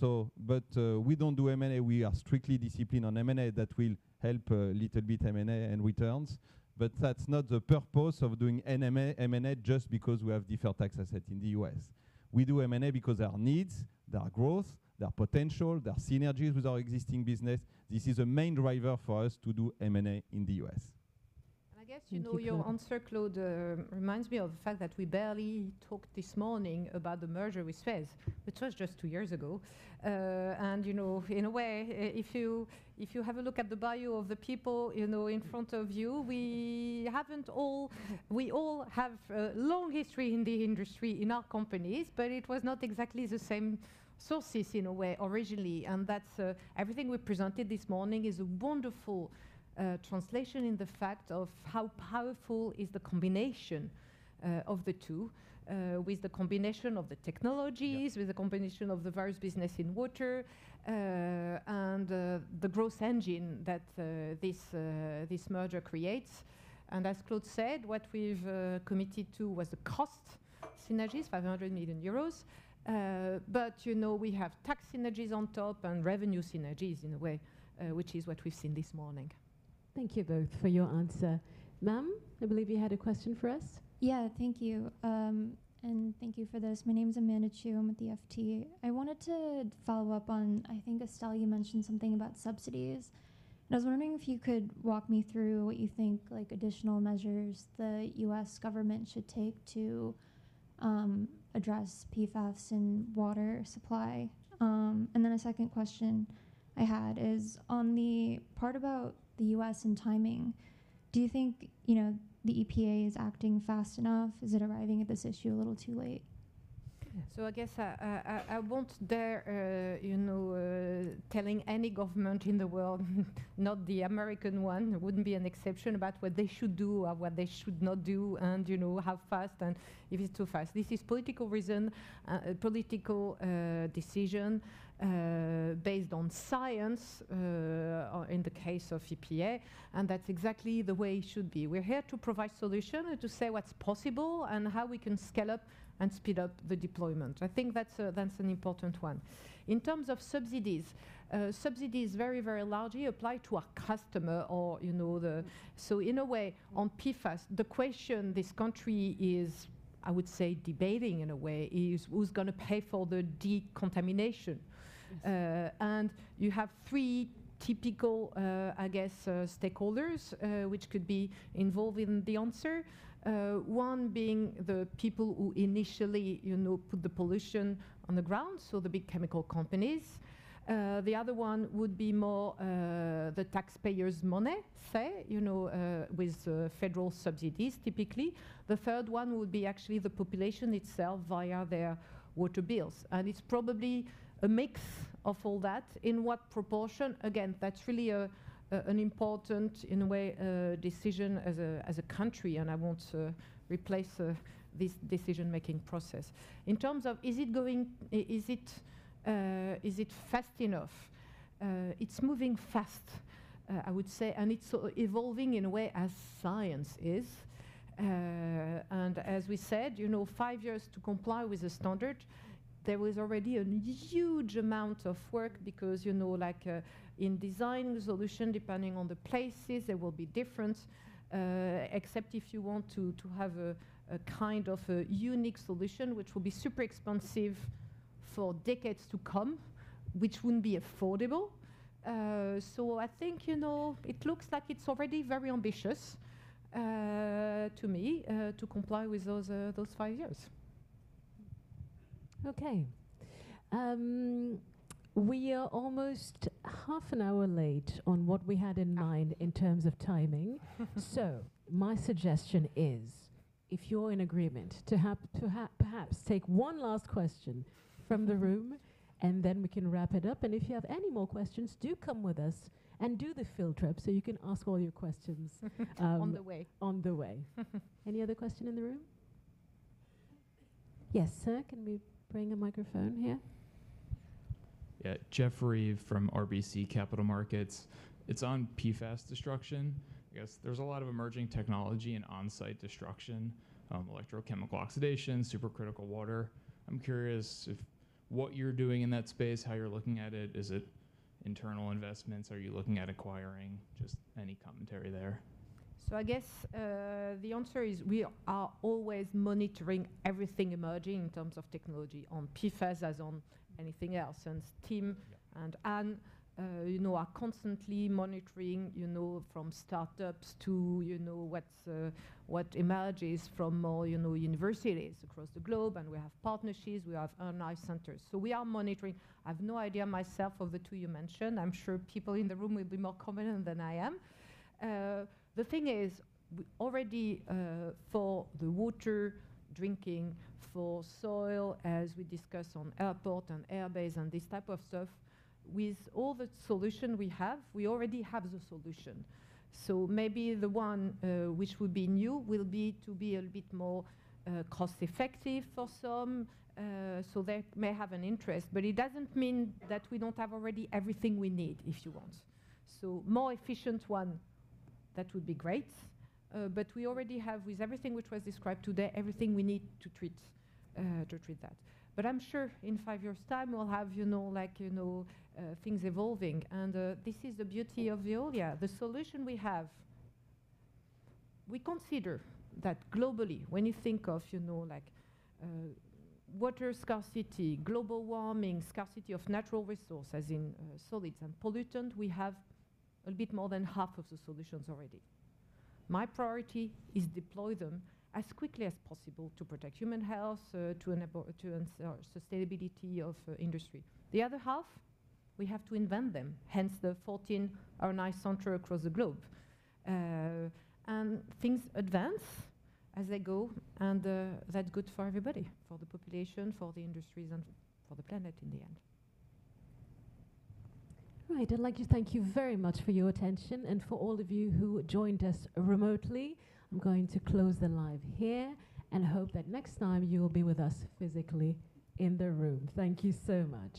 But we don't do M&A. We are strictly disciplined on M&A. That will help a little bit M&A and returns. But that's not the purpose of doing M&A just because we have deferred tax assets in the U.S. We do M&A because there are needs. There are growth. There are potential. There are synergies with our existing business. This is a main driver for us to do M&A in the U.S. And I guess you know your answer, Claude, reminds me of the fact that we barely talked this morning about the merger with Suez, which was just two years ago. In a way, if you have a look at the bio of the people in front of you, we all have a long history in the industry, in our companies. But it was not exactly the same Suez in a way originally. Everything we presented this morning is a wonderful translation in the fact of how powerful is the combination of the two, with the combination of the technologies, with the combination of the various business in water, and the growth engine that this merger creates. As Claude said, what we've committed to was the cost synergies, 500 million euros. But we have tax synergies on top and revenue synergies in a way, which is what we've seen this morning. Thank you both for your answer. Ma'am, I believe you had a question for us. Yeah, thank you. Thank you for this. My name is Amanda Chu. I'm with the FT. I wanted to follow up on, I think, Estelle, you mentioned something about subsidies. And I was wondering if you could walk me through what you think additional measures the U.S. government should take to address PFAS and water supply. And then a second question I had is on the part about the U.S. and timing. Do you think the EPA is acting fast enough? Is it arriving at this issue a little too late? So I guess I won't dare tell any government in the world, not the American one wouldn't be an exception, about what they should do or what they should not do and how fast and if it's too fast. This is political reason, political decision based on science in the case of EPA. And that's exactly the way it should be. We're here to provide solutions and to say what's possible and how we can scale up and speed up the deployment. I think that's an important one. In terms of subsidies, subsidies very, very largely apply to our customer. So in a way, on PFAS, the question this country is, I would say, debating in a way is who's going to pay for the decontamination. And you have three typical, I guess, stakeholders which could be involved in the answer, one being the people who initially put the pollution on the ground, so the big chemical companies. The other one would be more the taxpayers' money, say, with federal subsidies typically. The third one would be actually the population itself via their water bills. And it's probably a mix of all that in what proportion. Again, that's really an important, in a way, decision as a country. I won't replace this decision-making process. In terms of, is it fast enough? It's moving fast, I would say. It's evolving in a way as science is. As we said, five years to comply with the standard, there was already a huge amount of work because in designing solutions, depending on the places, there will be difference, except if you want to have a kind of a unique solution which will be super expensive for decades to come, which wouldn't be affordable. So I think it looks like it's already very ambitious to me to comply with those five years. OK, we are almost half an hour late on what we had in mind in terms of timing. My suggestion is, if you're in agreement, to perhaps take one last question from the room. Then we can wrap it up. And if you have any more questions, do come with us and do the field trip so you can ask all your questions on the way. Any other question in the room? Yes, sir, can we bring a microphone here? Yeah, Jeffrey from RBC Capital Markets. It's on PFAS destruction. I guess there's a lot of emerging technology and on-site destruction, electrochemical oxidation, supercritical water. I'm curious if what you're doing in that space, how you're looking at it, is it internal investments? Are you looking at acquiring? Just any commentary there? So I guess the answer is we are always monitoring everything emerging in terms of technology on PFAS as on anything else. And Tim and Anne are constantly monitoring from startups to what emerges from more universities across the globe. And we have partnerships. We have R&I Centers. So we are monitoring. I have no idea myself of the two you mentioned. I'm sure people in the room will be more confident than I am. The thing is, already for the water drinking, for soil, as we discussed on airport and airbase and this type of stuff, with all the solutions we have, we already have the solution. So maybe the one which would be new will be to be a little bit more cost-effective for some. So they may have an interest. But it doesn't mean that we don't have already everything we need, if you want. So more efficient one, that would be great. But we already have, with everything which was described today, everything we need to treat that. But I'm sure in five years' time, we'll have things evolving. And this is the beauty of Veolia, the solution we have. We consider that globally, when you think of water scarcity, global warming, scarcity of natural resources, as in solids and pollutants, we have a little bit more than half of the solutions already. My priority is to deploy them as quickly as possible to protect human health, to enable sustainability of industry. The other half, we have to invent them, hence the 14 R&D centers across the globe. Things advance as they go. That's good for everybody, for the population, for the industries, and for the planet in the end. All right, I'd like to thank you very much for your attention. For all of you who joined us remotely, I'm going to close the live here and hope that next time you will be with us physically in the room. Thank you so much.